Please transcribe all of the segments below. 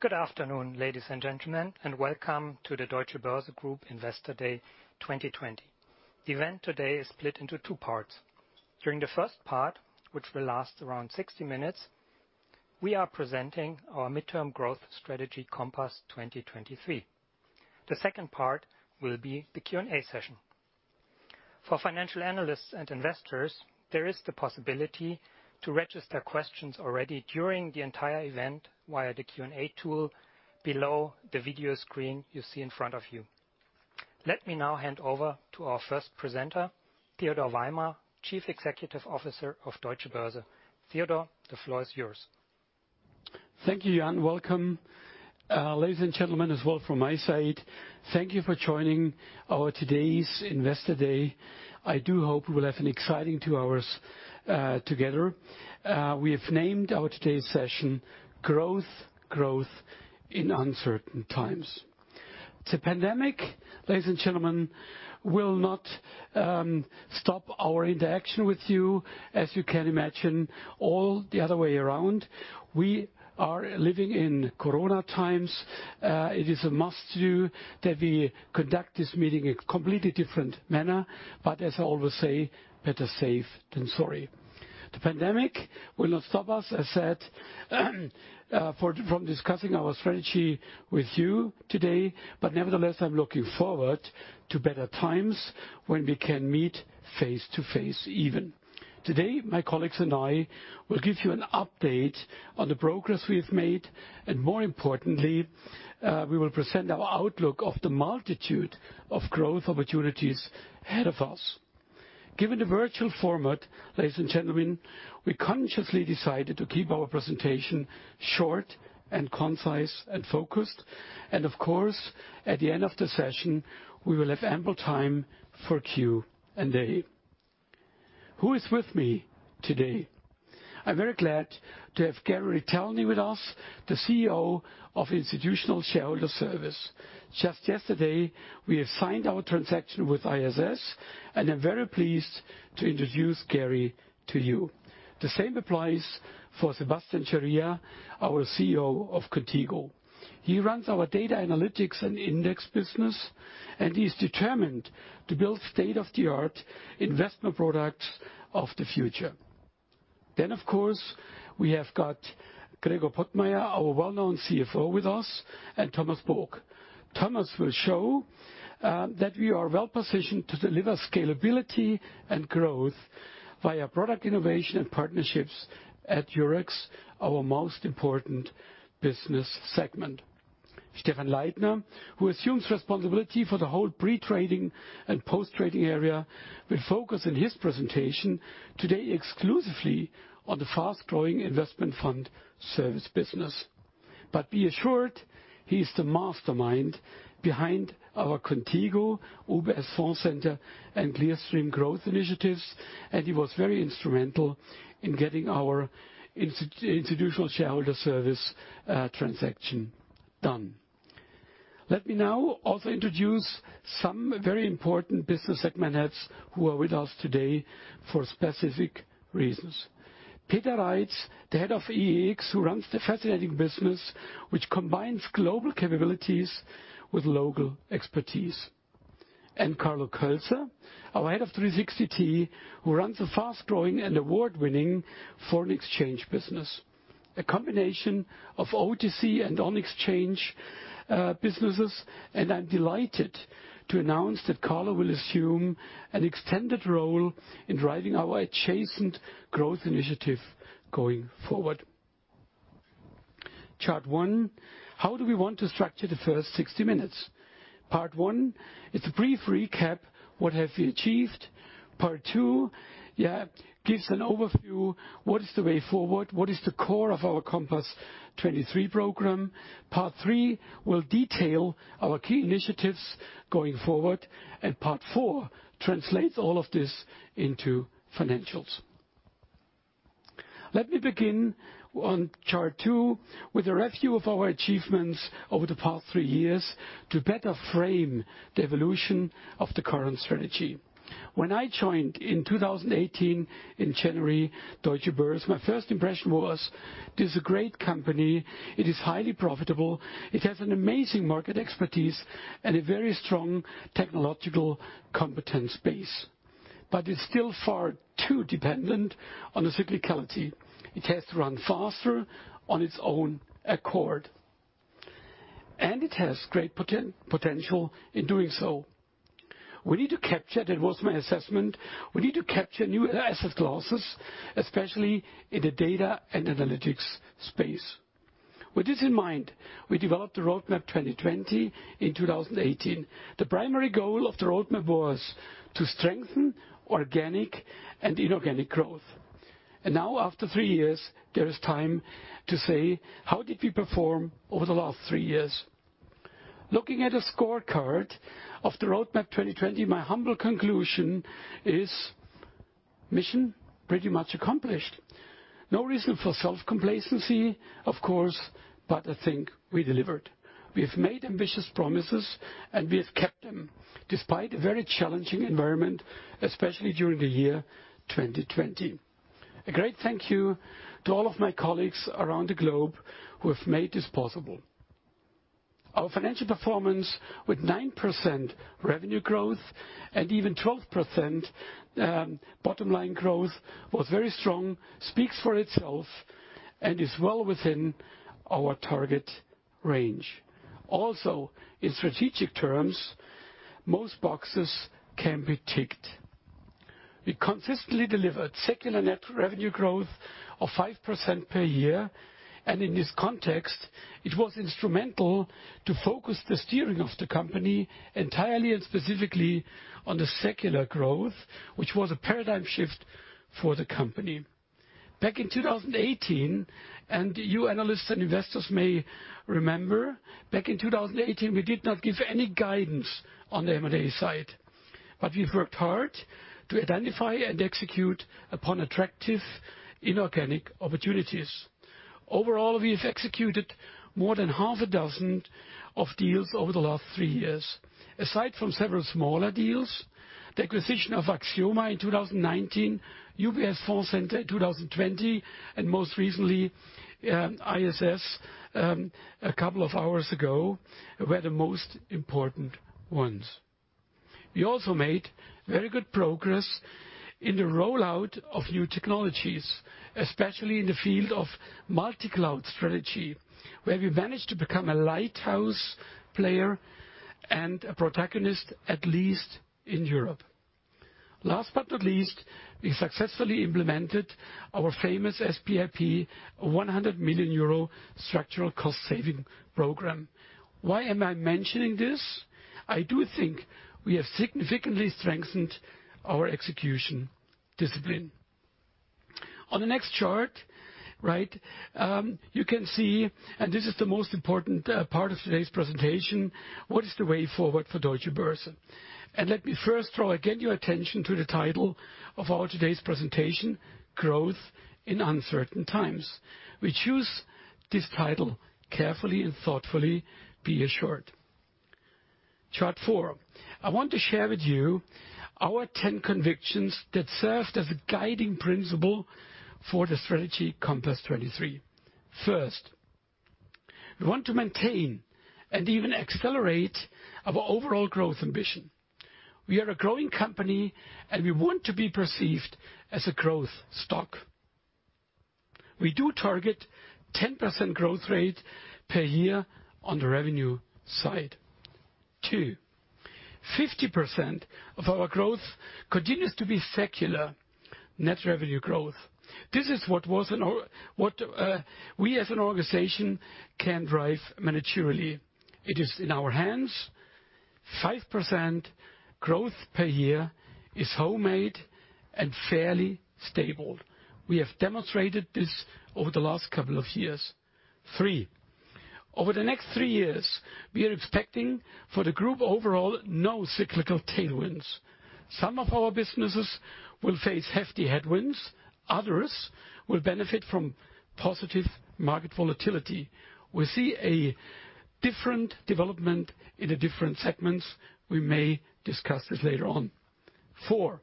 Good afternoon, ladies and gentlemen, and welcome to the Deutsche Börse Group Investor Day 2020. The event today is split into two parts. During the first part, which will last around 60 minutes, we are presenting our midterm growth strategy Compass 2023. The second part will be the Q&A session. For financial analysts and investors, there is the possibility to register questions already during the entire event via the Q&A tool below the video screen you see in front of you. Let me now hand over to our first presenter, Theodor Weimer, Chief Executive Officer of Deutsche Börse. Theodor, the floor is yours. Thank you, Jan. Welcome, ladies and gentlemen, as well from my side. Thank you for joining our today's Investor Day. I do hope we will have an exciting two hours together. We have named our today's session Growth: Growth in Uncertain Times. The pandemic, ladies and gentlemen, will not stop our interaction with you, as you can imagine, all the other way around. We are living in Corona times. It is a must do that we conduct this meeting in a completely different manner. As I always say, better safe than sorry. The pandemic will not stop us, as I said, from discussing our strategy with you today. Nevertheless, I am looking forward to better times when we can meet face-to-face even. Today, my colleagues and I will give you an update on the progress we've made, and more importantly, we will present our outlook of the multitude of growth opportunities ahead of us. Given the virtual format, ladies and gentlemen, we consciously decided to keep our presentation short and concise and focused. Of course, at the end of the session, we will have ample time for Q&A. Who is with me today? I'm very glad to have Gary Retelny with us, the CEO of Institutional Shareholder Services. Just yesterday, we have signed our transaction with ISS. I'm very pleased to introduce Gary to you. The same applies for Sebastian Ceria, our CEO of Qontigo. He runs our data analytics and index business. He's determined to build state-of-the-art investment products of the future. Of course, we have got Gregor Pottmeyer, our well-known CFO with us, and Thomas Book. Thomas will show that we are well-positioned to deliver scalability and growth via product innovation and partnerships at Eurex, our most important business segment. Stephan Leithner, who assumes responsibility for the whole pre-trading and post-trading area, will focus in his presentation today exclusively on the fast-growing investment fund service business. Be assured, he's the mastermind behind our Qontigo, UBS Fondcenter, and Clearstream growth initiatives, and he was very instrumental in getting our Institutional Shareholder Services transaction done. Let me now also introduce some very important business segment heads who are with us today for specific reasons. Peter Reitz, the head of EEX, who runs the fascinating business, which combines global capabilities with local expertise. Carlo Kölzer, our head of 360T, who runs a fast-growing and award-winning foreign exchange business. A combination of OTC and on-exchange businesses, and I'm delighted to announce that Carlo will assume an extended role in driving our adjacent growth initiative going forward. Chart one, how do we want to structure the first 60 minutes? Part one is a brief recap, what have we achieved? Part two gives an overview, what is the way forward? What is the core of our Compass 2023 program? Part three will detail our key initiatives going forward, and part four translates all of this into financials. Let me begin on chart two with a review of our achievements over the past three years to better frame the evolution of the current strategy. When I joined in 2018 in January, Deutsche Börse, my first impression was this is a great company. It is highly profitable. It has an amazing market expertise and a very strong technological competence base. It's still far too dependent on the cyclicality. It has to run faster on its own accord. It has great potential in doing so. That was my assessment. We need to capture new asset classes, especially in the data and analytics space. With this in mind, we developed the Roadmap 2020 in 2018. The primary goal of the Roadmap was to strengthen organic and inorganic growth. Now after three years, there is time to say, how did we perform over the last three years? Looking at a scorecard of the Roadmap 2020, my humble conclusion is mission pretty much accomplished. No reason for self-complacency, of course, but I think we delivered. We have made ambitious promises, and we have kept them despite a very challenging environment, especially during the year 2020. A great thank you to all of my colleagues around the globe who have made this possible. Our financial performance, with 9% revenue growth and even 12% bottom line growth, was very strong, speaks for itself, and is well within our target range. In strategic terms, most boxes can be ticked. We consistently delivered secular net revenue growth of 5% per year, and in this context, it was instrumental to focus the steering of the company entirely and specifically on the secular growth, which was a paradigm shift for the company. You analysts and investors may remember, back in 2018, we did not give any guidance on the M&A side. We've worked hard to identify and execute upon attractive inorganic opportunities. Overall, we have executed more than half a dozen of deals over the last three years. Aside from several smaller deals, the acquisition of Axioma in 2019, UBS Fondcenter in 2020, and most recently, ISS, a couple of hours ago, were the most important ones. We also made very good progress in the rollout of new technologies, especially in the field of multi-cloud strategy, where we managed to become a lighthouse player and a protagonist, at least in Europe. Last but not least, we successfully implemented our famous SPIP 100 million euro structural cost-saving program. Why am I mentioning this? I do think we have significantly strengthened our execution discipline. On the next chart, you can see, and this is the most important part of today's presentation, what is the way forward for Deutsche Börse? Let me first draw again your attention to the title of our today's presentation, Growth in Uncertain Times. We choose this title carefully and thoughtfully, be assured. Chart four. I want to share with you our 10 convictions that served as a guiding principle for the strategy Compass 2023. First, we want to maintain and even accelerate our overall growth ambition. We are a growing company, and we want to be perceived as a growth stock. We do target 10% growth rate per year on the revenue side. Two, 50% of our growth continues to be secular net revenue growth. This is what we as an organization can drive maturely. It is in our hands. 5% growth per year is homemade and fairly stable. We have demonstrated this over the last couple of years. Three, over the next three years, we are expecting for the group overall, no cyclical tailwinds. Some of our businesses will face hefty headwinds, others will benefit from positive market volatility. We see a different development in the different segments. We may discuss this later on. Four,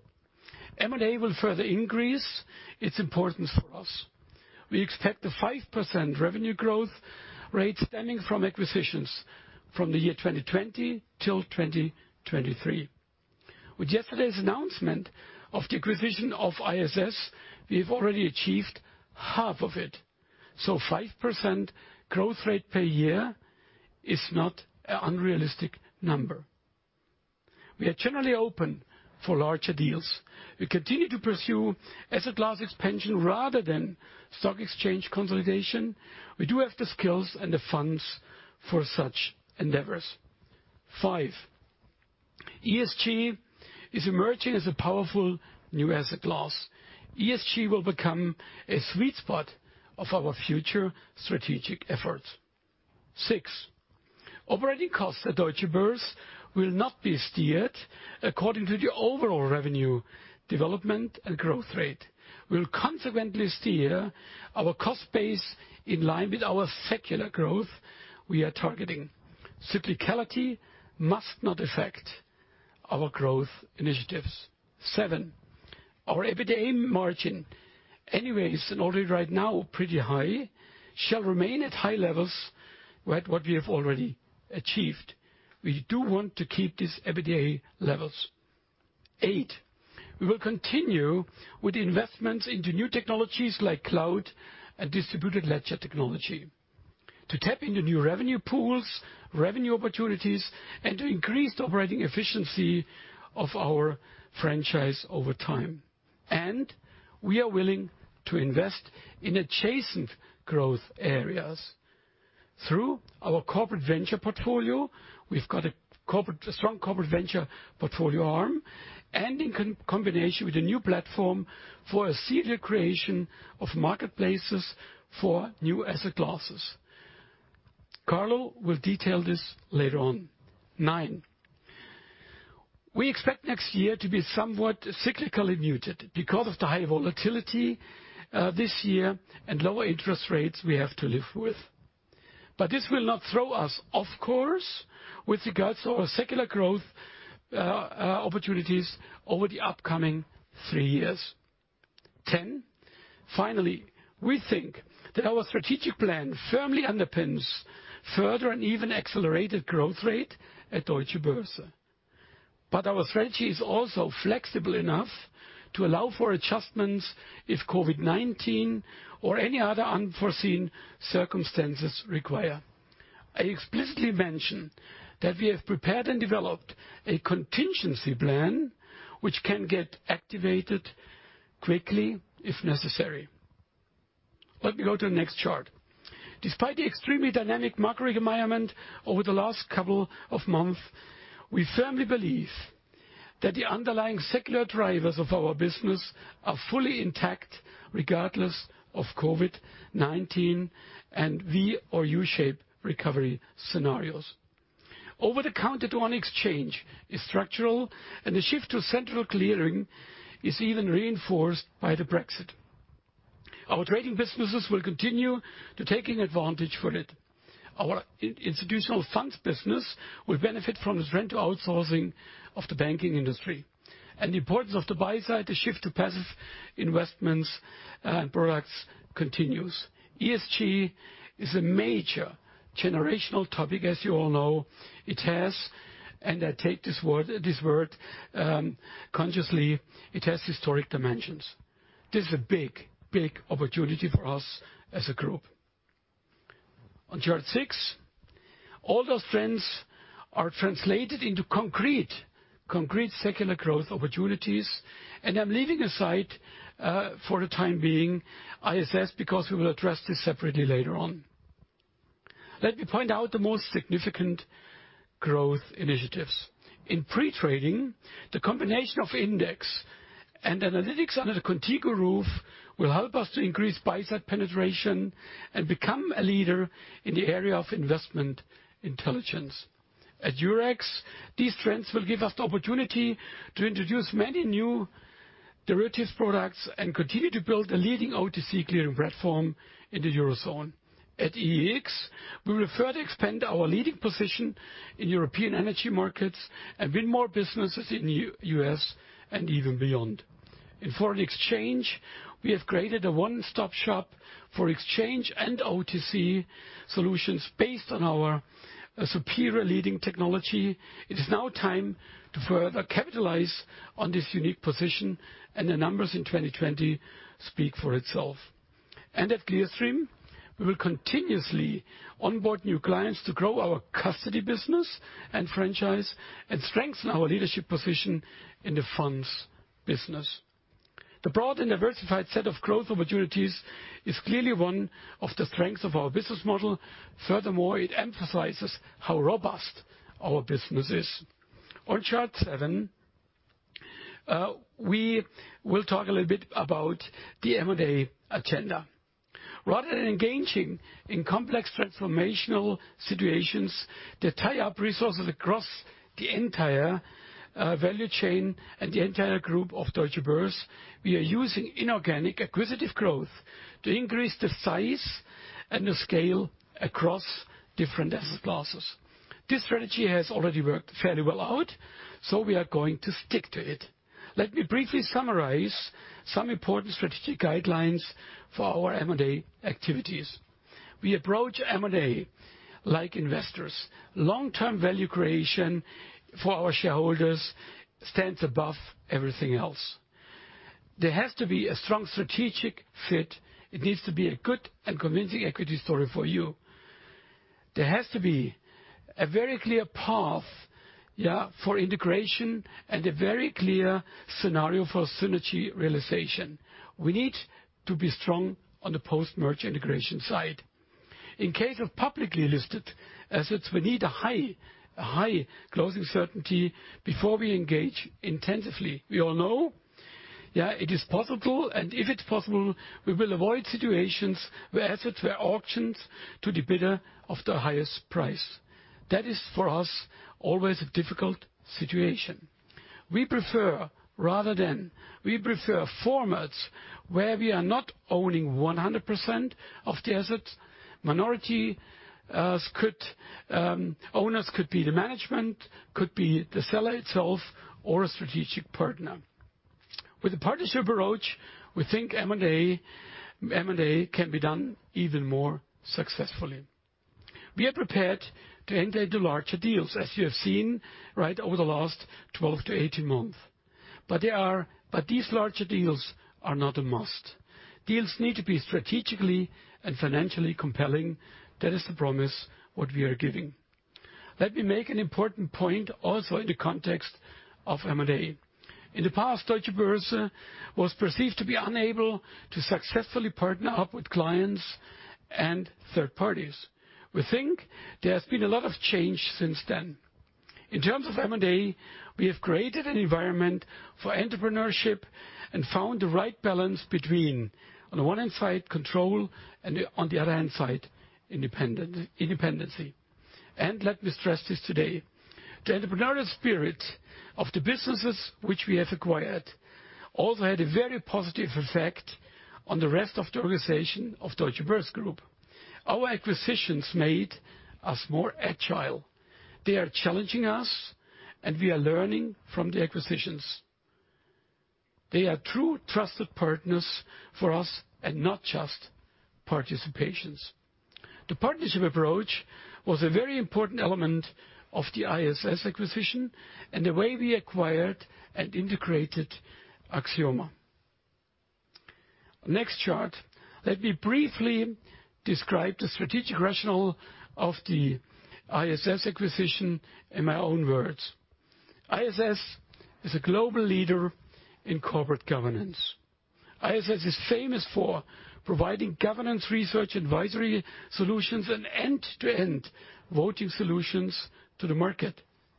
M&A will further increase. It's important for us. We expect a 5% revenue growth rate stemming from acquisitions from the year 2020 till 2023. With yesterday's announcement of the acquisition of ISS, we've already achieved half of it. 5% growth rate per year is not an unrealistic number. We are generally open for larger deals. We continue to pursue asset class expansion rather than stock exchange consolidation. We do have the skills and the funds for such endeavors. Five, ESG is emerging as a powerful new asset class. ESG will become a sweet spot of our future strategic efforts. Six, operating costs at Deutsche Börse will not be steered according to the overall revenue development and growth rate. We'll consequently steer our cost base in line with our secular growth we are targeting. Cyclicality must not affect our growth initiatives. Seven, our EBITDA margin, anyways, and already right now pretty high, shall remain at high levels what we have already achieved. We do want to keep these EBITDA levels. Eight, we will continue with the investments into new technologies like cloud and distributed ledger technology to tap into new revenue pools, revenue opportunities, and to increase the operating efficiency of our franchise over time. We are willing to invest in adjacent growth areas through our corporate venture portfolio. We've got a strong corporate venture portfolio arm, and in combination with a new platform for a serial creation of marketplaces for new asset classes. Carlo will detail this later on. Nine. We expect next year to be somewhat cyclically muted because of the high volatility this year and lower interest rates we have to live with. This will not throw us off course with regards to our secular growth opportunities over the upcoming three years. Ten, finally, we think that our strategic plan firmly underpins further and even accelerated growth rate at Deutsche Börse. Our strategy is also flexible enough to allow for adjustments if Covid-19 or any other unforeseen circumstances require. I explicitly mention that we have prepared and developed a contingency plan, which can get activated quickly if necessary. Let me go to the next chart. Despite the extremely dynamic market requirement over the last couple of months, we firmly believe that the underlying secular drivers of our business are fully intact, regardless of Covid-19 and V or U-shape recovery scenarios. Over-the-counter to an exchange is structural, and the shift to central clearing is even reinforced by the Brexit. Our trading businesses will continue to taking advantage for it. Our institutional funds business will benefit from this trend to outsourcing of the banking industry. The importance of the buy side to shift to passive investments and products continues. ESG is a major generational topic, as you all know. It has, and I take this word consciously, it has historic dimensions. This is a big opportunity for us as a group. On chart six, all those trends are translated into concrete secular growth opportunities, and I'm leaving aside, for the time being, ISS, because we will address this separately later on. Let me point out the most significant growth initiatives. In pre-trading, the combination of index and analytics under the Qontigo roof will help us to increase buy-side penetration and become a leader in the area of investment intelligence. At Eurex, these trends will give us the opportunity to introduce many new derivatives products and continue to build a leading OTC clearing platform in the Eurozone. At EEX, we will further expand our leading position in European energy markets and win more businesses in the U.S. and even beyond. For the exchange, we have created a one-stop shop for exchange and OTC solutions based on our superior leading technology. It is now time to further capitalize on this unique position, and the numbers in 2020 speak for itself. At Clearstream, we will continuously onboard new clients to grow our custody business and franchise and strengthen our leadership position in the funds business. The broad and diversified set of growth opportunities is clearly one of the strengths of our business model. Furthermore, it emphasizes how robust our business is. On chart seven, we will talk a little bit about the M&A agenda. Rather than engaging in complex transformational situations that tie up resources across the entire value chain and the entire group of Deutsche Börse, we are using inorganic acquisitive growth to increase the size and the scale across different asset classes. This strategy has already worked fairly well out. We are going to stick to it. Let me briefly summarize some important strategic guidelines for our M&A activities. We approach M&A like investors. Long-term value creation for our shareholders stands above everything else. There has to be a strong strategic fit. It needs to be a good and convincing equity story for you. There has to be a very clear path for integration and a very clear scenario for synergy realization. We need to be strong on the post-merger integration side. In case of publicly listed assets, we need a high closing certainty before we engage intensively. We all know it is possible, and if it's possible, we will avoid situations where assets were auctioned to the bidder of the highest price. That is, for us, always a difficult situation. We prefer formats where we are not owning 100% of the assets. Minority owners could be the management, could be the seller itself or a strategic partner. With a partnership approach, we think M&A can be done even more successfully. We are prepared to enter into larger deals, as you have seen over the last 12 to 18 months. These larger deals are not a must. Deals need to be strategically and financially compelling. That is the promise, what we are giving. Let me make an important point also in the context of M&A. In the past, Deutsche Börse was perceived to be unable to successfully partner up with clients and third parties. We think there has been a lot of change since then. In terms of M&A, we have created an environment for entrepreneurship and found the right balance between, on the one hand side, control and, on the other hand side, independency. Let me stress this today. The entrepreneurial spirit of the businesses which we have acquired also had a very positive effect on the rest of the organization of Deutsche Börse Group. Our acquisitions made us more agile. They are challenging us, and we are learning from the acquisitions. They are true trusted partners for us and not just participations. The partnership approach was a very important element of the ISS acquisition, and the way we acquired and integrated Axioma. Next chart, let me briefly describe the strategic rationale of the ISS acquisition in my own words. ISS is a global leader in corporate governance. ISS is famous for providing governance research, advisory solutions, and end-to-end voting solutions to the market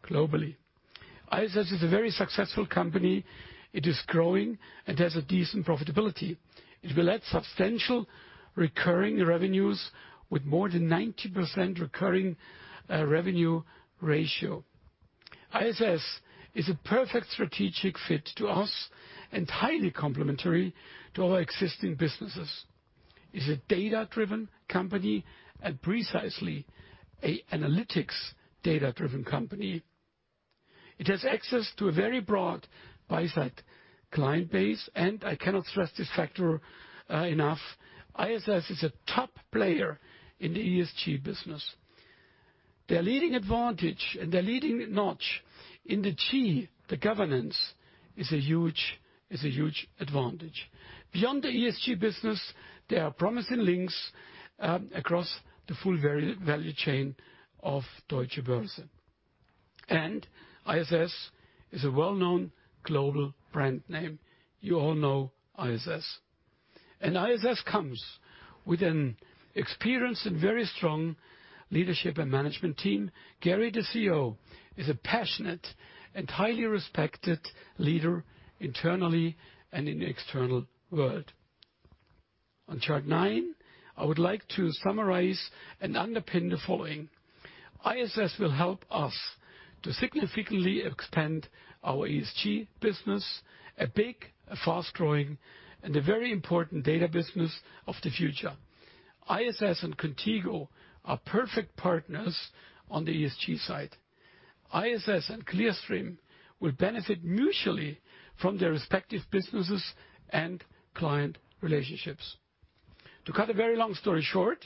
globally. ISS is a very successful company. It is growing and has a decent profitability. It will add substantial recurring revenues with more than 90% recurring revenue ratio. ISS is a perfect strategic fit to us and highly complementary to our existing businesses. It's a data-driven company and precisely an analytics data-driven company. It has access to a very broad buy-side client base, and I cannot stress this factor enough, ISS is a top player in the ESG business. Their leading advantage and their leading notch in the G, the governance, is a huge advantage. Beyond the ESG business, there are promising links across the full value chain of Deutsche Börse. ISS is a well-known global brand name. You all know ISS. ISS comes with an experienced and very strong leadership and management team. Gary, the CEO, is a passionate and highly respected leader internally and in the external world. On chart nine, I would like to summarize and underpin the following. ISS will help us to significantly expand our ESG business, a big, fast-growing, and a very important data business of the future. ISS and Qontigo are perfect partners on the ESG side. ISS and Clearstream will benefit mutually from their respective businesses and client relationships. To cut a very long story short,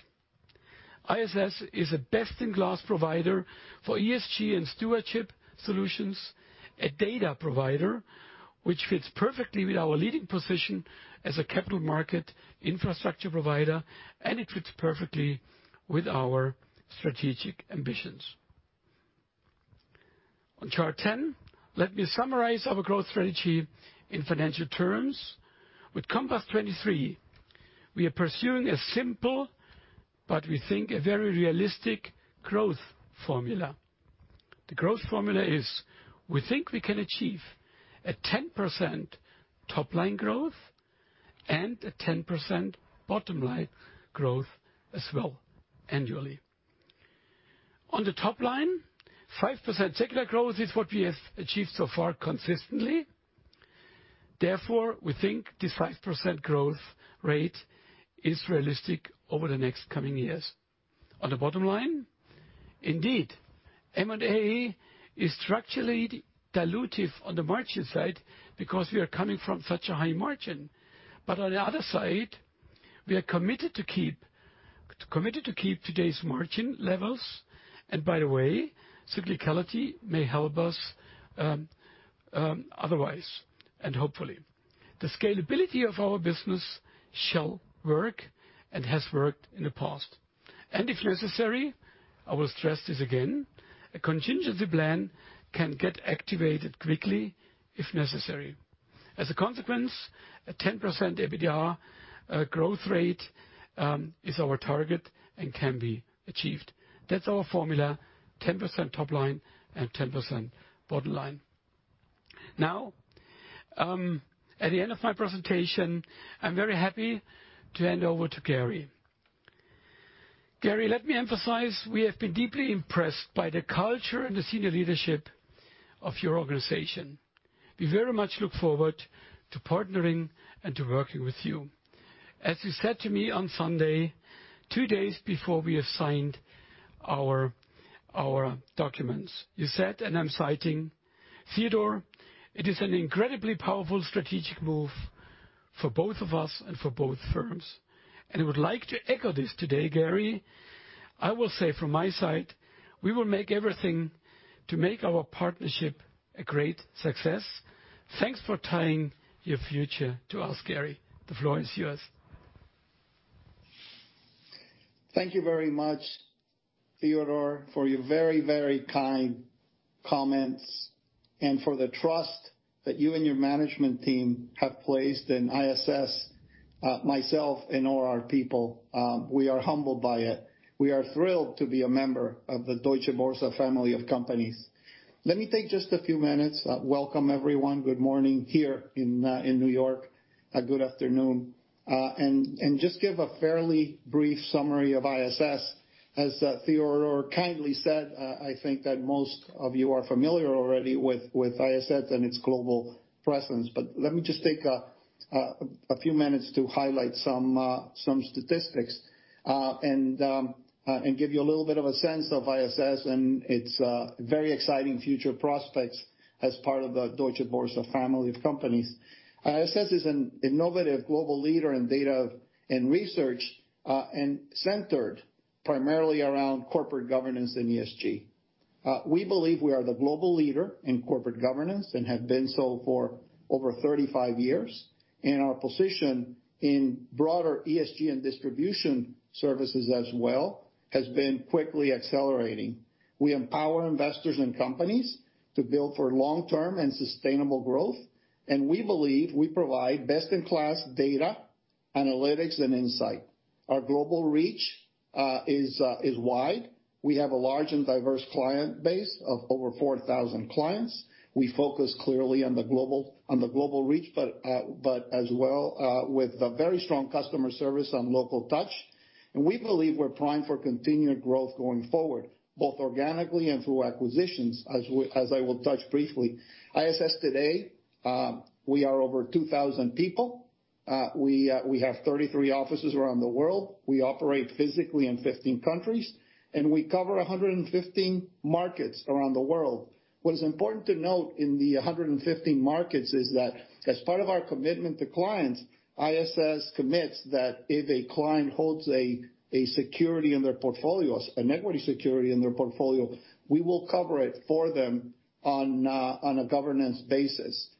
ISS is a best-in-class provider for ESG and stewardship solutions, a data provider, which fits perfectly with our leading position as a capital market infrastructure provider, and it fits perfectly with our strategic ambitions. On chart 10, let me summarize our growth strategy in financial terms. With Compass 2023, we are pursuing a simple, but we think a very realistic growth formula. The growth formula is: we think we can achieve a 10% top-line growth and a 10% bottom-line growth as well annually. On the top line, 5% secular growth is what we have achieved so far consistently. Therefore, we think this 5% growth rate is realistic over the next coming years. On the bottom line, indeed, M&A is structurally dilutive on the margin side because we are coming from such a high margin. On the other side, we are committed to keep today's margin levels. By the way, cyclicality may help us otherwise, and hopefully. The scalability of our business shall work and has worked in the past. If necessary, I will stress this again, a contingency plan can get activated quickly if necessary. As a consequence, a 10% EBITDA growth rate is our target and can be achieved. That's our formula, 10% top line and 10% bottom line. At the end of my presentation, I'm very happy to hand over to Gary. Gary, let me emphasize, we have been deeply impressed by the culture and the senior leadership of your organization. We very much look forward to partnering and to working with you. As you said to me on Sunday, two days before we have signed our documents. You said, and I'm citing, "Theodor, it is an incredibly powerful strategic move for both of us and for both firms." I would like to echo this today, Gary. I will say from my side, we will make everything to make our partnership a great success. Thanks for tying your future to ours, Gary. The floor is yours. Thank you very much, Theodor, for your very kind comments and for the trust that you and your management team have placed in ISS, myself, and all our people. We are humbled by it. We are thrilled to be a member of the Deutsche Börse family of companies. Let me take just a few minutes. Welcome, everyone. Good morning here in New York. Good afternoon. Just give a fairly brief summary of ISS as Theodor kindly said, I think that most of you are familiar already with ISS and its global presence. Let me just take a few minutes to highlight some statistics, and give you a little bit of a sense of ISS and its very exciting future prospects as part of the Deutsche Börse family of companies. ISS is an innovative global leader in data and research, and centered primarily around corporate governance and ESG. We believe we are the global leader in corporate governance, and have been so for over 35 years. Our position in broader ESG and distribution services as well, has been quickly accelerating. We empower investors and companies to build for long-term and sustainable growth, and we believe we provide best-in-class data, analytics, and insight. Our global reach is wide. We have a large and diverse client base of over 4,000 clients. We focus clearly on the global reach, but as well with a very strong customer service and local touch. We believe we're primed for continued growth going forward, both organically and through acquisitions, as I will touch briefly. ISS today, we are over 2,000 people. We have 33 offices around the world. We operate physically in 15 countries, and we cover 115 markets around the world. What is important to note in the 115 markets is that as part of our commitment to clients, ISS commits that if a client holds a security in their portfolios, an equity security in their portfolio, we will cover it for them on a governance basis.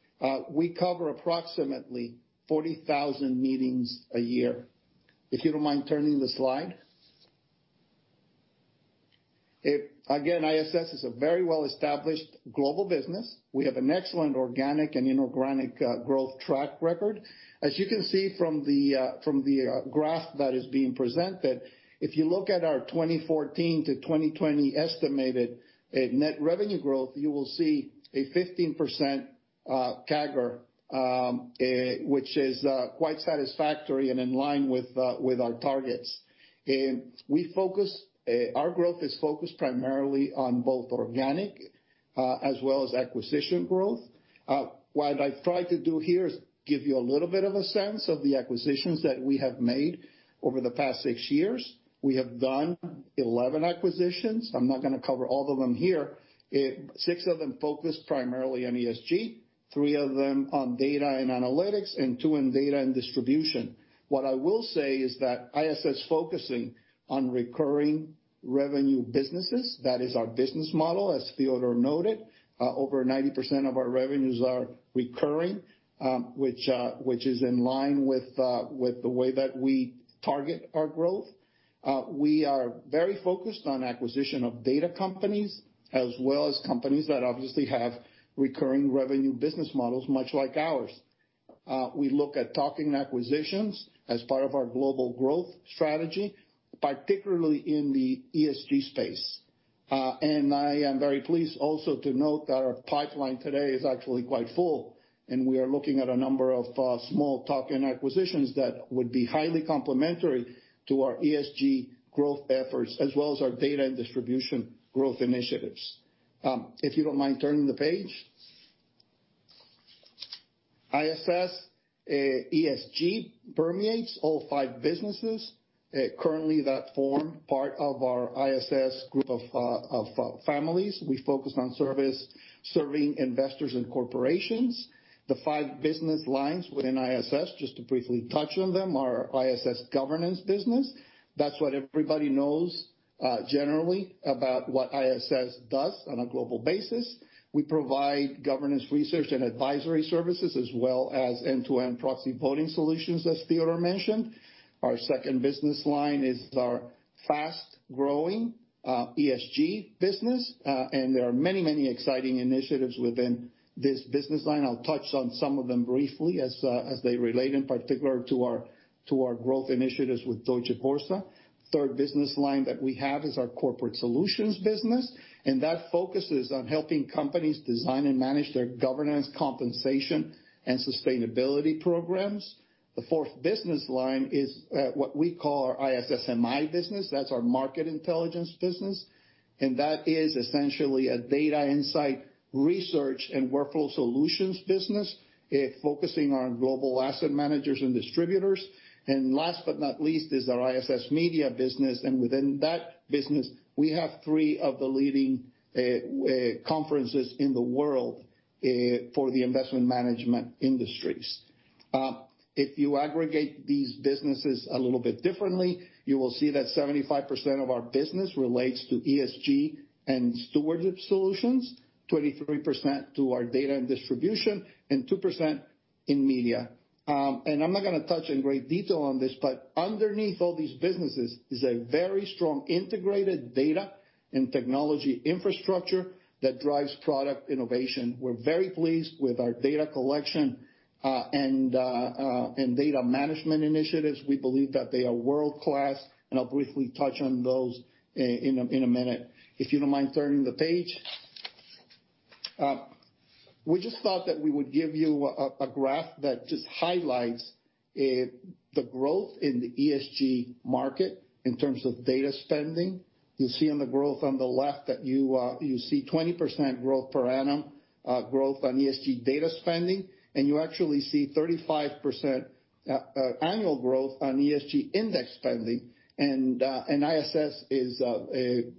We cover approximately 40,000 meetings a year. If you don't mind turning the slide. ISS is a very well-established global business. We have an excellent organic and inorganic growth track record. As you can see from the graph that is being presented, if you look at our 2014 to 2020 estimated net revenue growth, you will see a 15% CAGR, which is quite satisfactory and in line with our targets. Our growth is focused primarily on both organic as well as acquisition growth. I've tried to do here is give you a little bit of a sense of the acquisitions that we have made over the past six years. We have done 11 acquisitions. I'm not going to cover all of them here. Six of them focused primarily on ESG, three of them on data and analytics, and two in data and distribution. I will say is that ISS focusing on recurring revenue businesses, that is our business model, as Theodor noted. Over 90% of our revenues are recurring, which is in line with the way that we target our growth. We are very focused on acquisition of data companies, as well as companies that obviously have recurring revenue business models much like ours. We look at tuck-in acquisitions as part of our global growth strategy, particularly in the ESG space. I am very pleased also to note that our pipeline today is actually quite full, and we are looking at a number of small tuck-in acquisitions that would be highly complementary to our ESG growth efforts as well as our data and distribution growth initiatives. If you don't mind turning the page. ISS ESG permeates all five businesses currently that form part of our ISS group of families. We focus on service, serving investors and corporations. The five business lines within ISS, just to briefly touch on them, are ISS Governance business. That's what everybody knows generally about what ISS does on a global basis. We provide governance research and advisory services, as well as end-to-end proxy voting solutions, as Theodor mentioned. Our second business line is our fast-growing ESG business. There are many exciting initiatives within this business line. I'll touch on some of them briefly as they relate in particular to our growth initiatives with Deutsche Börse. Third business line that we have is our corporate solutions business. That focuses on helping companies design and manage their governance, compensation, and sustainability programs. The fourth business line is what we call our ISS MI business. That's our market intelligence business. That is essentially a data insight research and workflow solutions business, focusing on global asset managers and distributors. Last but not least, is our ISS media business. Within that business, we have three of the leading conferences in the world for the investment management industries. If you aggregate these businesses a little bit differently, you will see that 75% of our business relates to ESG and stewardship solutions, 23% to our data and distribution, and 2% in media. I'm not going to touch in great detail on this, but underneath all these businesses is a very strong integrated data and technology infrastructure that drives product innovation. We're very pleased with our data collection and data management initiatives. We believe that they are world-class, and I'll briefly touch on those in a minute. If you don't mind turning the page. We just thought that we would give you a graph that just highlights the growth in the ESG market in terms of data spending. You see on the growth on the left that you see 20% growth per annum growth on ESG data spending, and you actually see 35% annual growth on ESG index spending. ISS is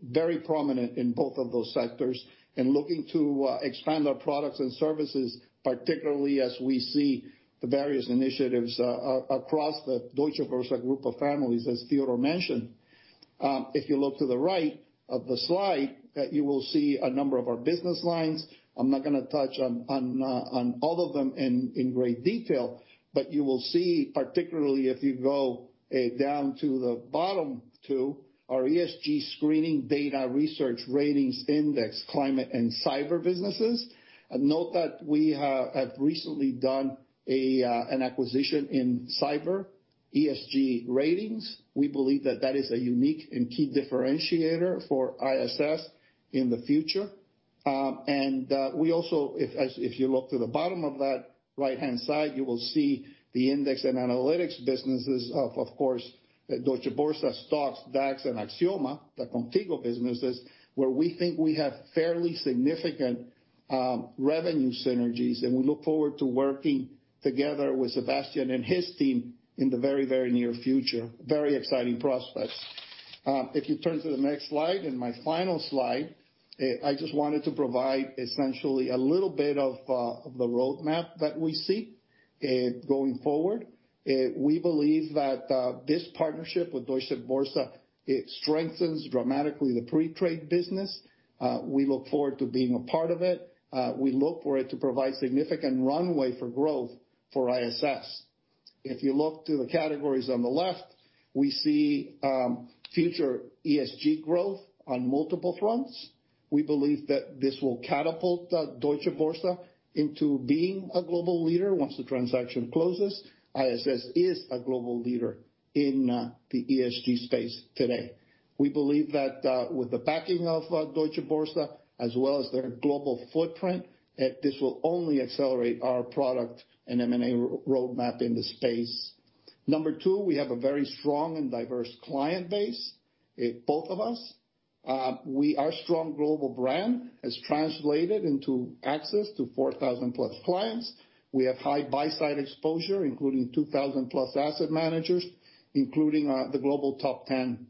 very prominent in both of those sectors and looking to expand our products and services, particularly as we see the various initiatives across the Deutsche Börse group of families, as Theodor mentioned. If you look to the right of the slide, you will see a number of our business lines. I'm not going to touch on all of them in great detail, but you will see, particularly if you go down to the bottom two, our ESG screening data research ratings index, climate and cyber businesses. Note that we have recently done an acquisition in cyber ESG ratings. We believe that that is a unique and key differentiator for ISS in the future. We also, if you look to the bottom of that right-hand side, you will see the index and analytics businesses of course, Deutsche Börse STOXX, DAX, and Axioma, the Qontigo businesses, where we think we have fairly significant revenue synergies, and we look forward to working together with Sebastian and his team in the very near future. Very exciting prospects. If you turn to the next slide and my final slide, I just wanted to provide essentially a little bit of the roadmap that we see going forward. We believe that this partnership with Deutsche Börse, it strengthens dramatically the pre-trade business. We look forward to being a part of it. We look for it to provide significant runway for growth for ISS. If you look to the categories on the left, we see future ESG growth on multiple fronts. We believe that this will catapult Deutsche Börse into being a global leader once the transaction closes. ISS is a global leader in the ESG space today. We believe that with the backing of Deutsche Börse, as well as their global footprint, this will only accelerate our product and M&A roadmap in the space. Number two, we have a very strong and diverse client base, both of us. Our strong global brand has translated into access to 4,000+ clients. We have high buy-side exposure, including 2,000+ asset managers, including the global top 10.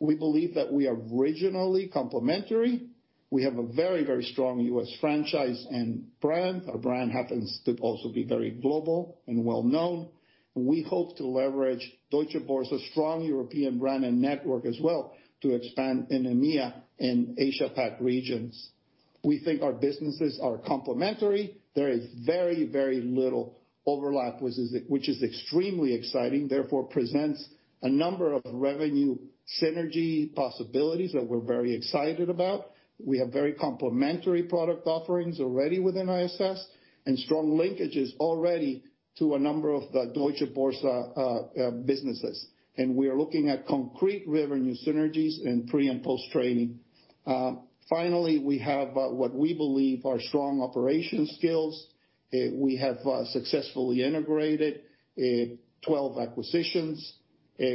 We believe that we are regionally complementary. We have a very strong U.S. franchise and brand. Our brand happens to also be very global and well-known. We hope to leverage Deutsche Börse's strong European brand and network as well to expand in EMEA and Asia Pac regions. We think our businesses are complementary. There is very little overlap, which is extremely exciting, therefore presents a number of revenue synergy possibilities that we're very excited about. We have very complementary product offerings already within ISS and strong linkages already to a number of the Deutsche Börse businesses. We are looking at concrete revenue synergies in pre- and post-trading. Finally, we have what we believe are strong operation skills. We have successfully integrated 12 acquisitions.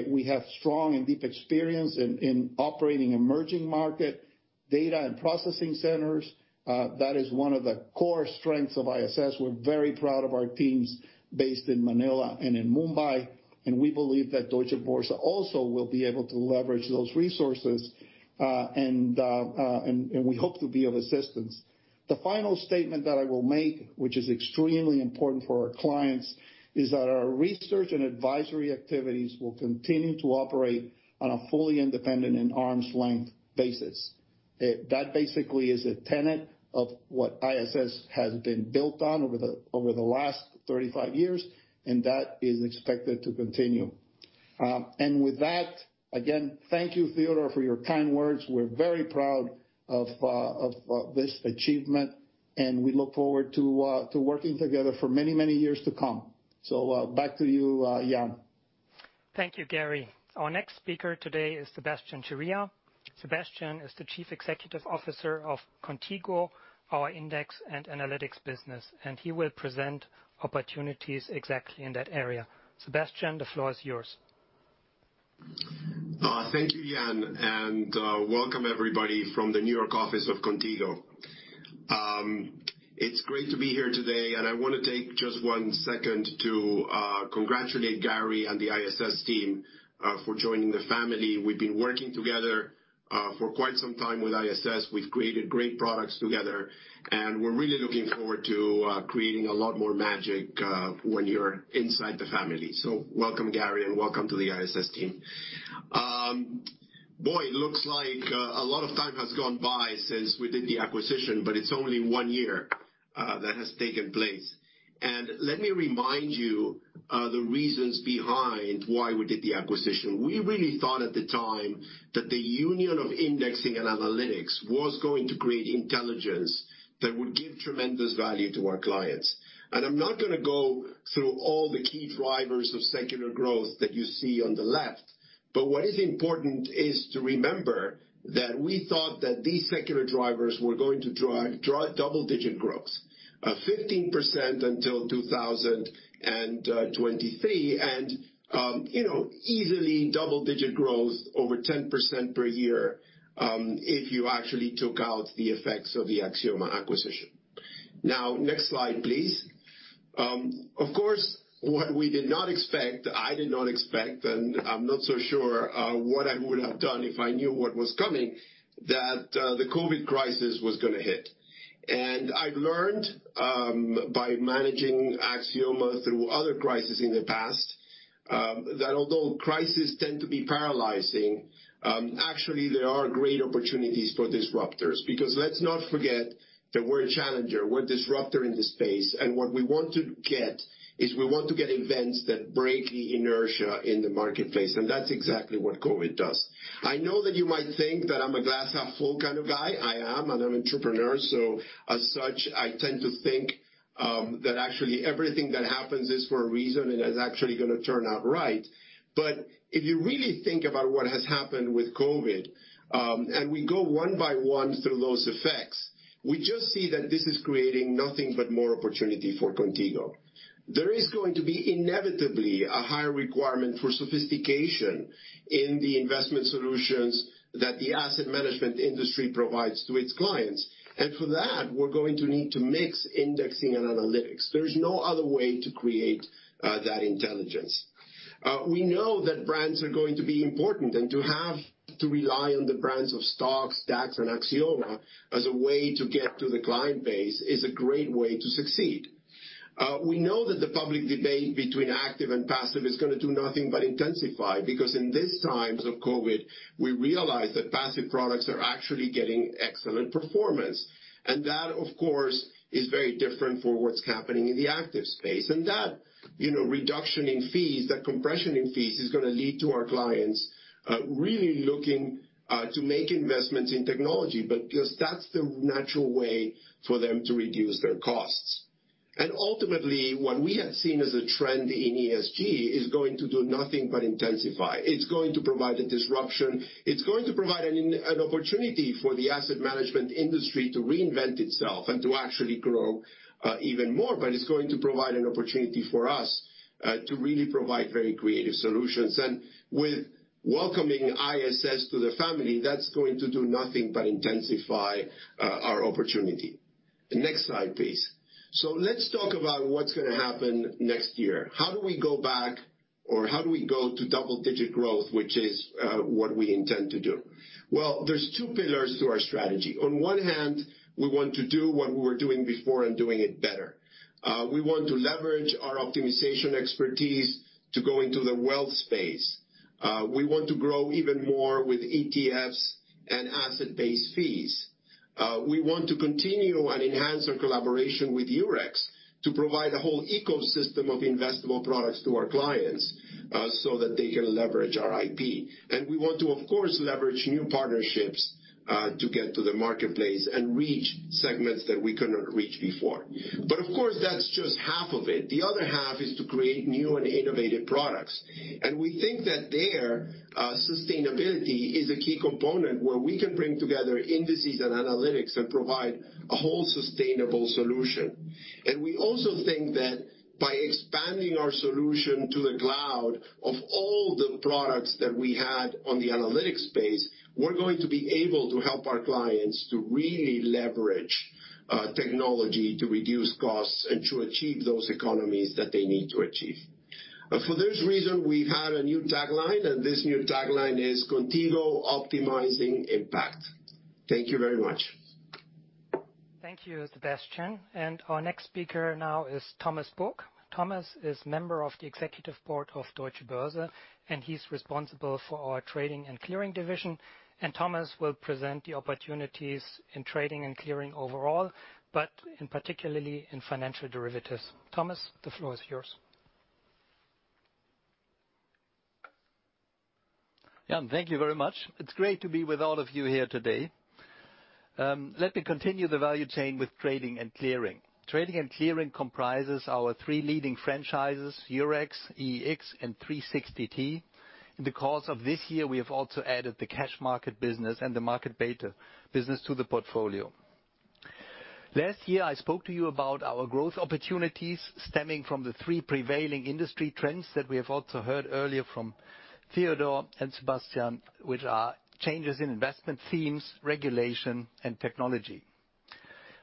We have strong and deep experience in operating emerging market data and processing centers. That is one of the core strengths of ISS. We're very proud of our teams based in Manila and in Mumbai, and we believe that Deutsche Börse also will be able to leverage those resources, and we hope to be of assistance. The final statement that I will make, which is extremely important for our clients, is that our research and advisory activities will continue to operate on a fully independent and arm's length basis. That basically is a tenet of what ISS has been built on over the last 35 years, and that is expected to continue. With that, again, thank you, Theodor, for your kind words. We're very proud of this achievement, and we look forward to working together for many years to come. Back to you, Jan. Thank you, Gary. Our next speaker today is Sebastian Ceria. Sebastian is the Chief Executive Officer of Qontigo, our index and analytics business, and he will present opportunities exactly in that area. Sebastian, the floor is yours. Thank you, Jan, and welcome everybody from the New York office of Qontigo. It's great to be here today, and I want to take just one second to congratulate Gary and the ISS team for joining the family. We've been working together for quite some time with ISS. We've created great products together, and we're really looking forward to creating a lot more magic when you're inside the family. Welcome, Gary, and welcome to the ISS team. Boy, it looks like a lot of time has gone by since we did the acquisition, but it's only one year that has taken place. Let me remind you the reasons behind why we did the acquisition. We really thought at the time that the union of indexing and analytics was going to create intelligence that would give tremendous value to our clients. I'm not going to go through all the key drivers of secular growth that you see on the left, but what is important is to remember that we thought that these secular drivers were going to drive double-digit growth of 15% until 2023, and easily double-digit growth over 10% per year, if you actually took out the effects of the Axioma acquisition. Next slide, please. What we did not expect, I did not expect, and I'm not so sure what I would have done if I knew what was coming, that the COVID crisis was going to hit. I've learned, by managing Axioma through other crises in the past, that although crises tend to be paralyzing, actually, there are great opportunities for disruptors. Let's not forget that we're a challenger, we're a disruptor in this space, and what we want to get is we want to get events that break the inertia in the marketplace, and that's exactly what COVID does. I know that you might think that I'm a glass-half-full kind of guy. I am, and I'm entrepreneur, so as such, I tend to think that actually everything that happens is for a reason and is actually going to turn out right. If you really think about what has happened with COVID, and we go one by one through those effects, we just see that this is creating nothing but more opportunity for Qontigo. There is going to be inevitably a higher requirement for sophistication in the investment solutions that the asset management industry provides to its clients. For that, we're going to need to mix indexing and analytics. There's no other way to create that intelligence. We know that brands are going to be important, and to have to rely on the brands of STOXX, DAX, and Axioma as a way to get to the client base is a great way to succeed. We know that the public debate between active and passive is going to do nothing but intensify, because in this times of COVID, we realize that passive products are actually getting excellent performance. That, of course, is very different for what's happening in the active space. That reduction in fees, that compression in fees, is going to lead to our clients really looking to make investments in technology, because that's the natural way for them to reduce their costs. Ultimately, what we had seen as a trend in ESG is going to do nothing but intensify. It's going to provide a disruption. It's going to provide an opportunity for the asset management industry to reinvent itself and to actually grow even more. It's going to provide an opportunity for us to really provide very creative solutions. With welcoming ISS to the family, that's going to do nothing but intensify our opportunity. Next slide, please. Let's talk about what's going to happen next year. How do we go back or how do we go to double-digit growth, which is what we intend to do? Well, there's two pillars to our strategy. On one hand, we want to do what we were doing before and doing it better. We want to leverage our optimization expertise to go into the wealth space. We want to grow even more with ETFs and asset-based fees. We want to continue and enhance our collaboration with Eurex to provide a whole ecosystem of investable products to our clients, so that they can leverage our IP. We want to, of course, leverage new partnerships to get to the marketplace and reach segments that we could not reach before. Of course, that's just half of it. The other half is to create new and innovative products. We think that there, sustainability is a key component where we can bring together indices and analytics and provide a whole sustainable solution. We also think that by expanding our solution to the cloud of all the products that we had on the analytics space, we're going to be able to help our clients to really leverage technology to reduce costs and to achieve those economies that they need to achieve. For this reason, we've had a new tagline, and this new tagline is, "Qontigo: Optimizing Impact." Thank you very much. Thank you, Sebastian. Our next speaker now is Thomas Book. Thomas is Member of the Executive Board of Deutsche Börse, and he's responsible for our trading and clearing division. Thomas will present the opportunities in trading and clearing overall, but in particular in financial derivatives. Thomas, the floor is yours. Jan, thank you very much. It's great to be with all of you here today. Let me continue the value chain with trading and clearing. Trading and clearing comprises our three leading franchises, Eurex, EEX, and 360T. In the course of this year, we have also added the cash market business and the market beta business to the portfolio. Last year, I spoke to you about our growth opportunities stemming from the three prevailing industry trends that we have also heard earlier from Theodor and Sebastian, which are changes in investment themes, regulation, and technology.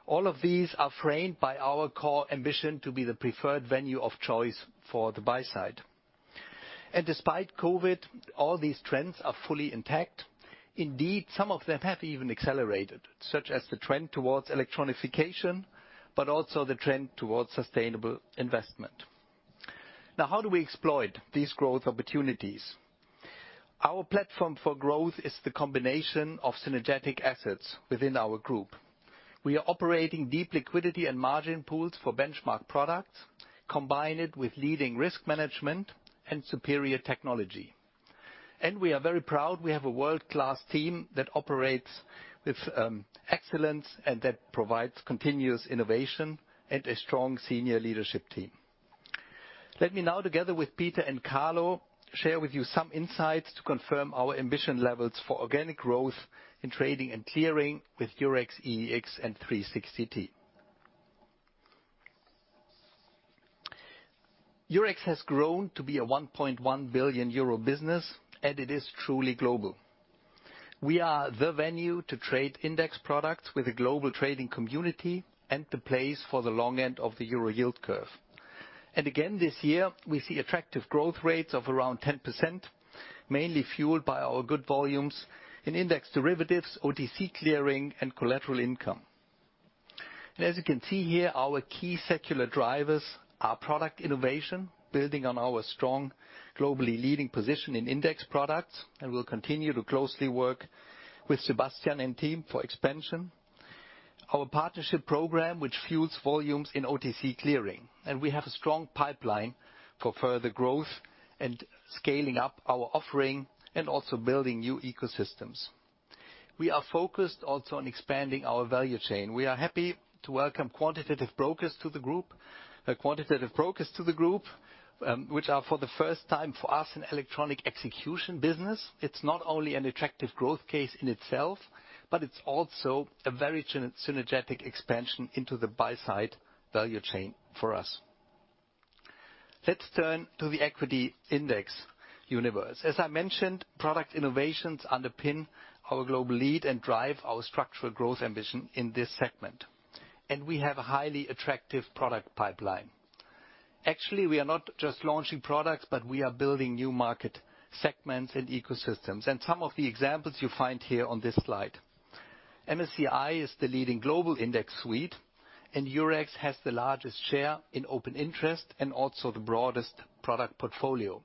All of these are framed by our core ambition to be the preferred venue of choice for the buy side. Despite COVID, all these trends are fully intact. Indeed, some of them have even accelerated, such as the trend towards electronification, but also the trend towards sustainable investment. Now how do we exploit these growth opportunities? Our platform for growth is the combination of synergetic assets within our group. We are operating deep liquidity and margin pools for benchmark products, combined with leading risk management and superior technology. We are very proud we have a world-class team that operates with excellence and that provides continuous innovation and a strong senior leadership team. Let me now, together with Peter and Carlo, share with you some insights to confirm our ambition levels for organic growth in trading and clearing with Eurex, EEX, and 360T. Eurex has grown to be a 1.1 billion euro business, it is truly global. We are the venue to trade index products with a global trading community and the place for the long end of the euro yield curve. Again, this year, we see attractive growth rates of around 10%, mainly fueled by our good volumes in index derivatives, OTC clearing, and collateral income. As you can see here, our key secular drivers are product innovation, building on our strong, globally leading position in index products, and we'll continue to closely work with Sebastian and team for expansion. Our partnership program, which fuels volumes in OTC clearing. We have a strong pipeline for further growth and scaling up our offering and also building new ecosystems. We are focused also on expanding our value chain. We are happy to welcome Quantitative Brokers to the group, which are, for the first time for us, an electronic execution business. It's not only an attractive growth case in itself, but it's also a very synergetic expansion into the buy-side value chain for us. Let's turn to the equity index universe. As I mentioned, product innovations underpin our global lead and drive our structural growth ambition in this segment. We have a highly attractive product pipeline. Actually, we are not just launching products, but we are building new market segments and ecosystems. Some of the examples you find here on this slide. MSCI is the leading global index suite, and Eurex has the largest share in open interest and also the broadest product portfolio.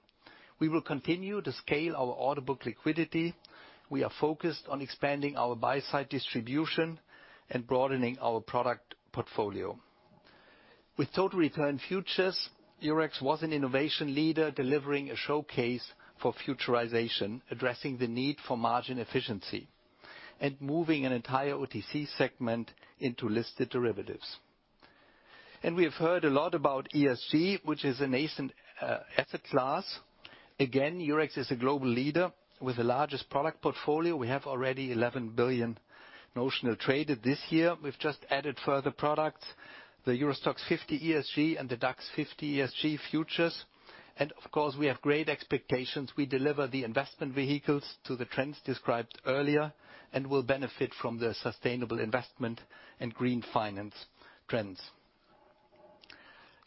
We will continue to scale our order book liquidity. We are focused on expanding our buy-side distribution and broadening our product portfolio. With total return futures, Eurex was an innovation leader delivering a showcase for futurization, addressing the need for margin efficiency and moving an entire OTC segment into listed derivatives. We have heard a lot about ESG, which is a nascent asset class. Again, Eurex is a global leader with the largest product portfolio. We have already 11 billion notional traded this year. We've just added further products, the EURO STOXX 50 ESG and the DAX 50 ESG futures. Of course, we have great expectations. We deliver the investment vehicles to the trends described earlier and will benefit from the sustainable investment and green finance trends.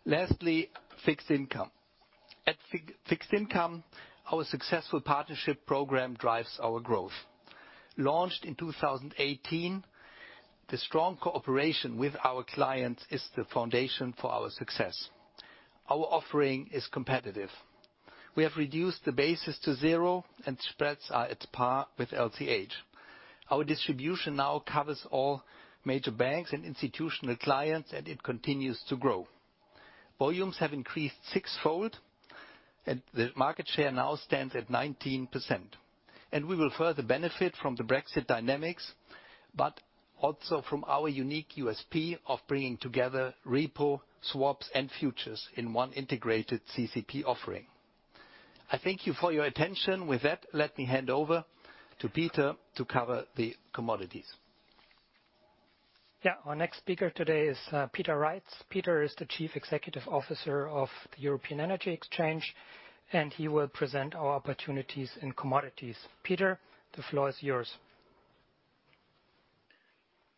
Lastly, fixed income. At fixed income, our successful partnership program drives our growth. Launched in 2018, the strong cooperation with our clients is the foundation for our success. Our offering is competitive. We have reduced the basis to zero, and spreads are at par with LCH. Our distribution now covers all major banks and institutional clients, and it continues to grow. Volumes have increased sixfold, and the market share now stands at 19%. We will further benefit from the Brexit dynamics, but also from our unique USP of bringing together repo, swaps, and futures in one integrated CCP offering. I thank you for your attention. With that, let me hand over to Peter to cover the commodities. Yeah, our next speaker today is Peter Reitz. Peter is the Chief Executive Officer of the European Energy Exchange, and he will present our opportunities in commodities. Peter, the floor is yours.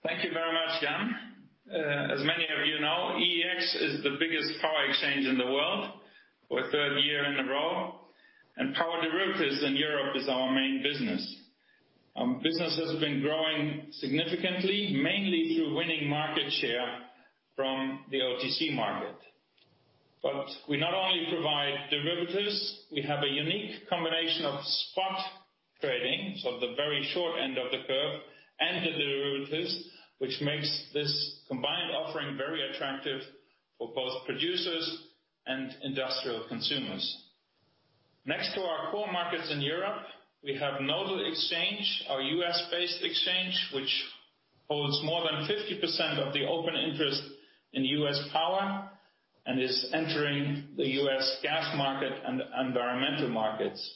Thank you very much, Jan. As many of you know, EEX is the biggest power exchange in the world for a third year in a row, and power derivatives in Europe is our main business. Business has been growing significantly, mainly through winning market share from the OTC market. We not only provide derivatives, we have a unique combination of spot trading, so the very short end of the curve, and the derivatives, which makes this combined offering very attractive for both producers and industrial consumers. Next to our core markets in Europe, we have Nodal Exchange, our U.S.-based exchange, which holds more than 50% of the open interest in U.S. power and is entering the U.S. gas market and environmental markets.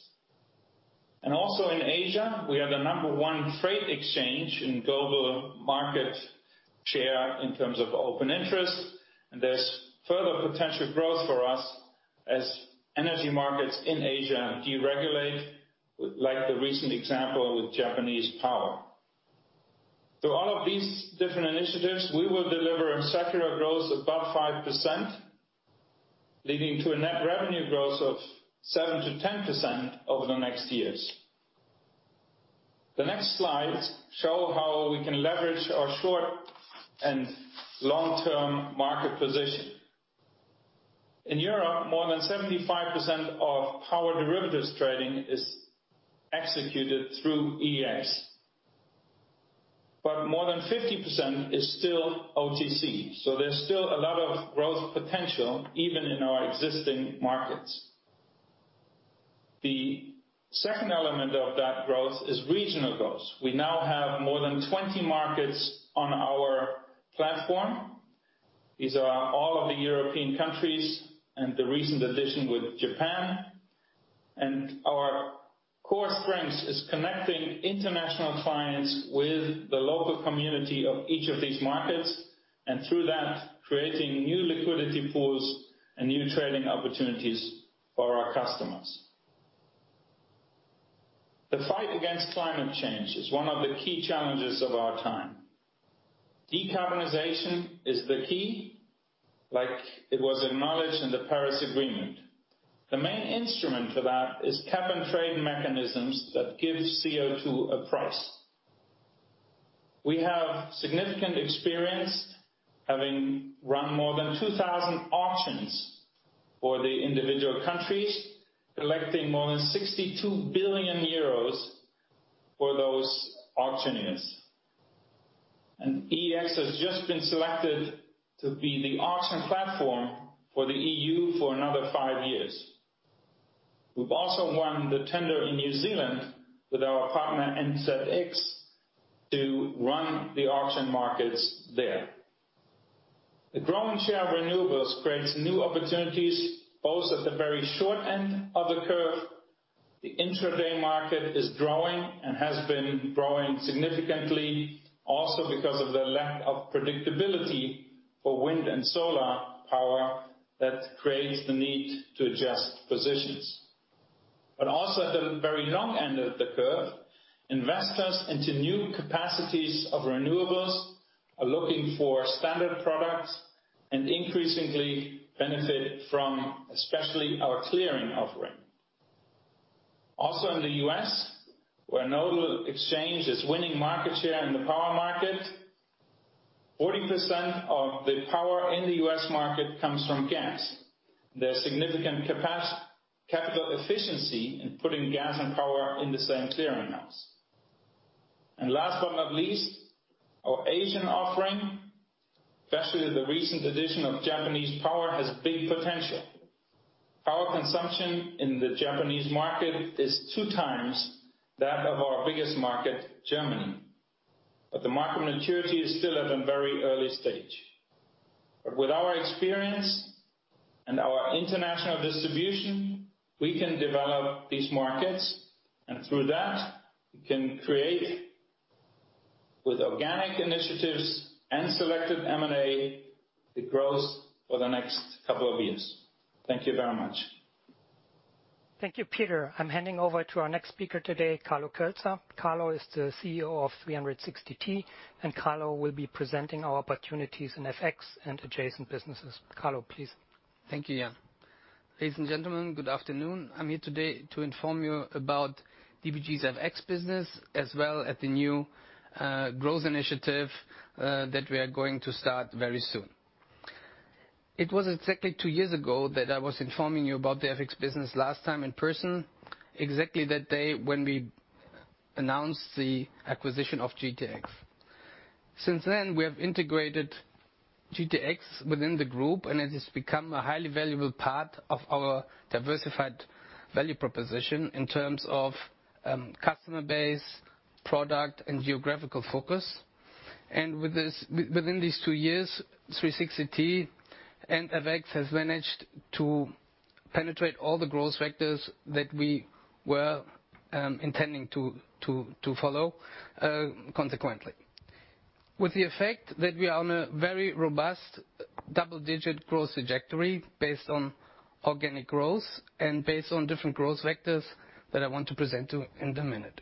Also in Asia, we are the number one trade exchange in global market share in terms of open interest, there's further potential growth for us as energy markets in Asia deregulate, like the recent example with Japanese power. Through all of these different initiatives, we will deliver secular growth above 5%, leading to a net revenue growth of 7%-10% over the next years. The next slides show how we can leverage our short- and long-term market position. In Europe, more than 75% of power derivatives trading is executed through EEX, but more than 50% is still OTC. There's still a lot of growth potential, even in our existing markets. The second element of that growth is regional growth. We now have more than 20 markets on our platform. These are all of the European countries and the recent addition with Japan. Our core strength is connecting international clients with the local community of each of these markets, and through that, creating new liquidity pools and new trading opportunities for our customers. The fight against climate change is one of the key challenges of our time. Decarbonization is the key, like it was acknowledged in the Paris Agreement. The main instrument for that is cap and trade mechanisms that gives CO2 a price. We have significant experience, having run more than 2,000 auctions for the individual countries, collecting more than 62 billion euros for those auctioneers. EEX has just been selected to be the auction platform for the EU for another five years. We've also won the tender in New Zealand with our partner, NZX, to run the auction markets there. The growing share of renewables creates new opportunities both at the very short end of the curve. The intraday market is growing and has been growing significantly, also because of the lack of predictability for wind and solar power that creates the need to adjust positions. Also at the very long end of the curve, investors into new capacities of renewables are looking for standard products and increasingly benefit from, especially, our clearing offering. Also in the U.S., where Nodal Exchange is winning market share in the power market, 40% of the power in the U.S. market comes from gas. There's significant capital efficiency in putting gas and power in the same clearing house. Last but not least, our Asian offering, especially the recent addition of Japanese power, has big potential. Power consumption in the Japanese market is two times that of our biggest market, Germany. The market maturity is still at a very early stage. With our experience and our international distribution, we can develop these markets, and through that, we can create, with organic initiatives and selected M&A, the growth for the next couple of years. Thank you very much. Thank you, Peter. I'm handing over to our next speaker today, Carlo Kölzer. Carlo is the CEO of 360T, and Carlo will be presenting our opportunities in FX and adjacent businesses. Carlo, please. Thank you, Jan. Ladies and gentlemen, good afternoon. I'm here today to inform you about DBG's FX business, as well as the new growth initiative that we are going to start very soon. It was exactly two years ago that I was informing you about the FX business last time in person, exactly that day when we announced the acquisition of GTX. Since then, we have integrated GTX within the group, and it has become a highly valuable part of our diversified value proposition in terms of customer base, product, and geographical focus. Within these two years, 360T and FX has managed to penetrate all the growth vectors that we were intending to follow consequently. With the effect that we are on a very robust double-digit growth trajectory based on organic growth and based on different growth vectors that I want to present to you in a minute.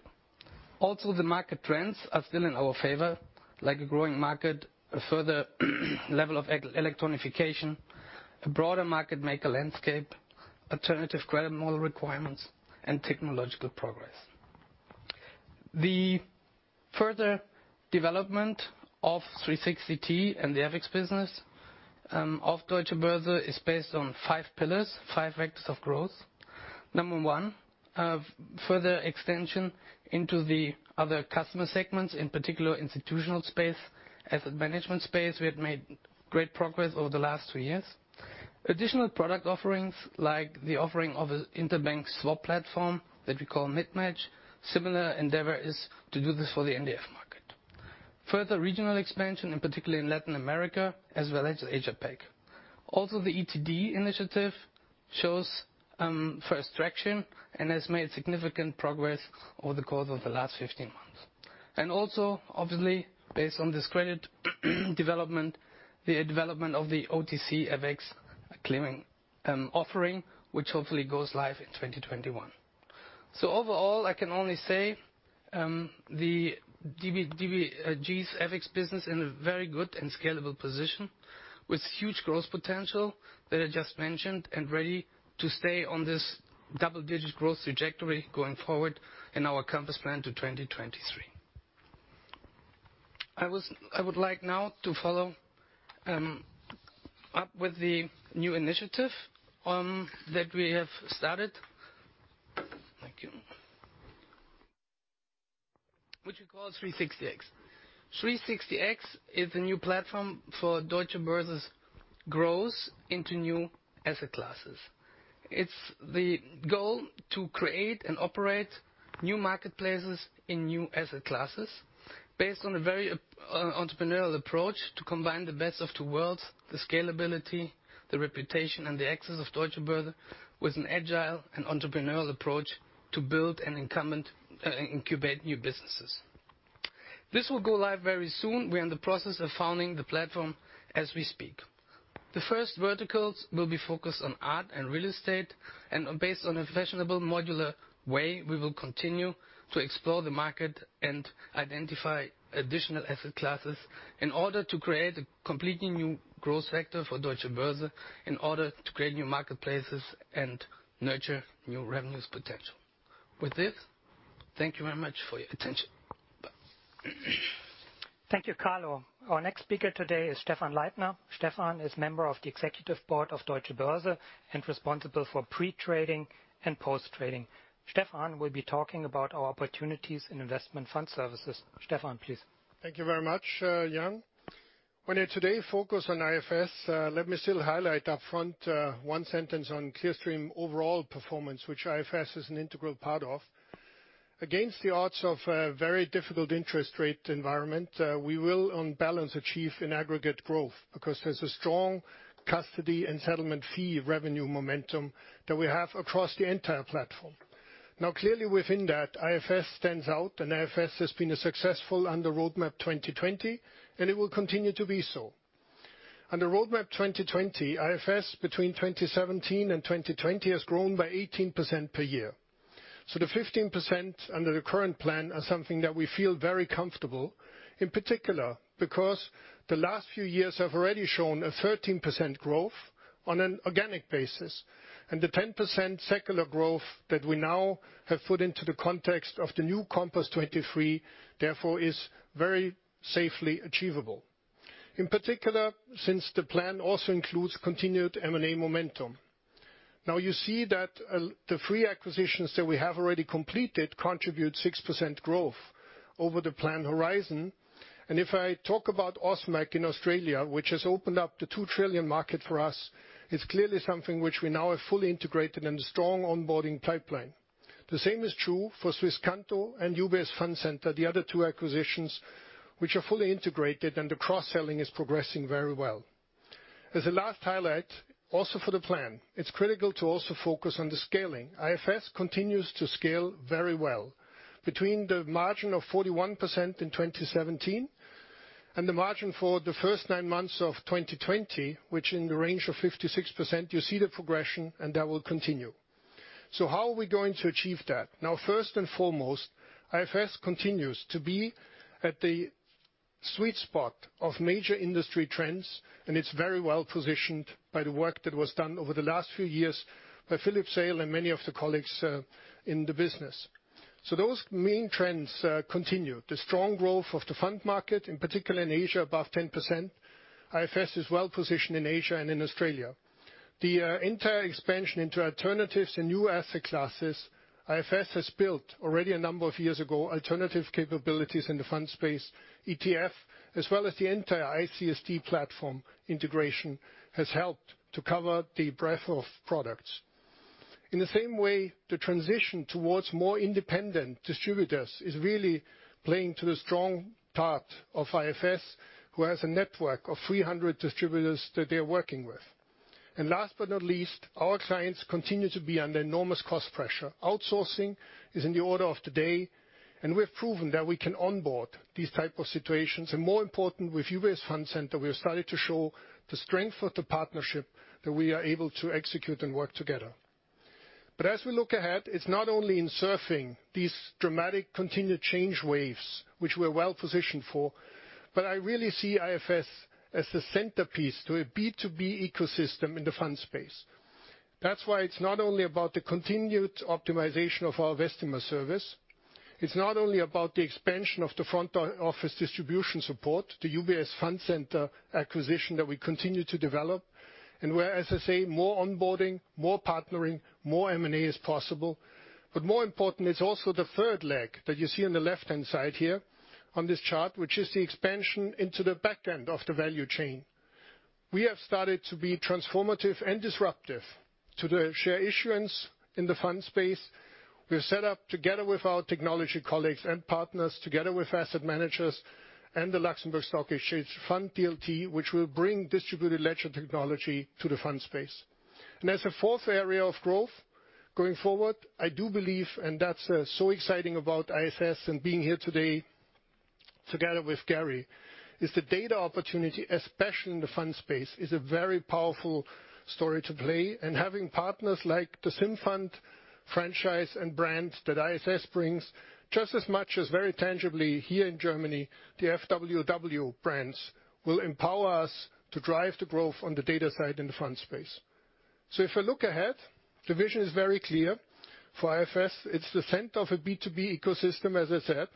Also, the market trends are still in our favor, like a growing market, a further level of electronification, a broader market maker landscape, alternative credit model requirements, and technological progress. The further development of 360T and the FX business of Deutsche Börse is based on five pillars, five vectors of growth. Number one, further extension into the other customer segments, in particular institutional space, asset management space. We have made great progress over the last two years. Additional product offerings, like the offering of an interbank swap platform that we call MidMatch. Similar endeavor is to do this for the NDF market. Further regional expansion, and particularly in Latin America as well as Asia-Pac. Also, the ETD initiative shows first traction and has made significant progress over the course of the last 15 months. Also, obviously, based on this credit development, the development of the OTC FX clearing offering, which hopefully goes live in 2021. Overall, I can only say, the DBG's FX business in a very good and scalable position with huge growth potential that I just mentioned and ready to stay on this double-digit growth trajectory going forward in our Compass 2023. I would like now to follow up with the new initiative that we have started, which we call 360X. Thank you. 360X is a new platform for Deutsche Börse's growth into new asset classes. It's the goal to create and operate new marketplaces in new asset classes based on a very entrepreneurial approach to combine the best of two worlds, the scalability, the reputation, and the access of Deutsche Börse with an agile and entrepreneurial approach to build and incubate new businesses. This will go live very soon. We are in the process of founding the platform as we speak. The first verticals will be focused on art and real estate, and based on a fashionable modular way, we will continue to explore the market and identify additional asset classes in order to create a completely new growth sector for Deutsche Börse, in order to create new marketplaces and nurture new revenues potential. With this, thank you very much for your attention. Bye. Thank you, Carlo. Our next speaker today is Stephan Leithner. Stephan is Member of the Executive Board of Deutsche Börse and responsible for pre-trading and post-trading. Stephan will be talking about our opportunities in investment fund services. Stephan, please. Thank you very much, Jan. When I today focus on IFS, let me still highlight upfront one sentence on Clearstream overall performance, which IFS is an integral part of. Against the odds of a very difficult interest rate environment, we will, on balance, achieve an aggregate growth because there's a strong custody and settlement fee revenue momentum that we have across the entire platform. Now, clearly within that, IFS stands out, and IFS has been successful under Roadmap 2020, and it will continue to be so. Under Roadmap 2020, IFS between 2017 and 2020 has grown by 18% per year. The 15% under the current plan are something that we feel very comfortable, in particular because the last few years have already shown a 13% growth on an organic basis, and the 10% secular growth that we now have put into the context of the new Compass 2023, therefore, is very safely achievable. In particular, since the plan also includes continued M&A momentum. You see that the three acquisitions that we have already completed contribute 6% growth over the plan horizon. If I talk about Ausmaq in Australia, which has opened up the 2 trillion market for us, it's clearly something which we now have fully integrated and a strong onboarding pipeline. The same is true for Swisscanto and UBS Fondcenter, the other two acquisitions, which are fully integrated, and the cross-selling is progressing very well. As a last highlight, also for the plan, it's critical to also focus on the scaling. IFS continues to scale very well. Between the margin of 41% in 2017 and the margin for the first nine months of 2020, which in the range of 56%, you see the progression, and that will continue. How are we going to achieve that? First and foremost, IFS continues to be at the sweet spot of major industry trends, and it's very well-positioned by the work that was done over the last few years by Philippe Seyll and many of the colleagues in the business. Those main trends continue. The strong growth of the fund market, in particular in Asia above 10%. IFS is well-positioned in Asia and in Australia. The entire expansion into alternatives and new asset classes, IFS has built already a number of years ago alternative capabilities in the fund space, ETF, as well as the entire ICSD platform integration has helped to cover the breadth of products. In the same way, the transition towards more independent distributors is really playing to the strong part of IFS, who has a network of 300 distributors that they're working with. Last but not least, our clients continue to be under enormous cost pressure. Outsourcing is in the order of the day, and we have proven that we can onboard these type of situations. More important, with UBS Fondcenter, we have started to show the strength of the partnership that we are able to execute and work together. As we look ahead, it's not only in surfing these dramatic continued change waves, which we're well-positioned for, but I really see IFS as the centerpiece to a B2B ecosystem in the fund space. That's why it's not only about the continued optimization of our customer service, it's not only about the expansion of the front office distribution support, the UBS Fondcenter acquisition that we continue to develop, and where, as I say, more onboarding, more partnering, more M&A is possible. More important is also the third leg that you see on the left-hand side here on this chart, which is the expansion into the back end of the value chain. We have started to be transformative and disruptive to the share issuance in the fund space. We have set up together with our technology colleagues and partners, together with asset managers and the Luxembourg Stock Exchange FundsDLT, which will bring distributed ledger technology to the fund space. As a fourth area of growth going forward, I do believe, and that is so exciting about ISS and being here today together with Gary, is the data opportunity, especially in the fund space, is a very powerful story to play, and having partners like the Simfund franchise and brand that ISS brings, just as much as very tangibly here in Germany, the FWW brands, will empower us to drive the growth on the data side in the fund space. If I look ahead, the vision is very clear. For ISS, it is the center of a B2B ecosystem, as I said.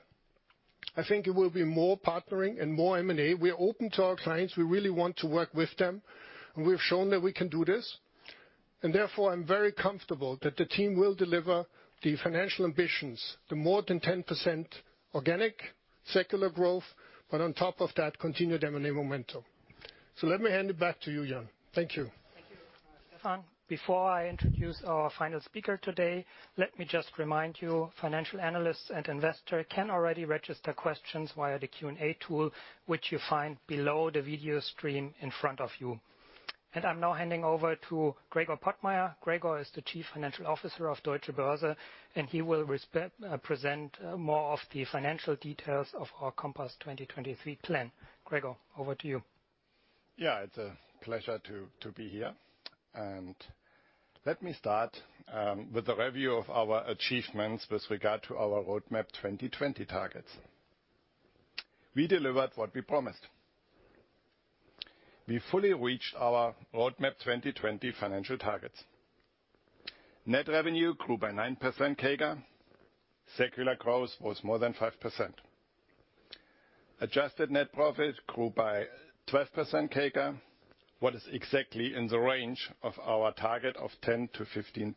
I think it will be more partnering and more M&A. We are open to our clients. We really want to work with them, and we've shown that we can do this. Therefore, I'm very comfortable that the team will deliver the financial ambitions, the more than 10% organic secular growth, but on top of that, continued M&A momentum. Let me hand it back to you, Jan. Thank you. Thank you. Before I introduce our final speaker today, let me just remind you, financial analysts and investors can already register questions via the Q&A tool, which you find below the video stream in front of you. I'm now handing over to Gregor Pottmeyer. Gregor is the Chief Financial Officer of Deutsche Börse, and he will present more of the financial details of our Compass 2023 plan. Gregor, over to you. Yeah, it's a pleasure to be here. Let me start with a review of our achievements with regard to our Roadmap 2020 targets. We delivered what we promised. We fully reached our Roadmap 2020 financial targets. Net revenue grew by 9% CAGR, secular growth was more than 5%. Adjusted net profit grew by 12% CAGR, what is exactly in the range of our target of 10%-15%.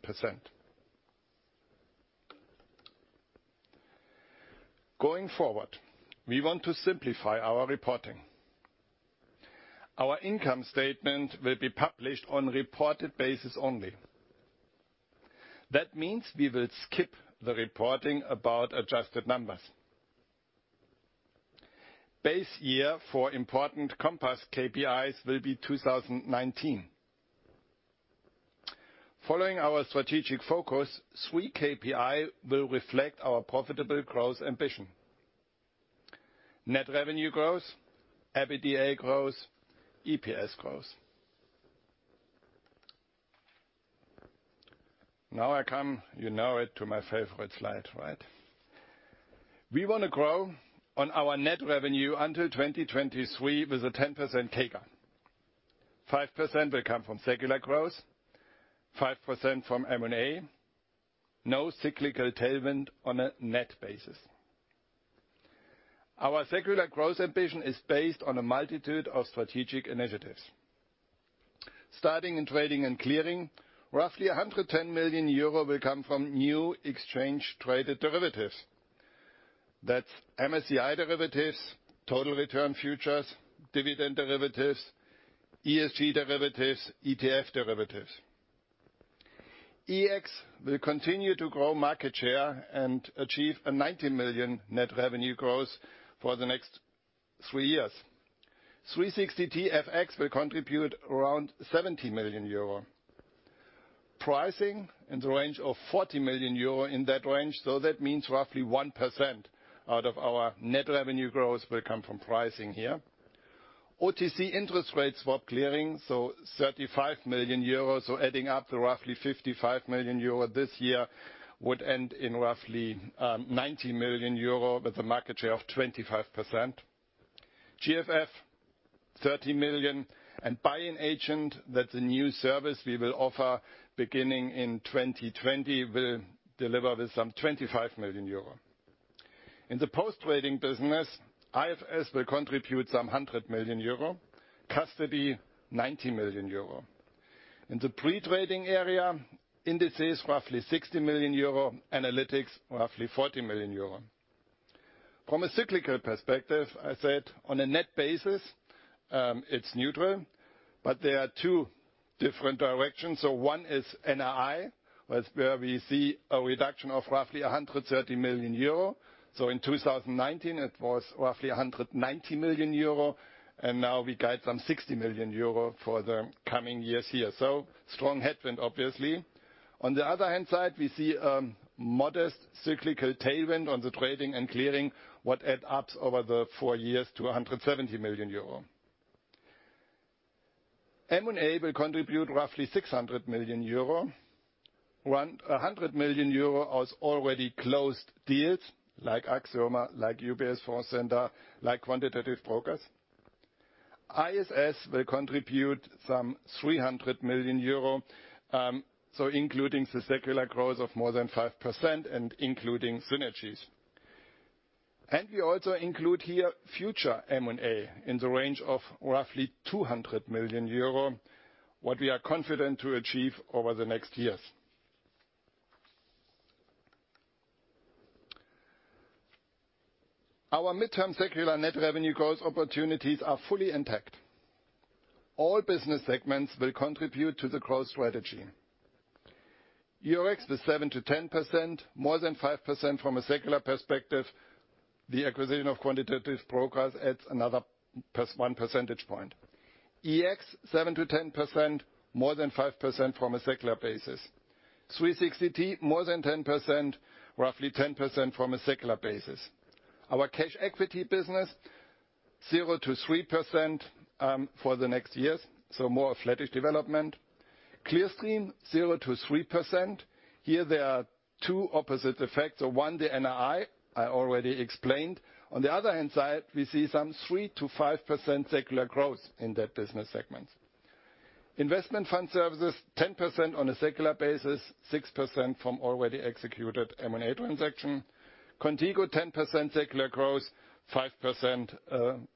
Going forward, we want to simplify our reporting. Our income statement will be published on reported basis only. That means we will skip the reporting about adjusted numbers. Base year for important Compass KPIs will be 2019. Following our strategic focus, 3% KPI will reflect our profitable growth ambition. Net revenue growth, EBITDA growth, EPS growth. Now I come, you know it, to my favorite slide. We want to grow on our net revenue until 2023, with a 10% CAGR. 5% will come from secular growth, 5% from M&A. No cyclical tailwind on a net basis. Our secular growth ambition is based on a multitude of strategic initiatives. Starting in trading and clearing, roughly 110 million euro will come from new exchange traded derivatives. That's MSCI derivatives, total return futures, dividend derivatives, ESG derivatives, ETF derivatives. Eurex will continue to grow market share and achieve a 90 million net revenue growth for the next three years. 360T FX will contribute around 70 million euro. Pricing, in the range of 40 million euro in that range. That means roughly 1% out of our net revenue growth will come from pricing here. OTC interest rates swap clearing, 35 million euros. Adding up to roughly 55 million euro this year, would end in roughly 90 million euro with a market share of 25%. GFF, 13 million, and buy-in agent, that's a new service we will offer beginning in 2020, will deliver with some 25 million euro. In the post-trading business, IFS will contribute some 100 million euro, custody 90 million euro. In the pre-trading area, indices roughly 60 million euro, analytics roughly 40 million euro. From a cyclical perspective, I said on a net basis, it's neutral, but there are two different directions. One is NII, where we see a reduction of roughly 130 million euro. In 2019, it was roughly 190 million euro, and now we guide some 60 million euro for the coming years here. Strong headwind, obviously. On the other hand side, we see a modest cyclical tailwind on the trading and clearing, what add ups over the four years to 170 million euro. M&A will contribute roughly 600 million euro. 100 million euro was already closed deals, like Axioma, like UBS Fondcenter, like Quantitative Brokers. ISS will contribute some 300 million euro, including the secular growth of more than 5% and including synergies. We also include here future M&A in the range of roughly 200 million euro, what we are confident to achieve over the next years. Our midterm secular net revenue growth opportunities are fully intact. All business segments will contribute to the growth strategy. Eurex is 7%-10%, more than 5% from a secular perspective. The acquisition of Quantitative Brokers adds another plus one percentage point. EEX, 7%-10%, more than 5% from a secular basis. 360T, more than 10%, roughly 10% from a secular basis. Our cash equity business, 0%-3% for the next years, so more a flattish development. Clearstream, 0%-3%. Here there are two opposite effects. One, the NII, I already explained. On the other hand side, we see some 3%-5% secular growth in that business segment. Investment fund services, 10% on a secular basis, 6% from already executed M&A transaction. Qontigo, 10% secular growth, 5%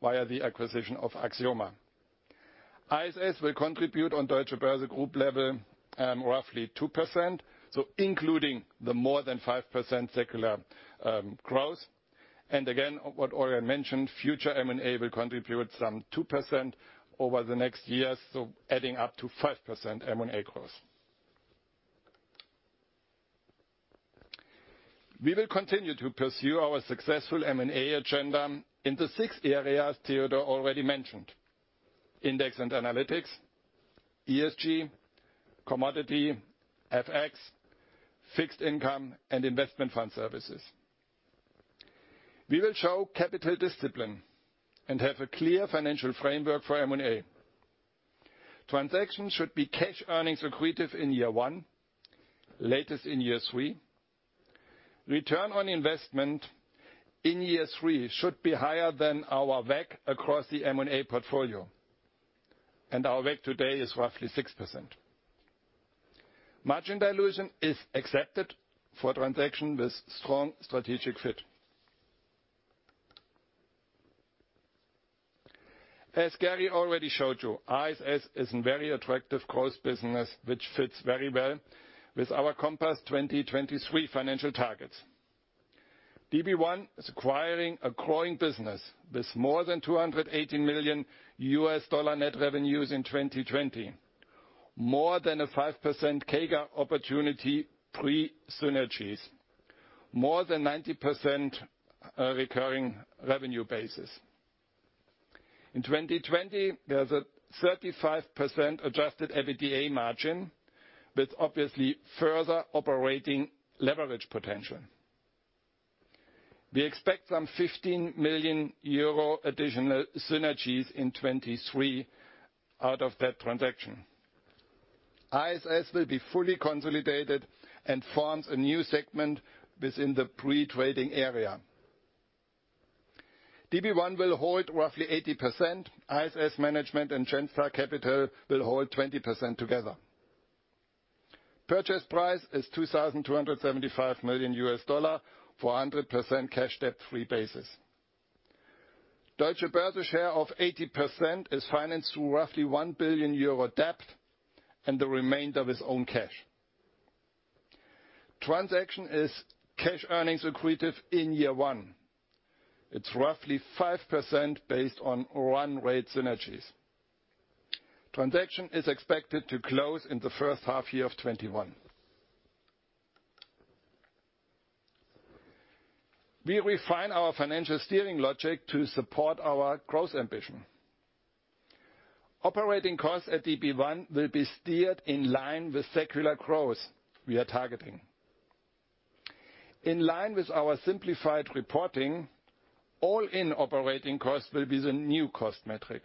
via the acquisition of Axioma. ISS will contribute on Deutsche Börse Group level, roughly 2%, including the more than 5% secular growth. Again, what Orion mentioned, future M&A will contribute some 2% over the next years, so adding up to 5% M&A growth. We will continue to pursue our successful M&A agenda in the six areas Theodor already mentioned: index and analytics, ESG, commodity, FX, fixed income, and investment fund services. We will show capital discipline and have a clear financial framework for M&A. Transactions should be cash earnings accretive in year one, latest in year three. Return on investment in year three should be higher than our WACC across the M&A portfolio, and our WACC today is roughly 6%. Margin dilution is accepted for transaction with strong strategic fit. As Gary already showed you, ISS is a very attractive growth business, which fits very well with our Compass 2023 financial targets. DB1 is acquiring a growing business with more than $218 million net revenues in 2020, more than a 5% CAGR opportunity pre synergies, more than 90% recurring revenue basis. In 2020, there was a 35% adjusted EBITDA margin, with obviously further operating leverage potential. We expect some 15 million euro additional synergies in 2023 out of that transaction. ISS will be fully consolidated and forms a new segment within the pre-trading area. DB1 will hold roughly 80%. ISS management and Genstar Capital will hold 20% together. Purchase price is $2,275 million for 100% cash debt-free basis. Deutsche Börse share of 80% is financed through roughly 1 billion euro debt and the remainder with own cash. Transaction is cash earnings accretive in year one. It is roughly 5% based on run rate synergies. Transaction is expected to close in the first half year of 2021. We refine our financial steering logic to support our growth ambition. Operating costs at DB1 will be steered in line with secular growth we are targeting. In line with our simplified reporting, all-in operating costs will be the new cost metric.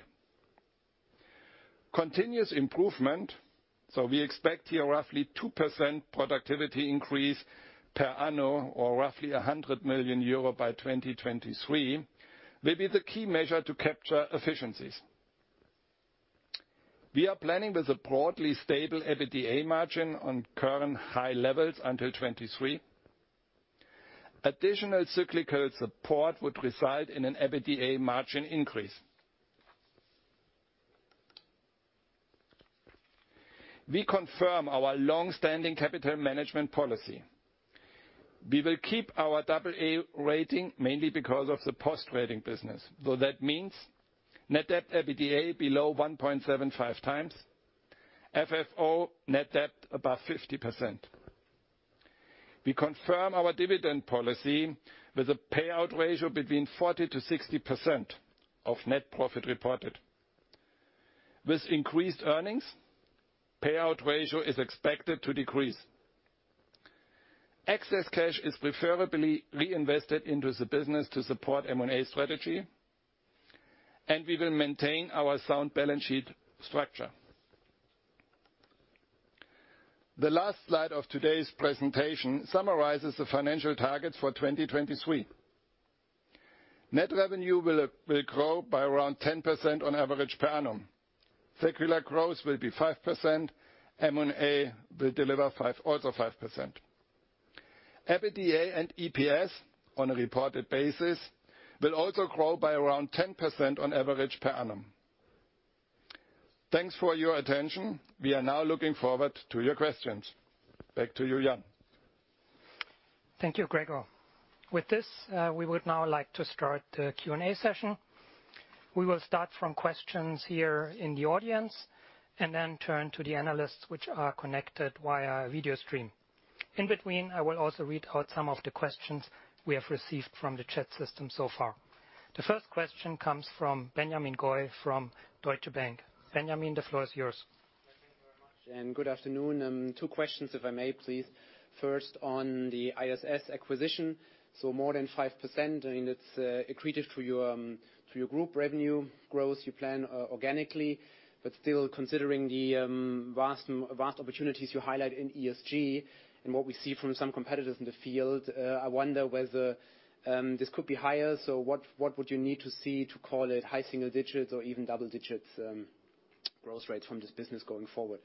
Continuous improvement, so we expect here roughly 2% productivity increase per annum, or roughly 100 million euro by 2023, will be the key measure to capture efficiencies. We are planning with a broadly stable EBITDA margin on current high levels until 2023. Additional cyclical support would result in an EBITDA margin increase. We confirm our longstanding capital management policy. We will keep our AA rating mainly because of the post-trading business, so that means net debt EBITDA below 1.75x, FFO net debt above 50%. We confirm our dividend policy with a payout ratio between 40%-60% of net profit reported. With increased earnings, payout ratio is expected to decrease. Excess cash is preferably reinvested into the business to support M&A strategy, and we will maintain our sound balance sheet structure. The last slide of today's presentation summarizes the financial targets for 2023. Net revenue will grow by around 10% on average per annum. Secular growth will be 5%. M&A will deliver also 5%. EBITDA and EPS, on a reported basis, will also grow by around 10% on average per annum. Thanks for your attention. We are now looking forward to your questions. Back to you, Jan. Thank you, Gregor. With this, we would now like to start the Q&A session. We will start from questions here in the audience and then turn to the analysts which are connected via video stream. In between, I will also read out some of the questions we have received from the chat system so far. The first question comes from Benjamin Goy from Deutsche Bank. Benjamin, the floor is yours. Thank you very much, and good afternoon. Two questions, if I may, please. First, on the ISS acquisition. More than 5%, it's accretive to your group revenue growth you plan organically. Still, considering the vast opportunities you highlight in ESG and what we see from some competitors in the field, I wonder whether this could be higher. What would you need to see to call it high single digits or even double digits growth rate from this business going forward?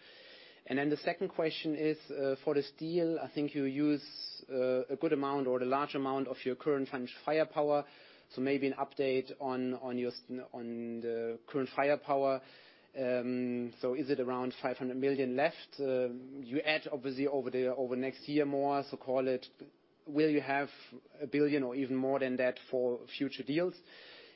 Then the second question is, for this deal, I think you use a good amount or a large amount of your current financial firepower. Maybe an update on the current firepower. Is it around 500 million left? You add obviously over next year more, so call it, will you have a 1 billion or even more than that for future deals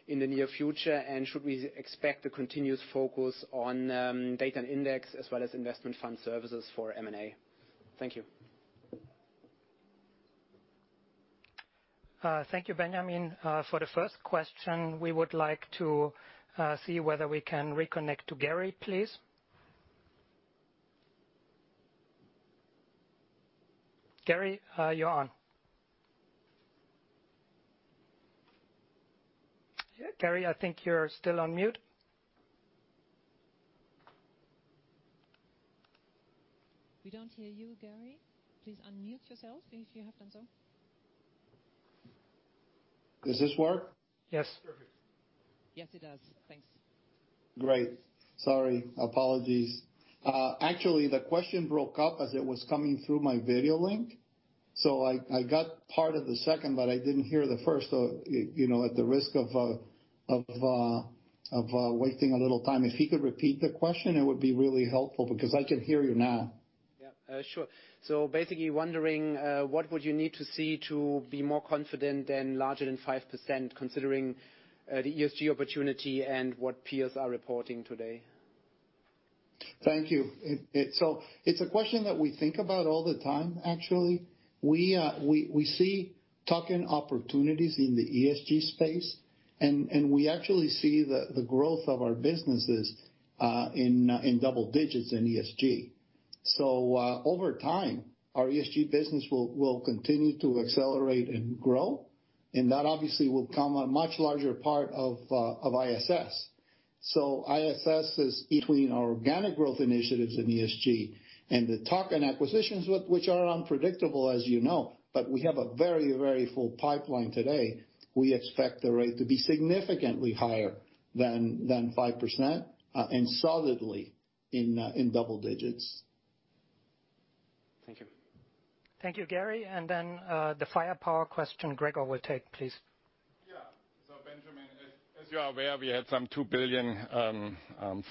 in the near future? Should we expect a continuous focus on data and index as well as investment fund services for M&A? Thank you. Thank you, Benjamin. For the first question, we would like to see whether we can reconnect to Gary, please. Gary, you're on. Gary, I think you're still on mute. We don't hear you, Gary. Please unmute yourself if you have done so. Does this work? Yes. Perfect. Yes, it does. Thanks. Great. Sorry. Apologies. Actually, the question broke up as it was coming through my video link. I got part of the second, but I didn't hear the first. At the risk of wasting a little time, if he could repeat the question, it would be really helpful because I can hear you now. Yeah. Sure. Basically wondering, what would you need to see to be more confident than larger than 5% considering the ESG opportunity and what peers are reporting today? Thank you. It's a question that we think about all the time, actually. We see tuck-in opportunities in the ESG space, and we actually see the growth of our businesses in double digits in ESG. Over time, our ESG business will continue to accelerate and grow, and that obviously will become a much larger part of ISS. ISS is between our organic growth initiatives in ESG and the tuck-in acquisitions, which are unpredictable, as you know. We have a very full pipeline today. We expect the rate to be significantly higher than 5% and solidly in double digits. Thank you. Thank you, Gary. The firepower question Gregor will take, please. Benjamin, as you are aware, we had some 2 billion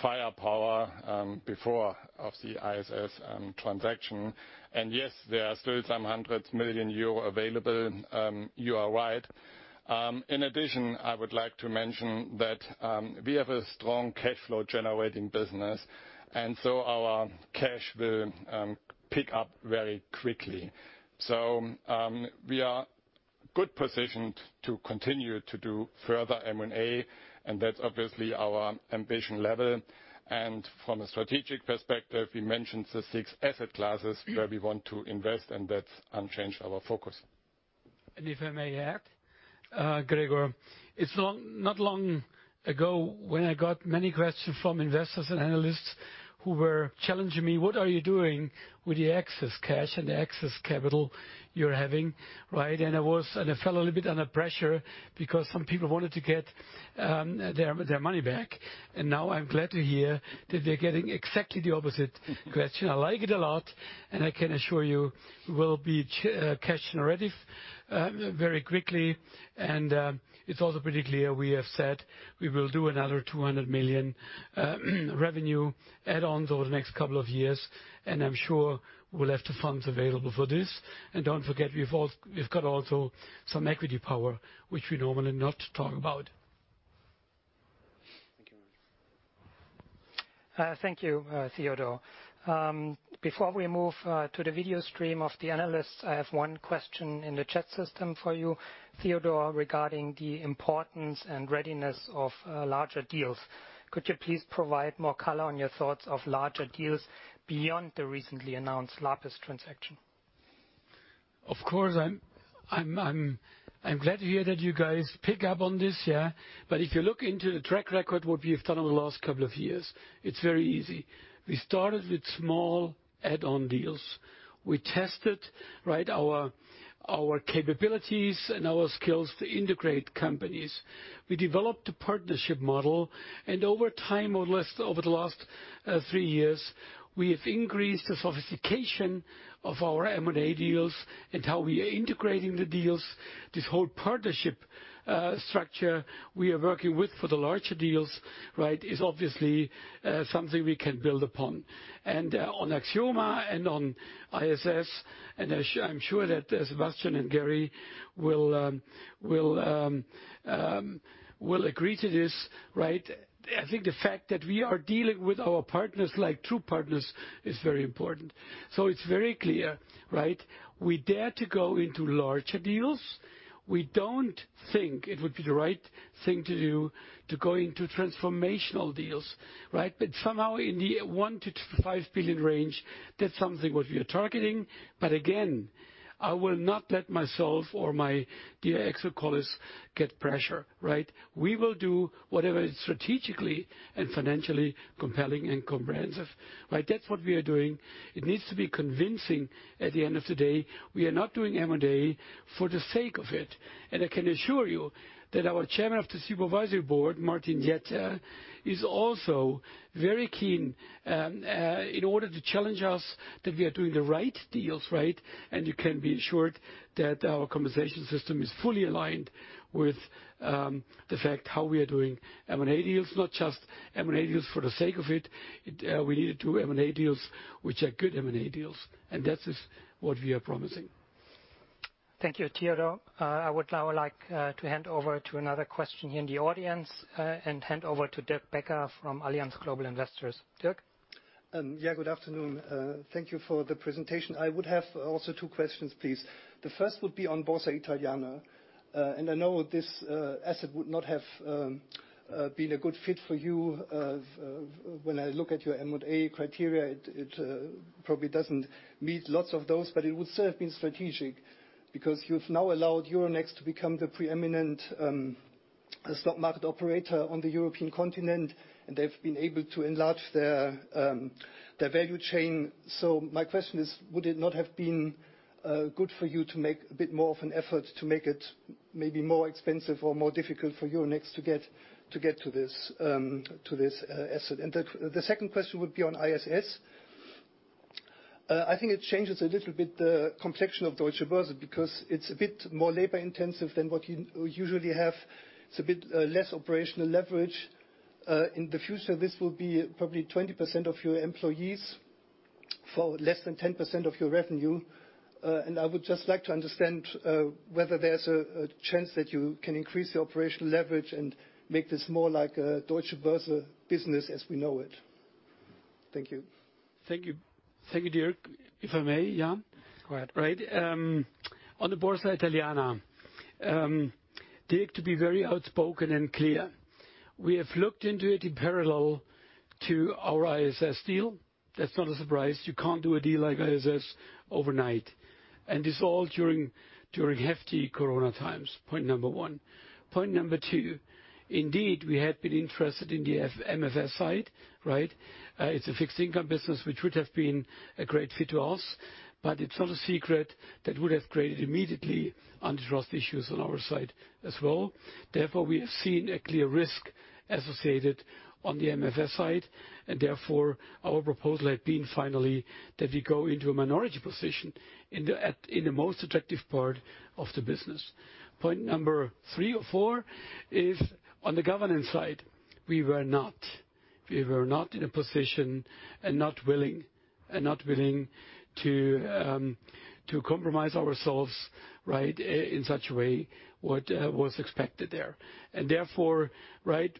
firepower before of the ISS transaction. Yes, there are still some hundreds million EUR available. You are right. In addition, I would like to mention that we have a strong cash flow generating business, our cash will pick up very quickly. We are good positioned to continue to do further M&A, and that's obviously our ambition level. From a strategic perspective, we mentioned the six asset classes where we want to invest, and that's unchanged our focus. If I may add, Gregor, it's not long ago when I got many questions from investors and analysts who were challenging me, what are you doing with the excess cash and the excess capital you're having, right? I felt a little bit under pressure because some people wanted to get their money back. Now I'm glad to hear that we're getting exactly the opposite question. I like it a lot, and I can assure you we'll be cash-generative very quickly, and it's also pretty clear we have said we will do another 200 million revenue add-ons over the next couple of years, and I'm sure we'll have the funds available for this. Don't forget, we've got also some equity power, which we normally not talk about. Thank you. Thank you, Theodor. Before we move to the video stream of the analysts, I have one question in the chat system for you, Theodor, regarding the importance and readiness of larger deals. Could you please provide more color on your thoughts of larger deals beyond the recently announced ISS transaction? Of course, I'm glad to hear that you guys pick up on this. If you look into the track record, what we have done over the last couple of years, it's very easy. We started with small add-on deals. We tested our capabilities and our skills to integrate companies. We developed a partnership model, and over time, over the last three years, we have increased the sophistication of our M&A deals and how we are integrating the deals. This whole partnership structure we are working with for the larger deals is obviously something we can build upon. On Axioma and on ISS, and I'm sure that Sebastian and Gary will agree to this. I think the fact that we are dealing with our partners like true partners is very important. It's very clear. We dare to go into larger deals. We don't think it would be the right thing to do to go into transformational deals. Somehow in the 1 billion-5 billion range, that's something what we are targeting. Again, I will not let myself or my dear exec colleagues get pressure. We will do whatever is strategically and financially compelling and comprehensive. That's what we are doing. It needs to be convincing at the end of the day. We are not doing M&A for the sake of it. I can assure you that our chairman of the supervisory board, Martin Jetter, is also very keen in order to challenge us that we are doing the right deals. You can be assured that our compensation system is fully aligned with the fact how we are doing M&A deals, not just M&A deals for the sake of it. We need to do M&A deals, which are good M&A deals, and that is what we are promising. Thank you, Theodor. I would now like to hand over to another question here in the audience, and hand over to Dirk Becker from Allianz Global Investors. Dirk? Yeah. Good afternoon. Thank you for the presentation. I would have also two questions, please. The first would be on Borsa Italiana. I know this asset would not have been a good fit for you. When I look at your M&A criteria, it probably doesn't meet lots of those, but it would still have been strategic because you've now allowed Euronext to become the preeminent stock market operator on the European continent. They've been able to enlarge their value chain. My question is, would it not have been good for you to make a bit more of an effort to make it maybe more expensive or more difficult for Euronext to get to this asset? The second question would be on ISS. I think it changes a little bit the complexion of Deutsche Börse because it's a bit more labor-intensive than what you usually have. It's a bit less operational leverage. In the future, this will be probably 20% of your employees for less than 10% of your revenue. I would just like to understand whether there's a chance that you can increase your operational leverage and make this more like a Deutsche Börse business as we know it. Thank you. Thank you, Dirk. If I may, yeah? Go ahead. Right. On the Borsa Italiana. Dirk, to be very outspoken and clear, we have looked into it in parallel to our ISS deal. That's not a surprise. You can't do a deal like ISS overnight, and this all during hefty Corona times. Point number one. Point number two, indeed, we had been interested in the MFS side. It's a fixed income business, which would have been a great fit to us, but it's not a secret that would have created immediately antitrust issues on our side as well. Therefore, we have seen a clear risk associated on the MFS side, and therefore our proposal had been finally that we go into a minority position in the most attractive part of the business. Point number three or four is on the governance side. We were not in a position and not willing to compromise ourselves in such a way what was expected there. Therefore,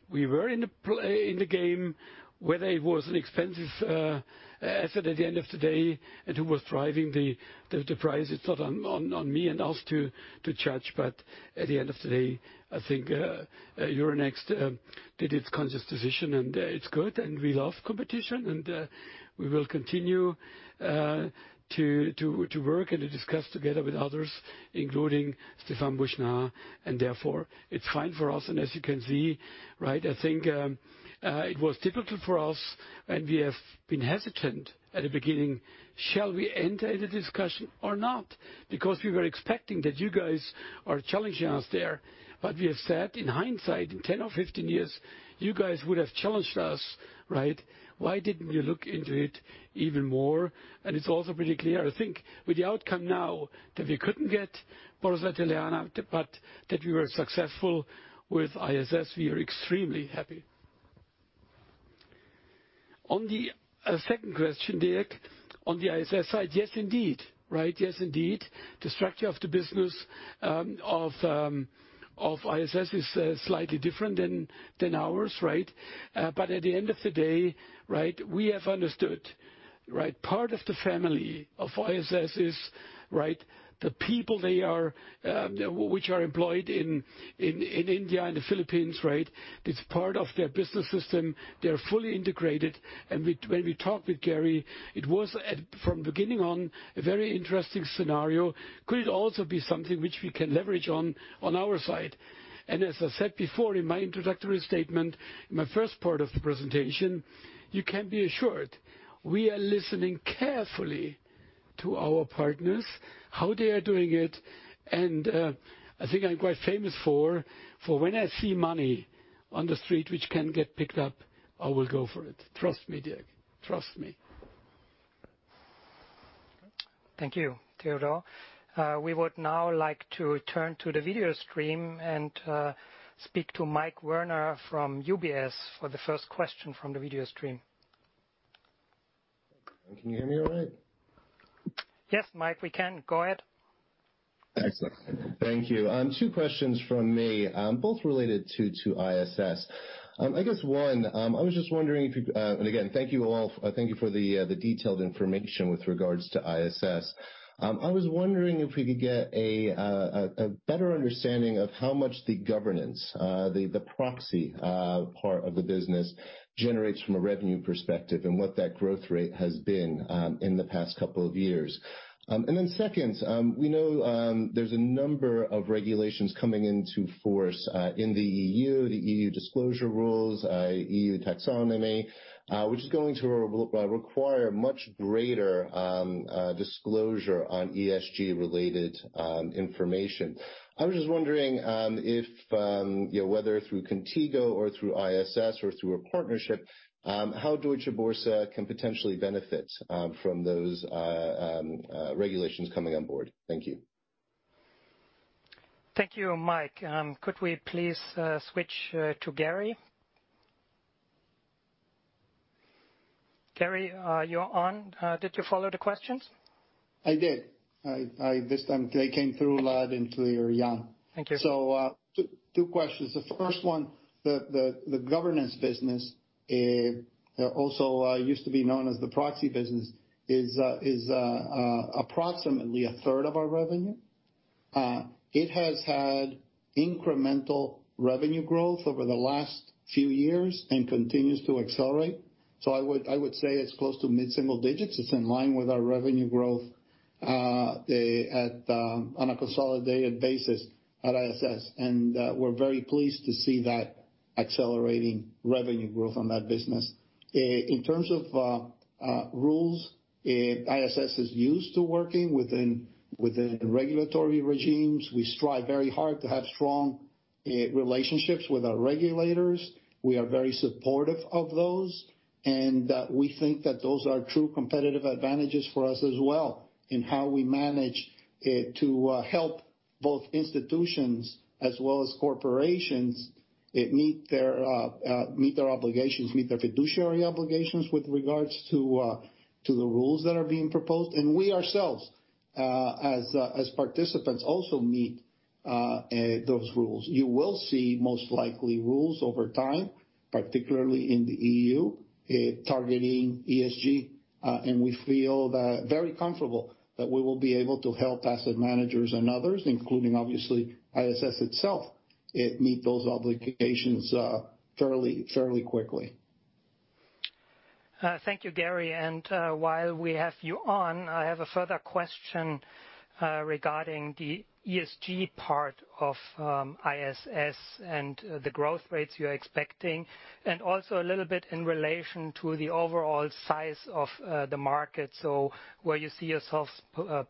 we were in the game. Whether it was an expensive asset at the end of the day and who was driving the price, it's not on me and us to judge. At the end of the day, I think Euronext did its conscious decision, and it's good, and we love competition. We will continue to work and to discuss together with others, including Stéphane Boujnah, and therefore it's fine for us. As you can see, I think it was difficult for us, and we have been hesitant at the beginning. Shall we enter the discussion or not? We were expecting that you guys are challenging us there. We have said in hindsight, in 10 or 15 years, you guys would have challenged us. Why didn't we look into it even more? It's also pretty clear, I think, with the outcome now that we couldn't get Borsa Italiana but that we were successful with ISS, we are extremely happy. On the second question, Dirk, on the ISS side, yes, indeed. Yes, indeed. The structure of the business of ISS is slightly different than ours. At the end of the day, we have understood part of the family of ISS is the people which are employed in India and the Philippines. It's part of their business system. They are fully integrated. When we talked with Gary, it was from beginning on a very interesting scenario. Could it also be something which we can leverage on our side? As I said before in my introductory statement, my first part of the presentation, you can be assured we are listening carefully to our partners, how they are doing it. I think I'm quite famous for when I see money on the street which can get picked up, I will go for it. Trust me, Dirk. Trust me. Thank you, Theodor. We would now like to turn to the video stream and speak to Mike Werner from UBS for the first question from the video stream. Can you hear me all right? Yes, Mike, we can. Go ahead. Excellent. Thank you. Two questions from me, both related to ISS. Again, thank you all. Thank you for the detailed information with regards to ISS. I was wondering if we could get a better understanding of how much the governance, the proxy part of the business generates from a revenue perspective and what that growth rate has been in the past couple of years. Second, we know there's a number of regulations coming into force in the EU, the EU disclosure rules, EU taxonomy, which is going to require much greater disclosure on ESG-related information. I was just wondering whether through Qontigo or through ISS or through a partnership, how Deutsche Börse can potentially benefit from those regulations coming on board. Thank you. Thank you, Mike. Could we please switch to Gary? Gary, you're on. Did you follow the questions? I did. This time they came through loud and clear, Jan. Thank you. Two questions. The first one, the governance business, also used to be known as the proxy business, is approximately 1/3 of our revenue. It has had incremental revenue growth over the last few years and continues to accelerate. I would say it's close to mid-single digits. It's in line with our revenue growth on a consolidated basis at ISS, and we're very pleased to see that accelerating revenue growth on that business. In terms of rules, ISS is used to working within regulatory regimes. We strive very hard to have strong relationships with our regulators. We are very supportive of those, and we think that those are true competitive advantages for us as well in how we manage to help both institutions as well as corporations meet their fiduciary obligations with regards to the rules that are being proposed. We ourselves, as participants, also meet those rules. You will see most likely rules over time, particularly in the EU, targeting ESG. We feel very comfortable that we will be able to help asset managers and others, including obviously ISS itself, meet those obligations fairly quickly. Thank you, Gary, and while we have you on, I have a further question regarding the ESG part of ISS and the growth rates you're expecting, and also a little bit in relation to the overall size of the market. Where you see yourself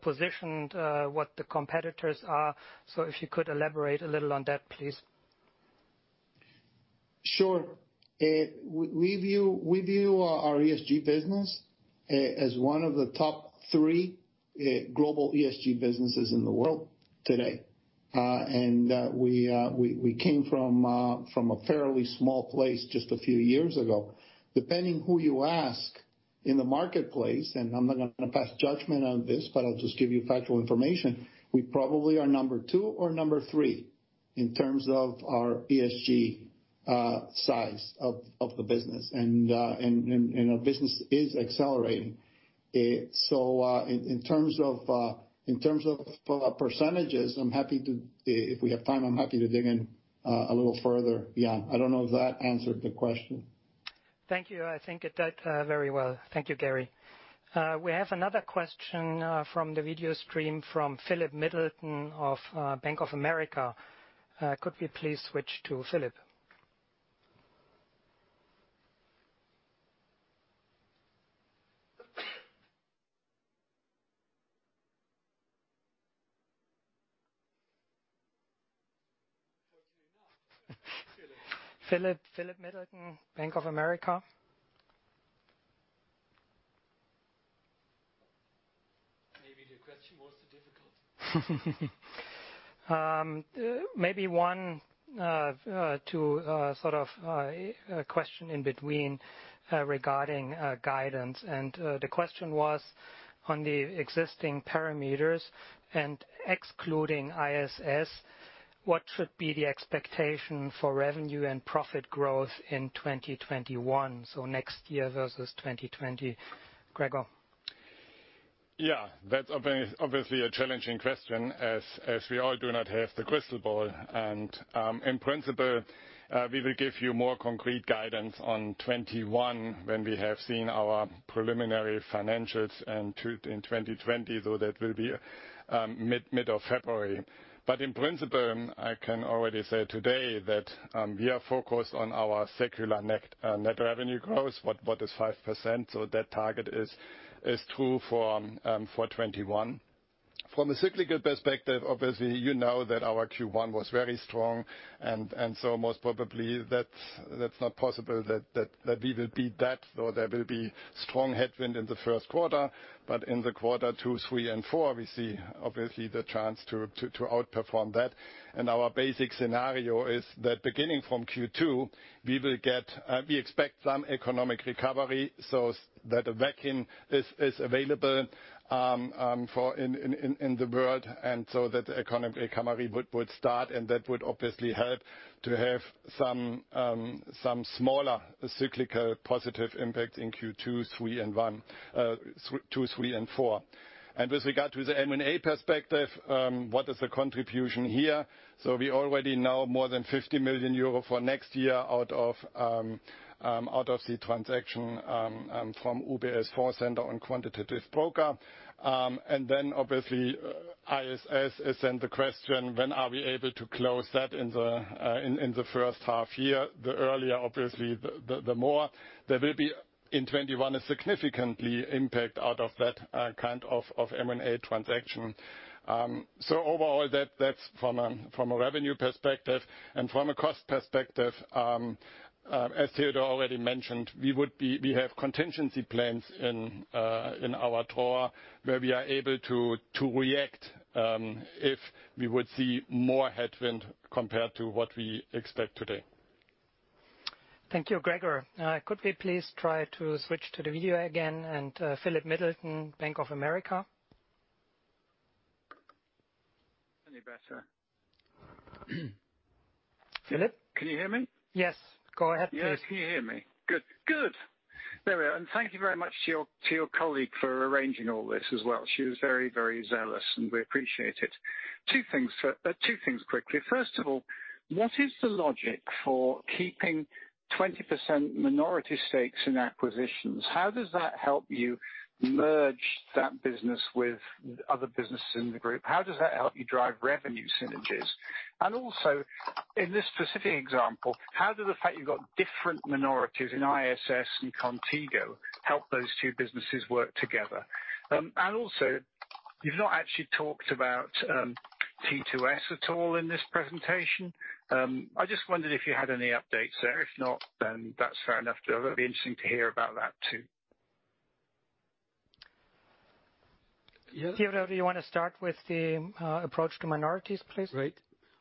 positioned, what the competitors are? If you could elaborate a little on that, please? Sure. We view our ESG business as one of the top three global ESG businesses in the world today. We came from a fairly small place just a few years ago. Depending who you ask in the marketplace, and I'm not going to pass judgment on this, but I'll just give you factual information, we probably are number two or number three in terms of our ESG size of the business. Our business is accelerating. In terms of percentages, if we have time, I'm happy to dig in a little further, Jan. I don't know if that answered the question. Thank you. I think it did very well. Thank you, Gary. We have another question from the video stream from Philip Middleton of Bank of America. Could we please switch to Philip? Philip Middleton, Bank of America? Maybe the question was too difficult. Maybe one to sort of a question in between regarding guidance. The question was on the existing parameters and excluding ISS, what should be the expectation for revenue and profit growth in 2021, so next year versus 2020? Gregor. That's obviously a challenging question as we all do not have the crystal ball. In principle, we will give you more concrete guidance on 2021 when we have seen our preliminary financials in 2020, though that will be mid-February. In principle, I can already say today that we are focused on our secular net revenue growth, what is 5%. That target is true for 2021. From a cyclical perspective, obviously, you know that our Q1 was very strong, and so most probably that's not possible that we will beat that, or there will be strong headwind in the first quarter. In the quarter two, three, and four, we see obviously the chance to outperform that. Our basic scenario is that beginning from Q2, we expect some economic recovery, so that a vaccine is available in the world, and so that the economic recovery would start, and that would obviously help to have some smaller cyclical positive impact in Q2, Q3, and Q4. With regard to the M&A perspective, what is the contribution here? We already know more than 50 million euro for next year out of the transaction from UBS Fondcenter on Quantitative Brokers. Obviously, ISS is then the question, when are we able to close that in the first half year? The earlier, obviously, the more. There will be in 2021 a significantly impact out of that kind of M&A transaction. Overall, that's from a revenue perspective. From a cost perspective, as Theodor already mentioned, we have contingency plans in our drawer where we are able to react if we would see more headwind compared to what we expect today. Thank you, Gregor. Could we please try to switch to the video again and Philip Middleton, Bank of America? Any better? Philip? Can you hear me? Yes, go ahead please. Yes. Can you hear me? Good. There we are. Thank you very much to your colleague for arranging all this as well. She was very zealous, and we appreciate it. Two things quickly. First of all, what is the logic for keeping 20% minority stakes in acquisitions? How does that help you merge that business with other businesses in the group? How does that help you drive revenue synergies? Also in this specific example, how does the fact you've got different minorities in ISS and Qontigo help those two businesses work together? Also you've not actually talked about T2S at all in this presentation. I just wondered if you had any updates there. If not, then that's fair enough. Though it would be interesting to hear about that too. Theodor, do you want to start with the approach to minorities, please? Great.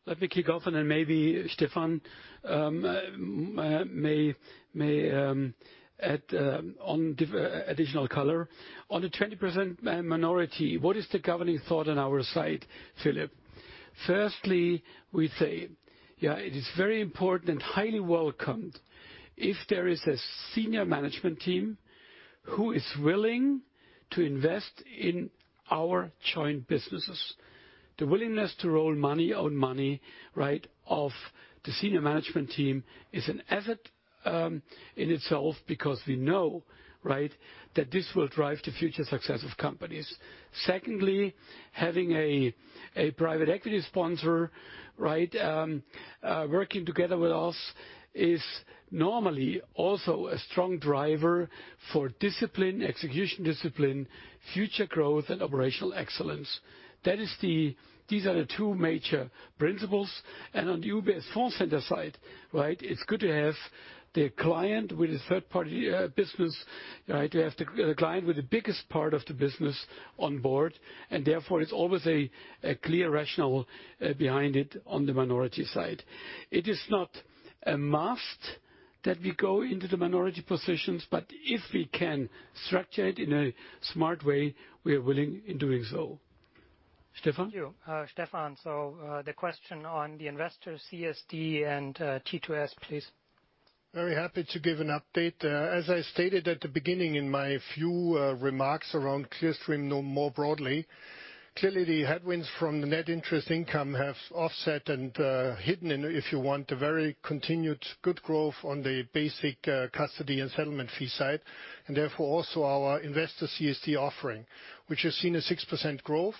Let me kick off and then maybe Stephan may add on additional color. On the 20% minority, what is the governing thought on our side, Philip? Firstly, we say it is very important and highly welcomed if there is a senior management team who is willing to invest in our joint businesses. The willingness to roll money, own money, of the senior management team is an asset in itself because we know that this will drive the future success of companies. Secondly, having a private equity sponsor working together with us is normally also a strong driver for discipline, execution discipline, future growth and operational excellence. These are the two major principles. On the UBS Fondcenter side, it's good to have the client with the third-party business, to have the client with the biggest part of the business on board, therefore it's always a clear rationale behind it on the minority side. It is not a must that we go into the minority positions, if we can structure it in a smart way, we are willing in doing so. Stephan? Thank you. Stephan. The question on the Investor CSD and T2S, please. Very happy to give an update. As I stated at the beginning in my few remarks around Clearstream more broadly. The headwinds from the Net Interest Income have offset and hidden in, if you want, a very continued good growth on the basic custody and settlement fee side, therefore also our Investor CSD offering, which has seen a 6% growth.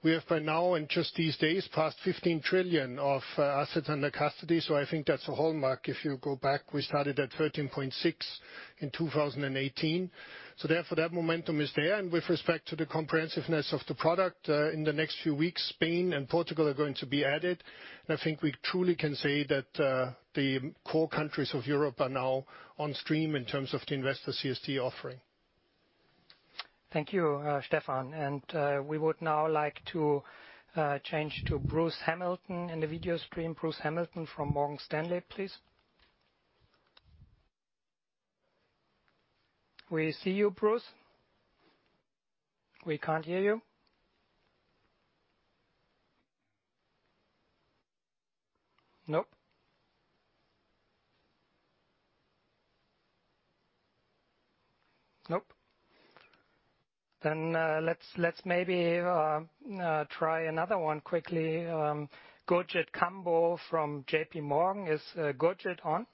We have by now, in just these days, passed 15 trillion of assets under custody. I think that's a hallmark. If you go back, we started at 13.6 in 2018. Therefore, that momentum is there. With respect to the comprehensiveness of the product, in the next few weeks, Spain and Portugal are going to be added. I think we truly can say that the core countries of Europe are now on stream in terms of the Investor CSD offering. Thank you, Stephan. We would now like to change to Bruce Hamilton in the video stream. Bruce Hamilton from Morgan Stanley, please. We see you, Bruce. We can't hear you. Nope. Let's maybe try another one quickly. Gurjit Kambo from JPMorgan. Is Gurjit on?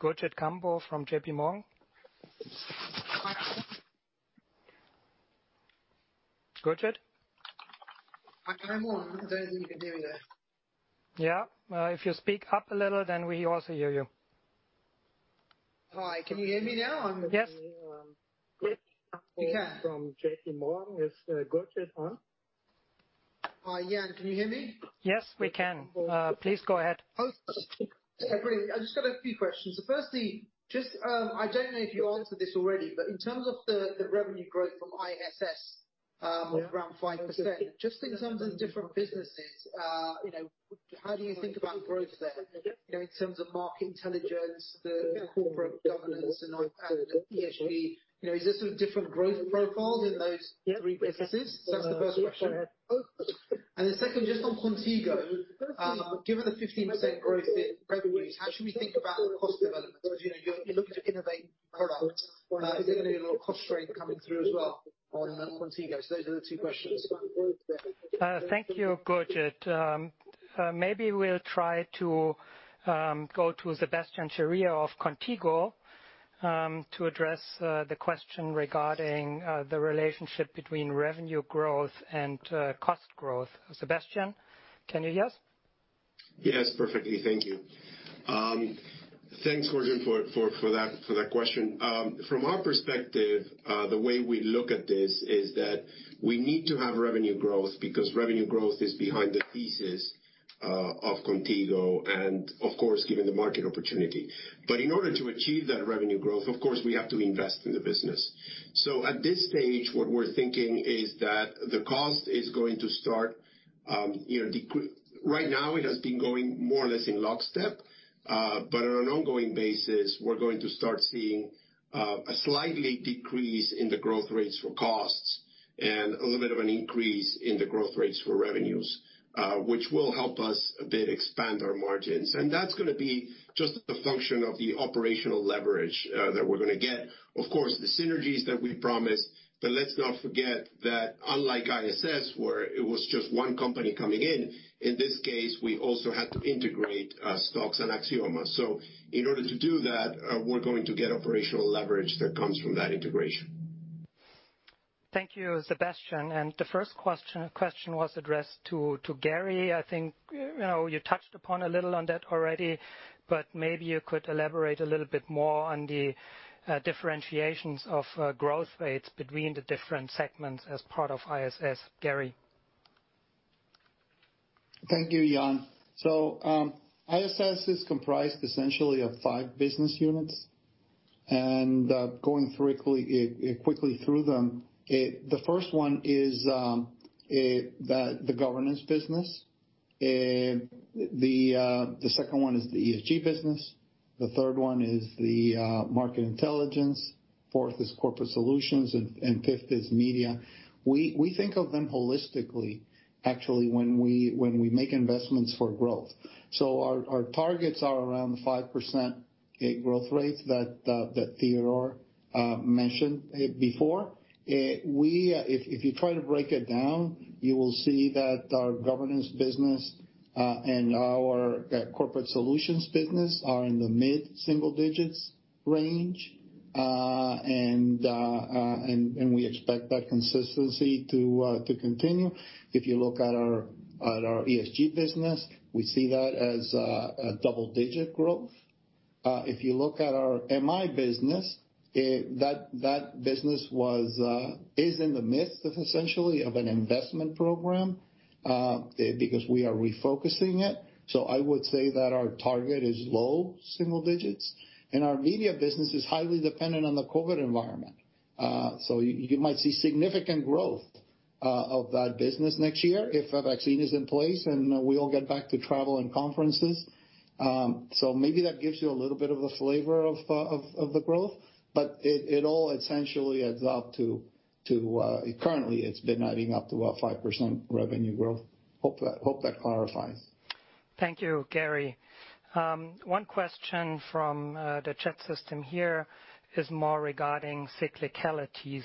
Gurjit Kambo from JPMorgan? Gurjit? I am on. Don't know if you can hear me there. Yeah. If you speak up a little, then we also hear you. Hi. Can you hear me now on the? Yes. Gurjit Kambo from JPMorgan. Is Gurjit on? Yeah. Can you hear me? Yes, we can. Please go ahead. Great. I just got a few questions. Firstly, I don't know if you answered this already, but in terms of the revenue growth from ISS of around 5%, just in terms of the different businesses, how do you think about growth there, in terms of ESG? Is there sort of different growth profiles in those three businesses? That's the first question. The second, just on Qontigo. Given the 15% growth in revenues, how should we think about cost development, because you're looking to innovate product? Is there going to be a lot of cost saving coming through as well on Qontigo? Those are the two questions. Thank you, Gurjit. Maybe we'll try to go to Sebastian Ceria of Qontigo, to address the question regarding the relationship between revenue growth and cost growth. Sebastian, can you hear us? Yes, perfectly. Thank you. Thanks, Gurjit, for that question. From our perspective, the way we look at this is that we need to have revenue growth because revenue growth is behind the thesis of Qontigo and, of course, given the market opportunity. In order to achieve that revenue growth, of course, we have to invest in the business. At this stage, what we're thinking is that is going to start. Right now it has been going more or less in lockstep, but on an ongoing basis, we're going to start seeing a slight decrease in the growth rates for costs and a little bit of an increase in the growth rates for revenues, which will help us a bit expand our margins. That's going to be just a function of the operational leverage that we're going to get. Of course, the synergies that we promised, let's not forget that unlike ISS, where it was just one company coming in this case, we also had to integrate STOXX and Axioma. In order to do that, we are going to get operational leverage that comes from that integration. Thank you, Sebastian. The first question was addressed to Gary. I think you touched upon a little on that already, but maybe you could elaborate a little bit more on the differentiations of growth rates between the different segments as part of ISS. Gary? Thank you, Jan. ISS is comprised essentially of five business units, and going quickly through them. The first one is the Governance business, the second one is the ESG business, the third one is the Market Intelligence, fourth is Corporate Solutions, and fifth is Media. We think of them holistically, actually, when we make investments for growth. Our targets are around 5% growth rate that Theodor mentioned before. If you try to break it down, you will see that our Governance business, and our Corporate Solutions business are in the mid-single-digits range, and we expect that consistency to continue. If you look at our ESG business, we see that as a double-digit growth. If you look at our MI business, that business is in the midst, essentially, of an investment program, because we are refocusing it. I would say that our target is low-single-digits. Our media business is highly dependent on the COVID environment. You might see significant growth of that business next year if a vaccine is in place and we all get back to travel and conferences. Maybe that gives you a little bit of a flavor of the growth, but it all essentially currently it's been adding up to a 5% revenue growth. Hope that clarifies. Thank you, Gary. One question from the chat system here is more regarding cyclicality.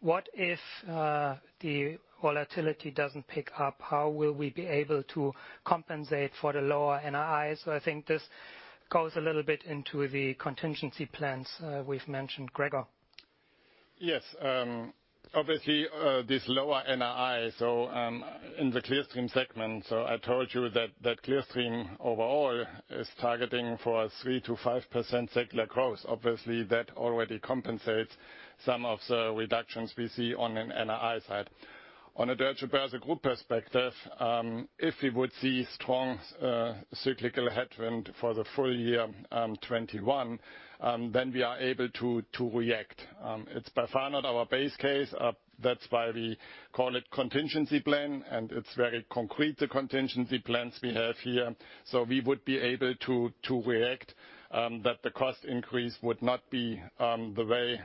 What if the volatility doesn't pick up, how will we be able to compensate for the lower NIIs? I think this goes a little bit into the contingency plans we've mentioned. Gregor? Obviously, this lower NII, so in the Clearstream segment, so I told you that Clearstream overall is targeting for a 3%-5% secular growth. That already compensates some of the reductions we see on an NII side. On a Deutsche Börse Group perspective, if we would see strong cyclical headwind for the full year 2021, then we are able to react. It's by far not our base case, that's why we call it contingency plan, and it's very concrete, the contingency plans we have here. We would be able to react, but the cost increase would not be the way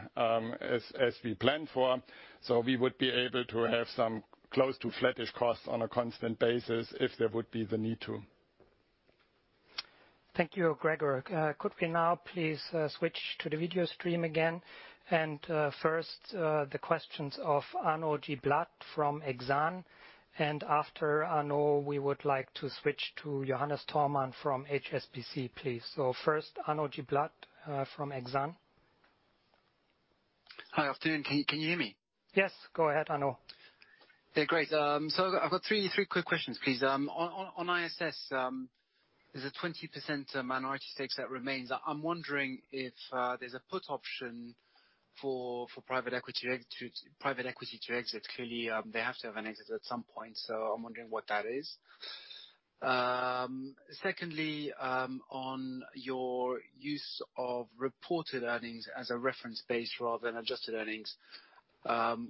as we planned for. We would be able to have some close to flattish costs on a constant basis if there would be the need to. Thank you, Gregor. Could we now please switch to the video stream again? First, the questions of Arnaud Giblat from Exane. After Arnaud, we would like to switch to Johannes Thormann from HSBC, please. First, Arnaud Giblat from Exane. Hi. Afternoon. Can you hear me? Yes, go ahead, Arnaud. Yeah, great. I've got three quick questions, please. On ISS, there's a 20% minority stake that remains. I'm wondering if there's a put option for private equity to exit. Clearly, they have to have an exit at some point. I'm wondering what that is. Secondly, on your use of reported earnings as a reference base rather than adjusted earnings,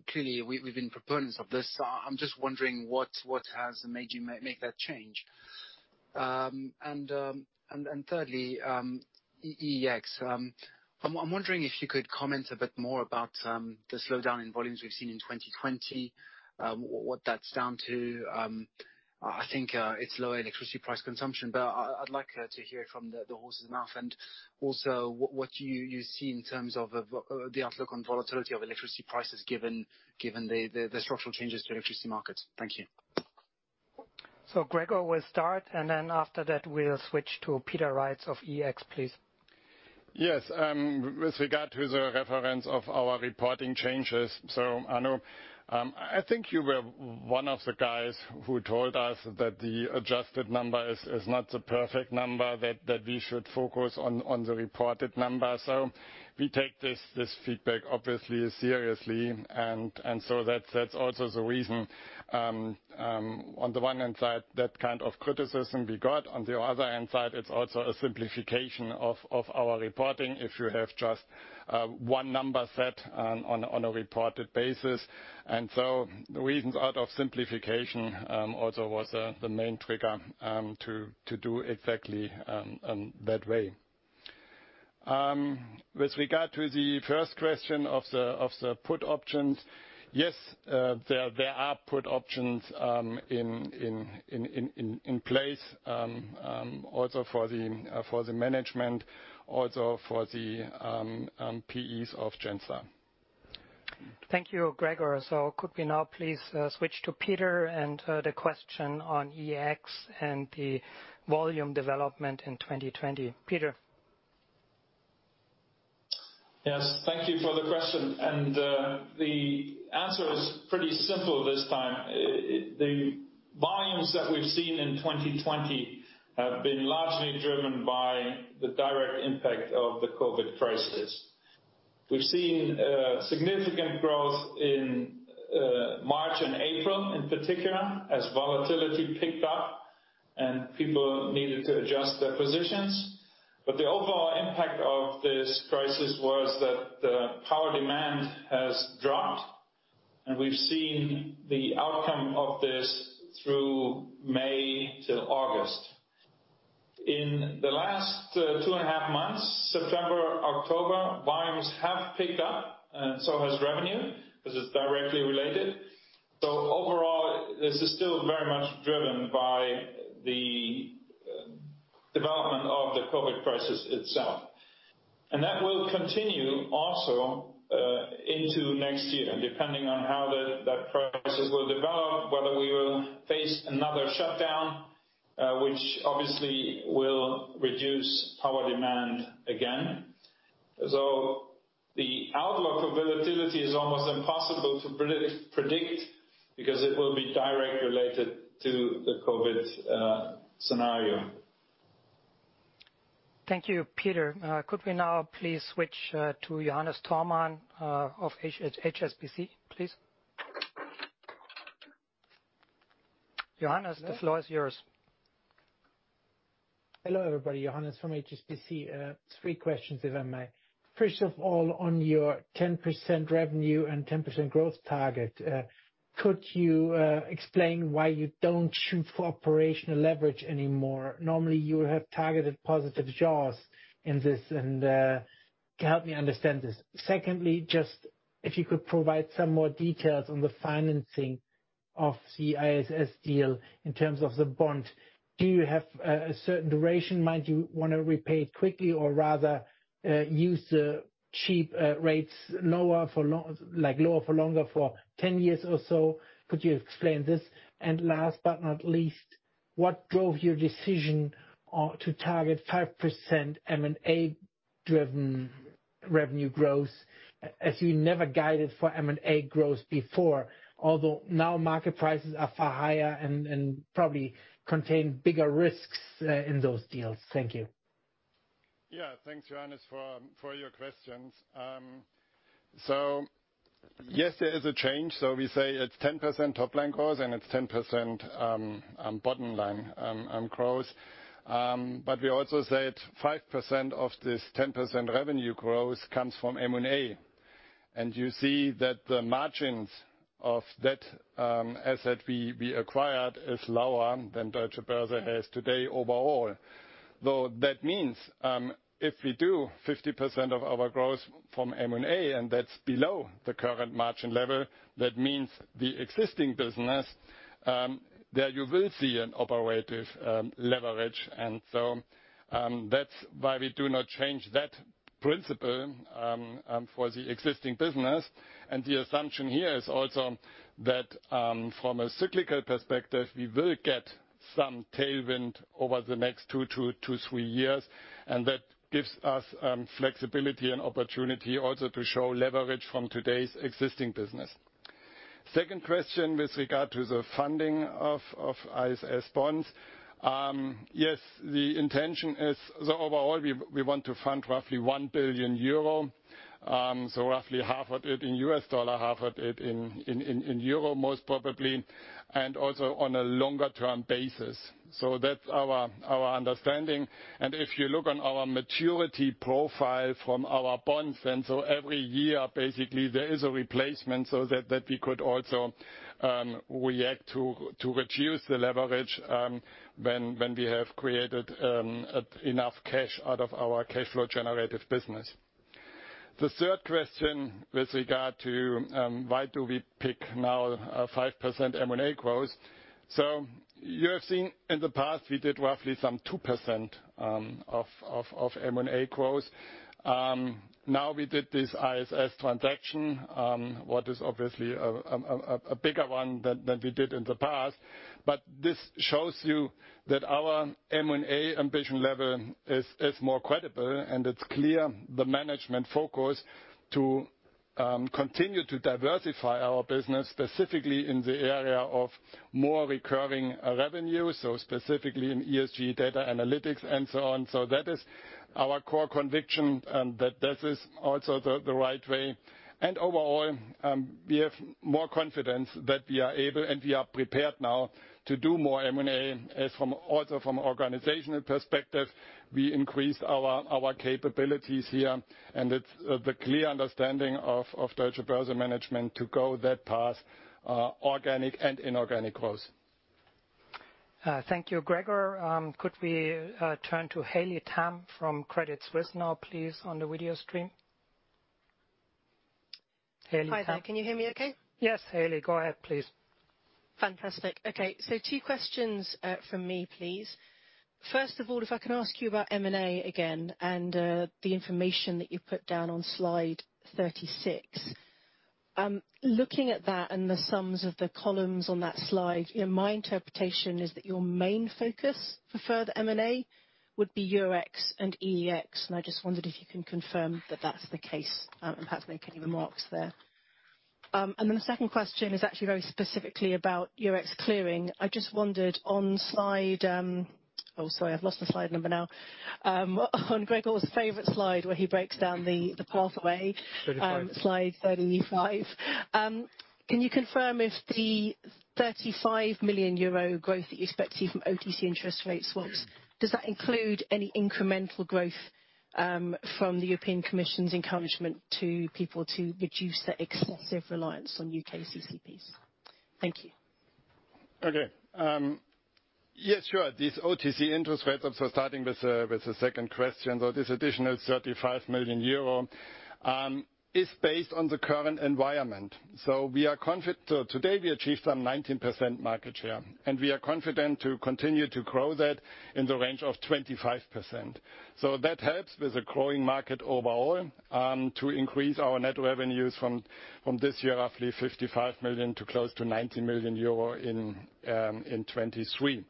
clearly, we've been proponents of this. I'm just wondering what has made you make that change? Thirdly, EEX. I'm wondering if you could comment a bit more about the slowdown in volumes we've seen in 2020, what that's down to. I think it's lower electricity price consumption, but I'd like to hear it from the horse's mouth. Also what you see in terms of the outlook on volatility of electricity prices given the structural changes to electricity markets. Thank you. Gregor will start, and then after that, we'll switch to Peter Reitz of EEX, please. Yes. With regard to the reference of our reporting changes. Arnaud, I think you were one of the guys who told us that the adjusted number is not the perfect number, that we should focus on the reported number. We take this feedback obviously seriously, and so that's also the reason, on the one hand side, that kind of criticism we got. On the other hand side, it's also a simplification of our reporting if you have just one number set on a reported basis. The reasons out of simplification also was the main trigger to do exactly that way. With regard to the first question of the put options, yes, there are put options in place, also for the management, also for the PEs of Genstar. Thank you, Gregor. Could we now please switch to Peter and the question on EEX and the volume development in 2020? Peter. Yes. Thank you for the question. The answer is pretty simple this time. The volumes that we've seen in 2020 have been largely driven by the direct impact of the COVID crisis. We've seen significant growth in March and April, in particular, as volatility picked up and people needed to adjust their positions. The overall impact of this crisis was that the power demand has dropped, and we've seen the outcome of this through May till August. In the last 2.5 months, September, October, volumes have picked up, and so has revenue. This is directly related. Overall, this is still very much driven by the development of the COVID crisis itself. That will continue also into next year, depending on how that crisis will develop, whether we will face another shutdown, which obviously will reduce power demand again. The outlook for volatility is almost impossible to predict because it will be directly related to the COVID scenario. Thank you, Peter. Could we now please switch to Johannes Thormann of HSBC, please? Johannes, the floor is yours. Hello, everybody. Johannes from HSBC. Three questions, if I may. First of all, on your 10% revenue and 10% growth target, could you explain why you don't shoot for operational leverage anymore? Normally, you would have targeted positive jaws in this. Can you help me understand this. Secondly, just if you could provide some more details on the financing of the ISS deal in terms of the bond. Do you have a certain duration? Might you want to repay quickly or rather use the cheap rates lower for longer for 10 years or so? Could you explain this? Last but not least, what drove your decision to target 5% M&A-driven revenue growth as you never guided for M&A growth before, although now market prices are far higher and probably contain bigger risks in those deals? Thank you. Yeah, thanks, Johannes, for your questions. Yes, there is a change. We say it's 10% top line growth and it's 10% bottom line growth. We also said 5% of this 10% revenue growth comes from M&A. You see that the margins of that asset we acquired is lower than Deutsche Börse has today overall. That means if we do 50% of our growth from M&A and that's below the current margin level, that means the existing business, there you will see an operative leverage. That's why we do not change that principle for the existing business. The assumption here is also that from a cyclical perspective, we will get some tailwind over the next two to three years, and that gives us flexibility and opportunity also to show leverage from today's existing business. Second question with regard to the funding of ISS bonds. Yes, the intention is, overall, we want to fund roughly 1 billion euro, roughly half of it in U.S. dollar, half of it in euro, most probably, and also on a longer term basis. That's our understanding. If you look on our maturity profile from our bonds, every year, basically, there is a replacement so that we could also react to reduce the leverage when we have created enough cash out of our cash flow generative business. The third question with regard to why do we pick now 5% M&A growth. You have seen in the past we did roughly some 2% of M&A growth. Now we did this ISS transaction, what is obviously a bigger one than we did in the past. This shows you that our M&A ambition level is more credible and it's clear the management focus to continue to diversify our business, specifically in the area of more recurring revenue, so specifically in ESG data analytics and so on. That is our core conviction, and that this is also the right way. Overall, we have more confidence that we are able, and we are prepared now to do more M&A. From organizational perspective, we increased our capabilities here, and it's the clear understanding of Deutsche Börse management to go that path, organic and inorganic growth. Thank you, Gregor. Could we turn to Haley Tam from Credit Suisse now, please, on the video stream? Haley Tam. Hi there. Can you hear me okay? Yes, Haley, go ahead, please. Fantastic. Okay, two questions from me, please. First of all, if I can ask you about M&A again and the information that you put down on slide 36. Looking at that and the sums of the columns on that slide, my interpretation is that your main focus for further M&A would be Eurex and EEX. I just wondered if you can confirm that that's the case, and perhaps make any remarks there. The second question is actually very specifically about Eurex clearing. I just wondered on Gregor's favorite slide where he breaks down the pathway. Oh, sorry, I've lost the slide number now. 35. Slide 35. Can you confirm if the 35 million euro growth that you expect to see from OTC interest rate swaps, does that include any incremental growth from the European Commission's encouragement to people to reduce their excessive reliance on U.K. CCPs? Thank you. Okay. Yes, sure. These OTC interest rates, starting with the second question. This additional 35 million euro is based on the current environment. Today we achieved some 19% market share, and we are confident to continue to grow that in the range of 25%. That helps with the growing market overall, to increase our net revenues from this year, roughly 55 million to close to 90 million euro in 2023.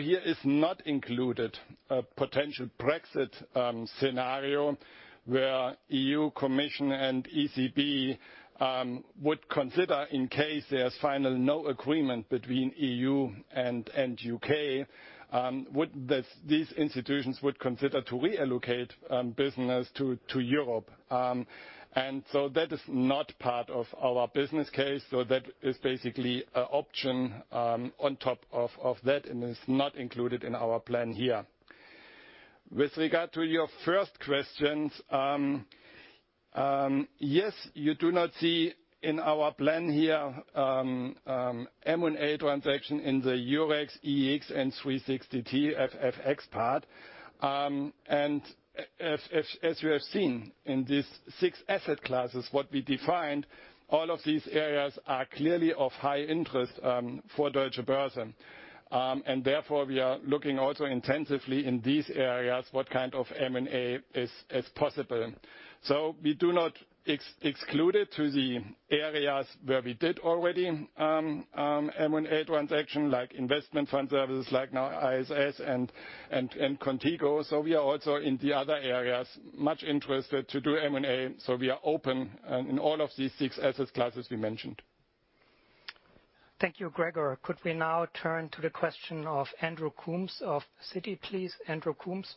Here is not included a potential Brexit scenario where European Commission and ECB would consider, in case there's final no agreement between EU and U.K., these institutions would consider to reallocate business to Europe. That is not part of our business case, that is basically an option on top of that and is not included in our plan here. With regard to your first questions. Yes, you do not see in our plan here M&A transaction in the Eurex, EEX, and 360T FX part. As you have seen in these six asset classes, what we defined, all of these areas are clearly of high interest for Deutsche Börse. Therefore, we are looking also intensively in these areas, what kind of M&A is possible. We do not exclude it to the areas where we did already M&A transaction, like investment fund services, like now ISS and Qontigo. We are also in the other areas, much interested to do M&A. We are open in all of these six assets classes we mentioned. Thank you, Gregor. Could we now turn to the question of Andrew Coombs of Citi, please? Andrew Coombs?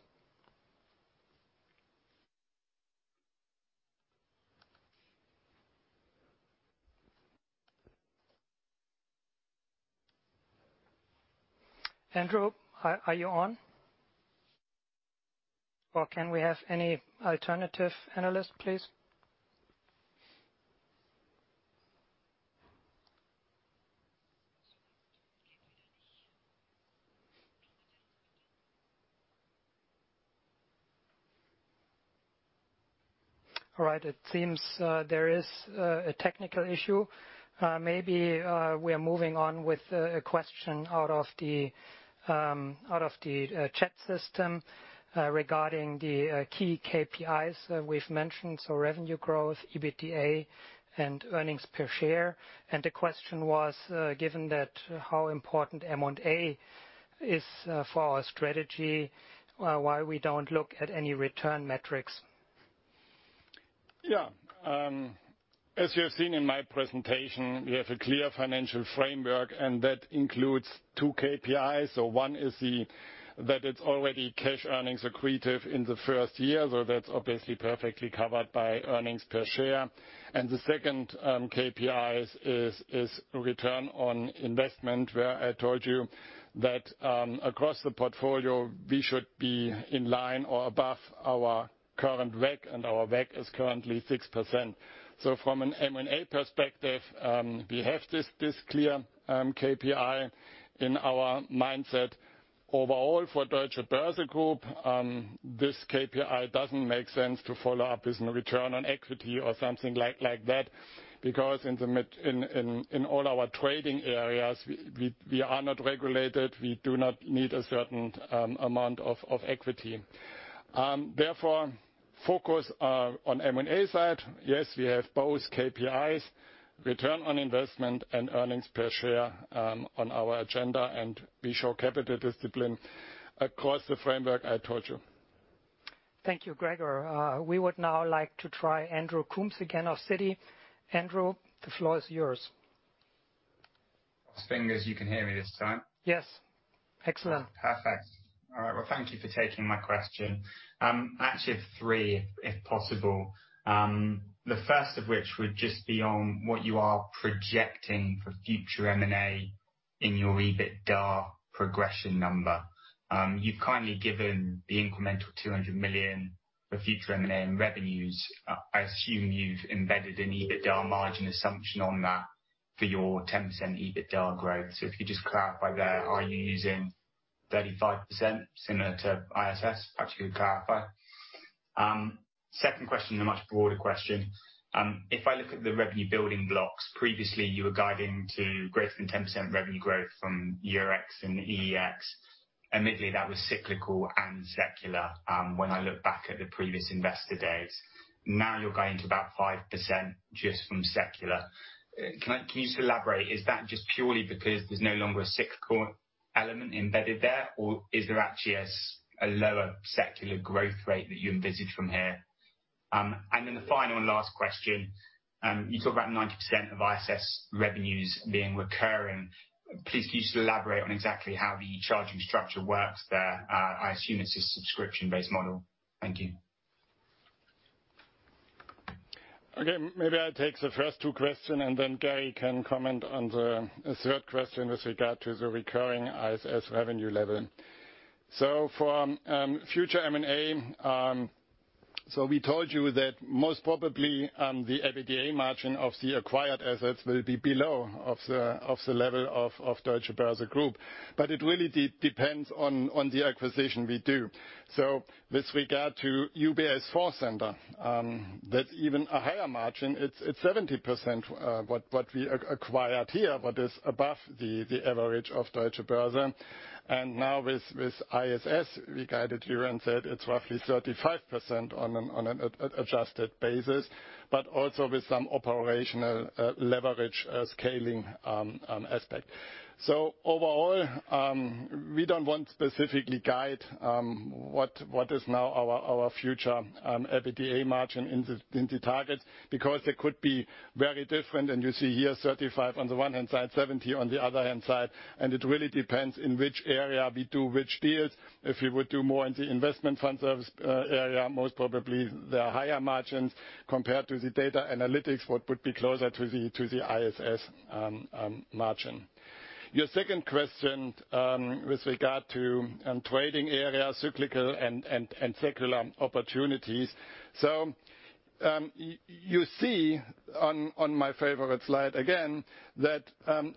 Andrew, are you on? Can we have any alternative analyst, please? All right. It seems there is a technical issue. Maybe we are moving on with a question out of the chat system regarding the key KPIs that we've mentioned, so revenue growth, EBITDA, and earnings per share. The question was, given that how important M&A is for our strategy, why we don't look at any return metrics? As you have seen in my presentation, we have a clear financial framework, and that includes two KPIs. One is that it's already cash earnings accretive in the first year, so that's obviously perfectly covered by earnings per share. The second KPI is return on investment, where I told you that across the portfolio, we should be in line or above our current WACC, and our WACC is currently 6%. From an M&A perspective, we have this clear KPI in our mindset. Overall, for Deutsche Börse Group, this KPI doesn't make sense to follow up as return on equity or something like that, because in all our trading areas, we are not regulated. We do not need a certain amount of equity. Focus on M&A side, yes, we have both KPIs, return on investment and earnings per share, on our agenda, and we show capital discipline across the framework I told you. Thank you, Gregor. We would now like to try Andrew Coombs again of Citi. Andrew, the floor is yours. Finally, you can hear me this time. Yes. Excellent. Thank you for taking my question. Actually three, if possible. The first of which would just be on what you are projecting for future M&A in your EBITDA progression number. You've kindly given the incremental 200 million for future M&A revenues. I assume you've embedded an EBITDA margin assumption on that for your 10% EBITDA growth. If you could just clarify there, are you using 35% similar to ISS? Actually, to clarify. Second question is a much broader question. If I look at the revenue building blocks, previously you were guiding to greater than 10% revenue growth from Eurex and EEX. Admittedly, that was cyclical and secular. When I look back at the previous investor days. Now you're guiding to about 5% just from secular. Can you elaborate? Is that just purely because there's no longer a cyclical element embedded there, or is there actually a lower secular growth rate that you envisage from here? Then the final and last question. You talk about 90% of ISS revenues being recurring. Please can you elaborate on exactly how the charging structure works there? I assume it's a subscription-based model. Thank you. Okay, maybe I take the first two question, then Gary can comment on the third question with regard to the recurring ISS revenue level. For future M&A, so we told you that most probably, the EBITDA margin of the acquired assets will be below of the level of Deutsche Börse Group. It really depends on the acquisition we do. With regard to UBS Fondcenter, that even a higher margin, it's 70%, what we acquired here, but is above the average of Deutsche Börse. Now with ISS, we guided you and said it's roughly 35% on an adjusted basis, but also with some operational leverage scaling aspect. Overall, we don't want specifically guide what is now our future EBITDA margin in the targets, because they could be very different. You see here 35% on the one hand side, 70% on the other hand side, and it really depends in which area we do which deals. If we would do more in the investment fund service area, most probably there are higher margins compared to the data analytics, which would be closer to the ISS margin. Your second question, with regard to trading area, cyclical and secular opportunities. You see on my favorite slide again that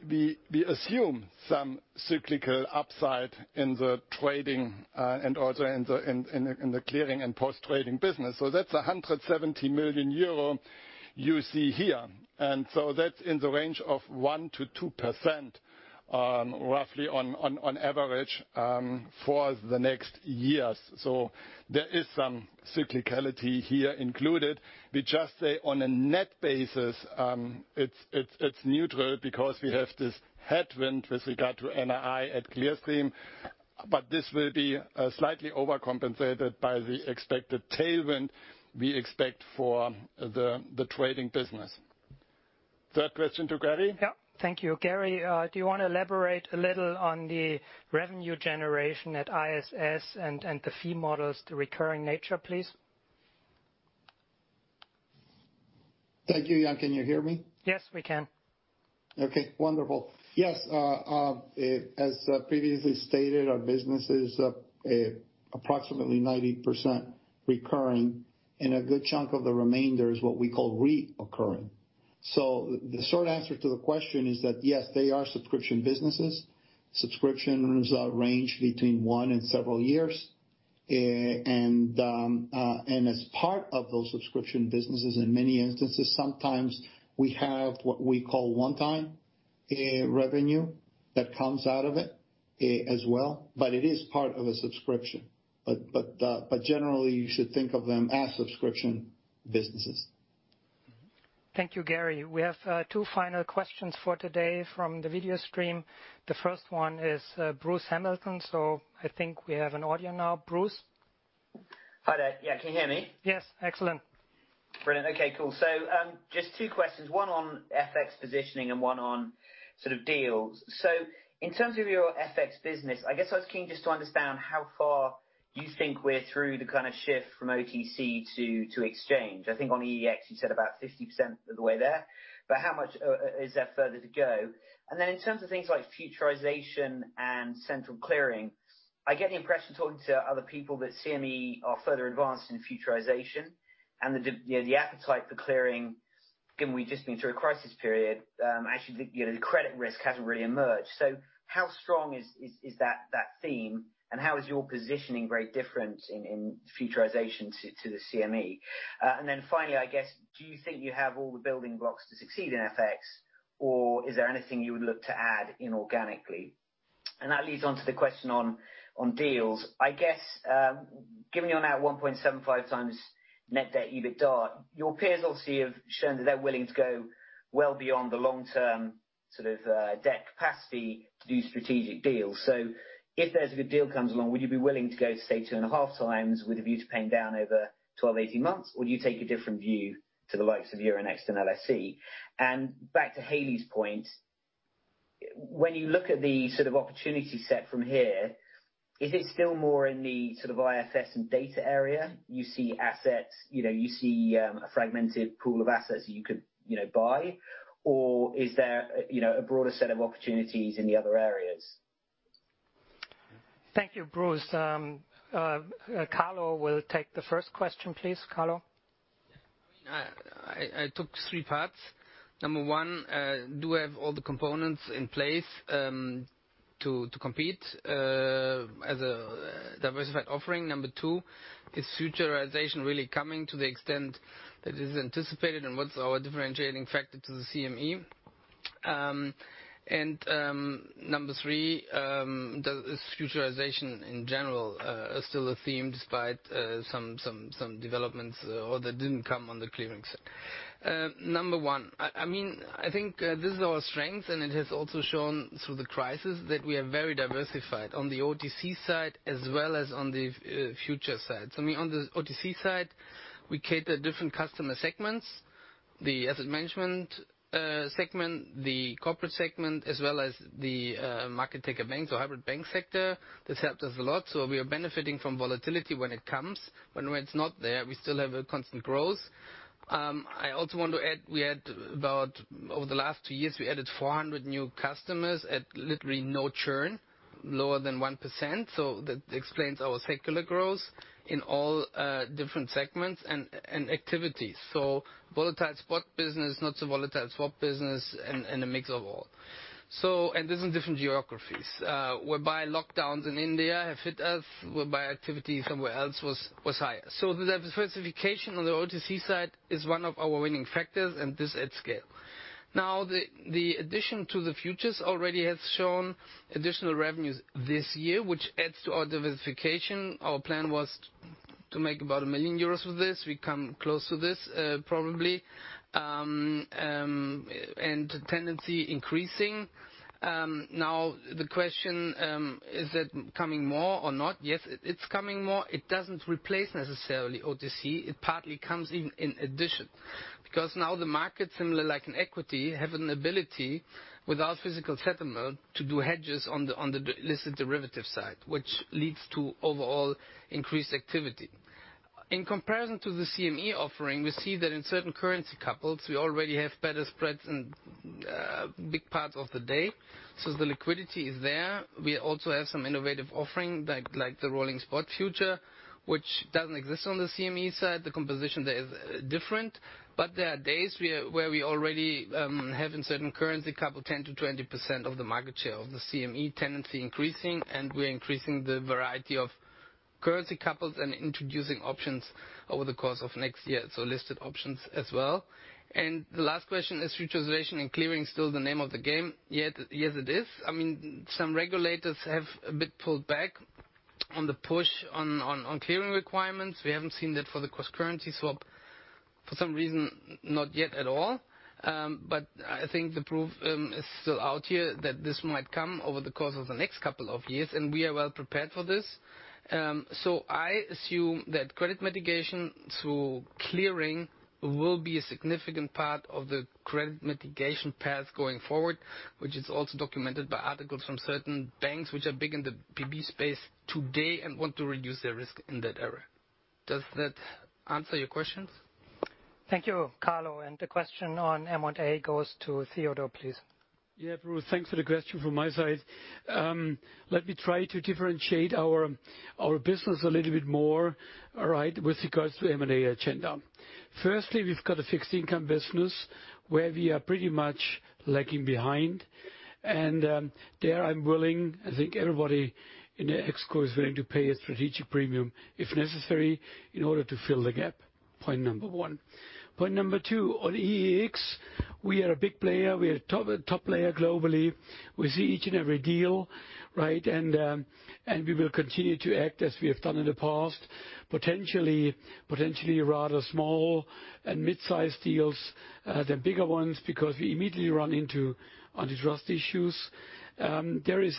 we assume some cyclical upside in the trading and also in the clearing and post-trading business. That's 170 million euro you see here. That's in the range of 1%-2%, roughly on average, for the next years. There is some cyclicality here included. We just say on a net basis, it's neutral because we have this headwind with regard to NII at Clearstream, but this will be slightly overcompensated by the expected tailwind we expect for the trading business. Third question to Gary? Yeah. Thank you. Gary, do you want to elaborate a little on the revenue generation at ISS and the fee models, the recurring nature, please? Thank you. Jan, can you hear me? Yes, we can. Okay, wonderful. Yes. As previously stated, our business is approximately 90% recurring, and a good chunk of the remainder is what we call reoccurring. The short answer to the question is that yes, they are subscription businesses. Subscriptions range between one and several years. As part of those subscription businesses, in many instances, sometimes we have what we call one-time revenue that comes out of it as well, but it is part of a subscription. Generally, you should think of them as subscription businesses. Thank you, Gary. We have two final questions for today from the video stream. The first one is Bruce Hamilton. I think we have an audio now. Bruce? Hi there. Yeah, can you hear me? Yes. Excellent. Brilliant. Okay, cool. Just two questions, one on FX positioning and one on deals. In terms of your FX business, I guess I was keen just to understand how far you think we're through the kind of shift from OTC to exchange. I think on EEX you said about 50% of the way there. How much is there further to go? In terms of things like futurization and central clearing, I get the impression talking to other people that CME are further advanced in futurization and the appetite for clearing, given we've just been through a crisis period, actually the credit risk hasn't really emerged. How strong is that theme and how is your positioning very different in futurization to the CME? Finally, I guess, do you think you have all the building blocks to succeed in FX or is there anything you would look to add inorganically? That leads on to the question on deals. I guess, given you're now at 1.75x net debt EBITDA, your peers obviously have shown that they're willing to go well beyond the long-term sort of debt capacity to do strategic deals. If there's a good deal comes along, would you be willing to go say 2.5x with a view to paying down over 12, 18 months? Do you take a different view to the likes of Euronext and LSE? Back to Haley's point When you look at the opportunity set from here, is it still more in the ISS and data area? You see a fragmented pool of assets that you could buy, or is there a broader set of opportunities in the other areas? Thank you, Bruce. Carlo will take the first question, please. Carlo? I took three parts. Number one, do we have all the components in place to compete as a diversified offering? Number two, is futurization really coming to the extent that is anticipated, and what's our differentiating factor to the CME? Number three, is futurization in general still a theme despite some developments or that didn't come on the clearing side? Number one, I think this is our strength, and it has also shown through the crisis that we are very diversified on the OTC side as well as on the future side. On the OTC side, we cater different customer segments, the asset management segment, the corporate segment, as well as the market taker banks or hybrid bank sector. This helped us a lot. We are benefiting from volatility when it comes, but when it's not there, we still have a constant growth. I also want to add, over the last two years, we added 400 new customers at literally no churn, lower than 1%. That explains our secular growth in all different segments and activities. Volatile spot business, not so volatile swap business, and a mix of all. This is different geographies, whereby lockdowns in India have hit us, whereby activity somewhere else was higher. The diversification on the OTC side is one of our winning factors, and this at scale. The addition to the futures already has shown additional revenues this year, which adds to our diversification. Our plan was to make about 1 million euros with this. We come close to this, probably. The tendency increasing. The question, is it coming more or not? Yes, it's coming more. It doesn't replace necessarily OTC. It partly comes in addition, because now the market similar like in equity, have an ability without physical settlement to do hedges on the listed derivative side, which leads to overall increased activity. In comparison to the CME offering, we see that in certain currency couples, we already have better spreads in big parts of the day. The liquidity is there. We also have some innovative offering, like the rolling spot future, which doesn't exist on the CME side. The composition there is different. There are days where we already have in certain currency couple, 10%-20% of the market share of the CME tendency increasing, and we're increasing the variety of currency couples and introducing options over the course of next year. Listed options as well. The last question, is futurization and clearing still the name of the game? Yes, it is. Some regulators have a bit pulled back on the push on clearing requirements. We haven't seen that for the cross-currency swap for some reason, not yet at all. I think the proof is still out here that this might come over the course of the next couple of years, and we are well prepared for this. I assume that credit mitigation through clearing will be a significant part of the credit mitigation path going forward, which is also documented by articles from certain banks, which are big in the PB space today and want to reduce their risk in that area. Does that answer your questions? Thank you, Carlo. The question on M&A goes to Theodor, please. Yeah, Bruce, thanks for the question from my side. Let me try to differentiate our business a little bit more, all right, with regards to M&A agenda. Firstly, we've got a fixed income business where we are pretty much lagging behind, and there, I'm willing, I think everybody in the ExCo is willing to pay a strategic premium if necessary in order to fill the gap. Point number one. Point number two, on EEX, we are a big player. We are top player globally. We see each and every deal, right? We will continue to act as we have done in the past, potentially rather small and mid-size deals than bigger ones, because we immediately run into antitrust issues. There is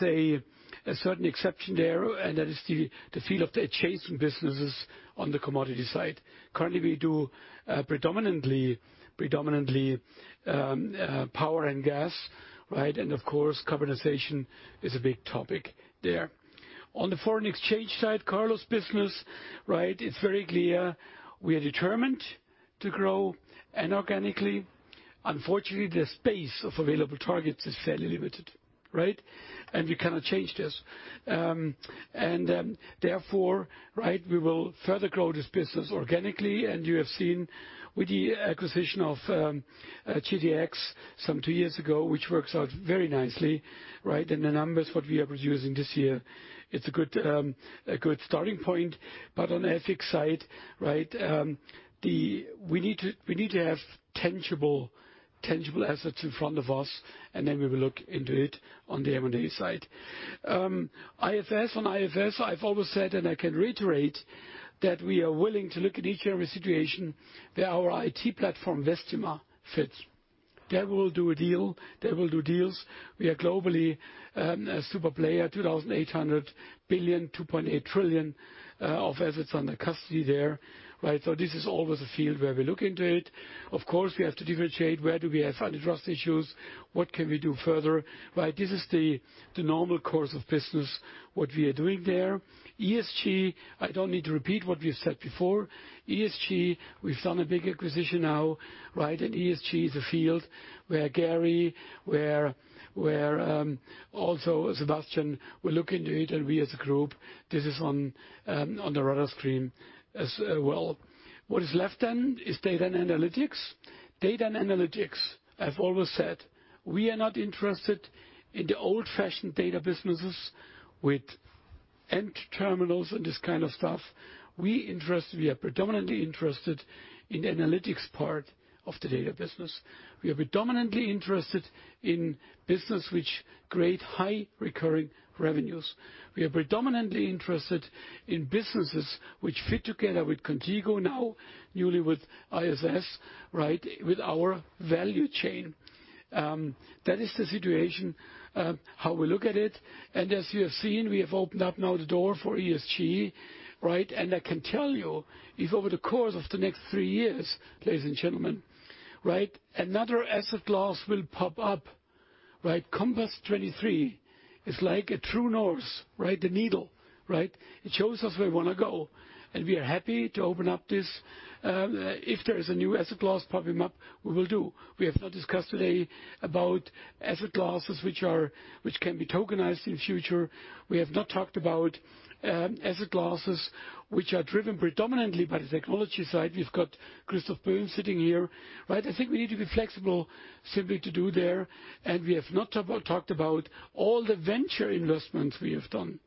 a certain exception there, and that is the field of the adjacent businesses on the commodity side. Currently, we do predominantly power and gas, right? Of course, carbonization is a big topic there. On the foreign exchange side, Carlo's business, right, it's very clear. We are determined to grow and organically, unfortunately, the space of available targets is fairly limited, right? We cannot change this. Therefore, we will further grow this business organically, and you have seen with the acquisition of GTX some two years ago, which works out very nicely, right? The numbers what we are producing this year, it's a good starting point. On EEX side, we need to have tangible assets in front of us, and then we will look into it on the M&A side. On IFS, I've always said, and I can reiterate, that we are willing to look at each and every situation where our IT platform, Vestima, fits. There we'll do deals. We are globally a super player, 2.800 billion, 2.8 trillion of assets under custody there. This is always a field where we look into it. Of course, we have to differentiate where do we have anti-trust issues? What can we do further? This is the normal course of business, what we are doing there. ESG, I don't need to repeat what we've said before. ESG, we've done a big acquisition now. ESG is a field where Gary, where also Sebastian, will look into it and we as a group, this is on the radar screen as well. What is left then is data and analytics. Data and analytics, I've always said, we are not interested in the old-fashioned data businesses with end terminals and this kind of stuff. We are predominantly interested in the analytics part of the data business. We are predominantly interested in business which create high recurring revenues. We are predominantly interested in businesses which fit together with Qontigo now, newly with ISS. With our value chain. That is the situation, how we look at it. As you have seen, we have opened up now the door for ESG. I can tell you, if over the course of the next three years, ladies and gentlemen, another asset class will pop up. Compass 2023 is like a true north, the needle. It shows us where we want to go, and we are happy to open up this. If there is a new asset class popping up, we will do. We have not discussed today about asset classes which can be tokenized in the future. We have not talked about asset classes which are driven predominantly by the technology side. We've got Christoph Böhm sitting here. I think we need to be flexible simply to do there. We have not talked about all the venture investments we have done.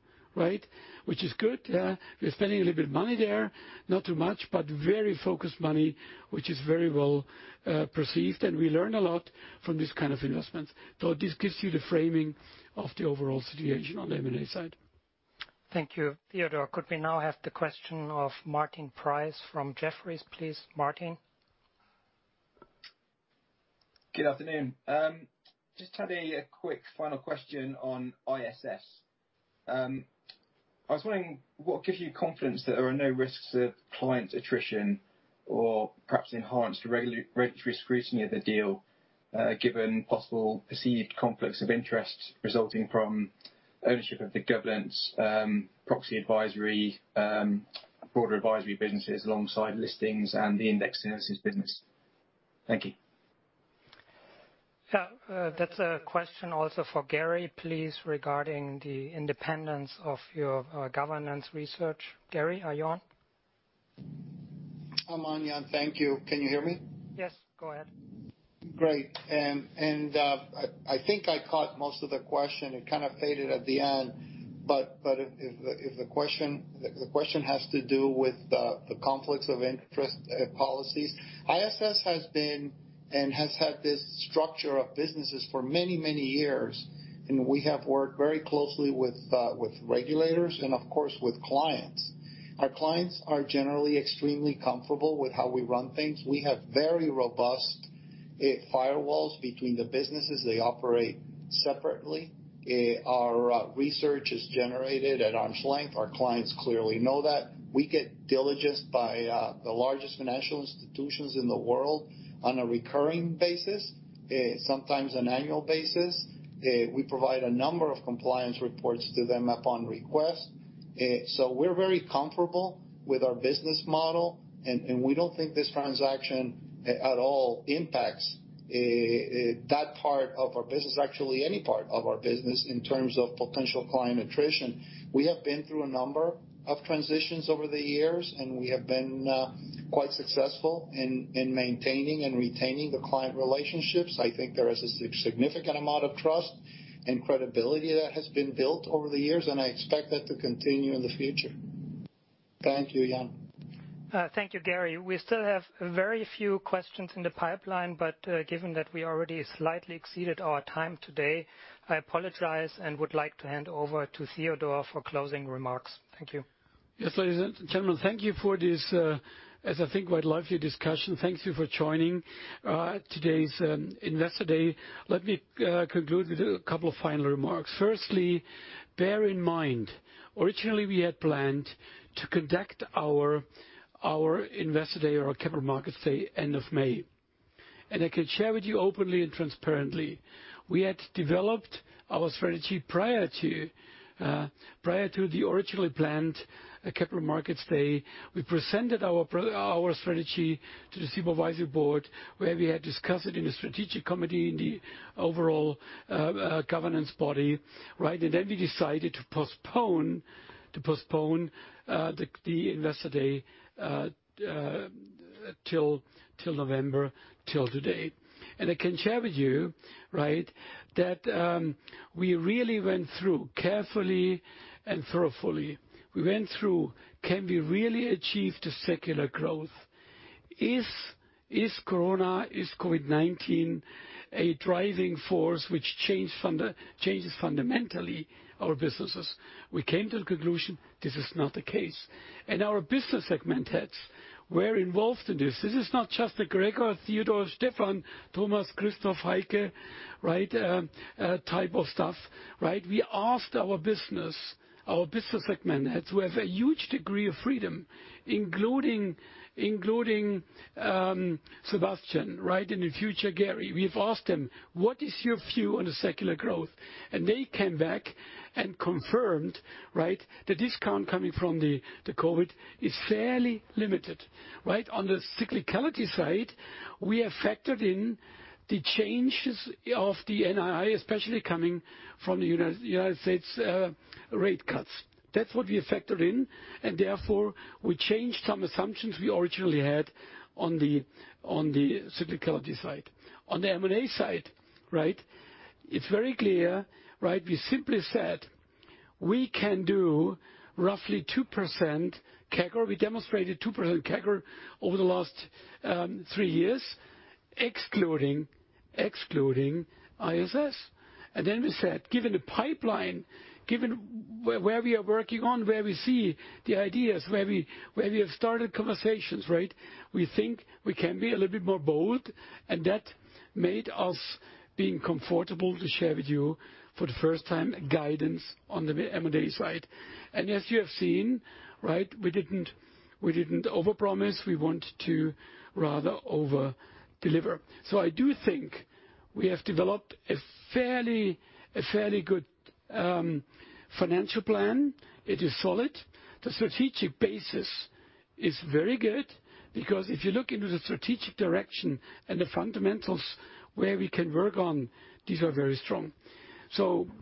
Which is good. We are spending a little bit of money there, not too much, but very focused money, which is very well perceived, and we learn a lot from these kind of investments. This gives you the framing of the overall situation on the M&A side. Thank you, Theodor. Could we now have the question of Martin Price from Jefferies, please? Martin. Good afternoon. Just had a quick final question on ISS. I was wondering what gives you confidence that there are no risks of client attrition or perhaps enhanced regulatory scrutiny of the deal, given possible perceived conflicts of interest resulting from ownership of the governance, proxy advisory, broader advisory businesses alongside listings and the index services business. Thank you. Yeah. That's a question also for Gary, please, regarding the independence of your governance research. Gary, are you on? I'm on, Jan. Thank you. Can you hear me? Yes, go ahead. Great. I think I caught most of the question. It kind of faded at the end. If the question has to do with the conflicts of interest policies, ISS has been and has had this structure of businesses for many, many years, and we have worked very closely with regulators and, of course, with clients. Our clients are generally extremely comfortable with how we run things. We have very robust firewalls between the businesses. They operate separately. Our research is generated at arm's length. Our clients clearly know that. We get diligence by the largest financial institutions in the world on a recurring basis, sometimes an annual basis. We provide a number of compliance reports to them upon request. We're very comfortable with our business model, and we don't think this transaction at all impacts that part of our business. Actually, any part of our business in terms of potential client attrition. We have been through a number of transitions over the years, and we have been quite successful in maintaining and retaining the client relationships. I think there is a significant amount of trust and credibility that has been built over the years, and I expect that to continue in the future. Thank you, Jan. Thank you, Gary. We still have very few questions in the pipeline, but, given that we already slightly exceeded our time today, I apologize and would like to hand over to Theodor for closing remarks. Thank you. Yes, ladies and gentlemen, thank you for this, as I think, quite lively discussion. Thank you for joining today's Investor Day. Let me conclude with a couple of final remarks. Firstly, bear in mind, originally we had planned to conduct our Investor Day or our Capital Markets Day end of May. I can share with you openly and transparently, we had developed our strategy prior to the originally planned Capital Markets Day. We presented our strategy to the Supervisory Board, where we had discussed it in a strategic committee in the overall governance body. Then we decided to postpone the Investor Day till November, till today. I can share with you that we really went through carefully and thoroughly. We went through, can we really achieve the secular growth? Is Corona, is COVID-19 a driving force which changes fundamentally our businesses? We came to the conclusion, this is not the case. Our business segment heads were involved in this. This is not just a Gregor, Theodor, Stephan, Thomas, Christoph, Heike type of stuff. We asked our business segment heads who have a huge degree of freedom, including Sebastian. In future, Gary. We've asked them, "What is your view on the secular growth?" They came back and confirmed the discount coming from the COVID is fairly limited. On the cyclicality side, we have factored in the changes of the NII, especially coming from the U.S. rate cuts. That's what we have factored in, and therefore, we changed some assumptions we originally had on the cyclicality side. On the M&A side, it's very clear. We simply said, we can do roughly 2% CAGR. We demonstrated 2% CAGR over the last three years, excluding ISS. We said, given the pipeline, given where we are working on, where we see the ideas, where we have started conversations, we think we can be a little bit more bold, and that made us being comfortable to share with you for the first time guidance on the M&A side. As you have seen, we didn't overpromise. We want to rather overdeliver. I do think we have developed a fairly good financial plan. It is solid. The strategic basis is very good because if you look into the strategic direction and the fundamentals where we can work on, these are very strong.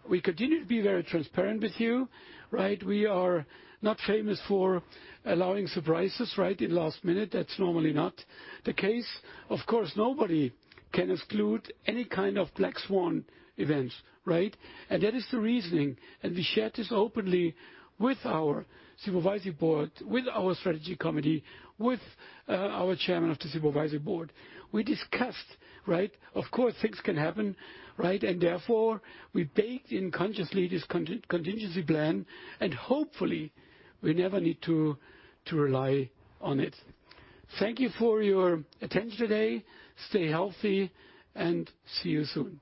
We continue to be very transparent with you. We are not famous for allowing surprises in last minute. That's normally not the case. Of course, nobody can exclude any kind of black swan events. That is the reasoning, and we shared this openly with our Supervisory Board, with our Strategy Committee, with our Chairman of the Supervisory Board. We discussed. Of course, things can happen. Therefore, we baked in consciously this contingency plan, and hopefully we never need to rely on it. Thank you for your attention today. Stay healthy and see you soon.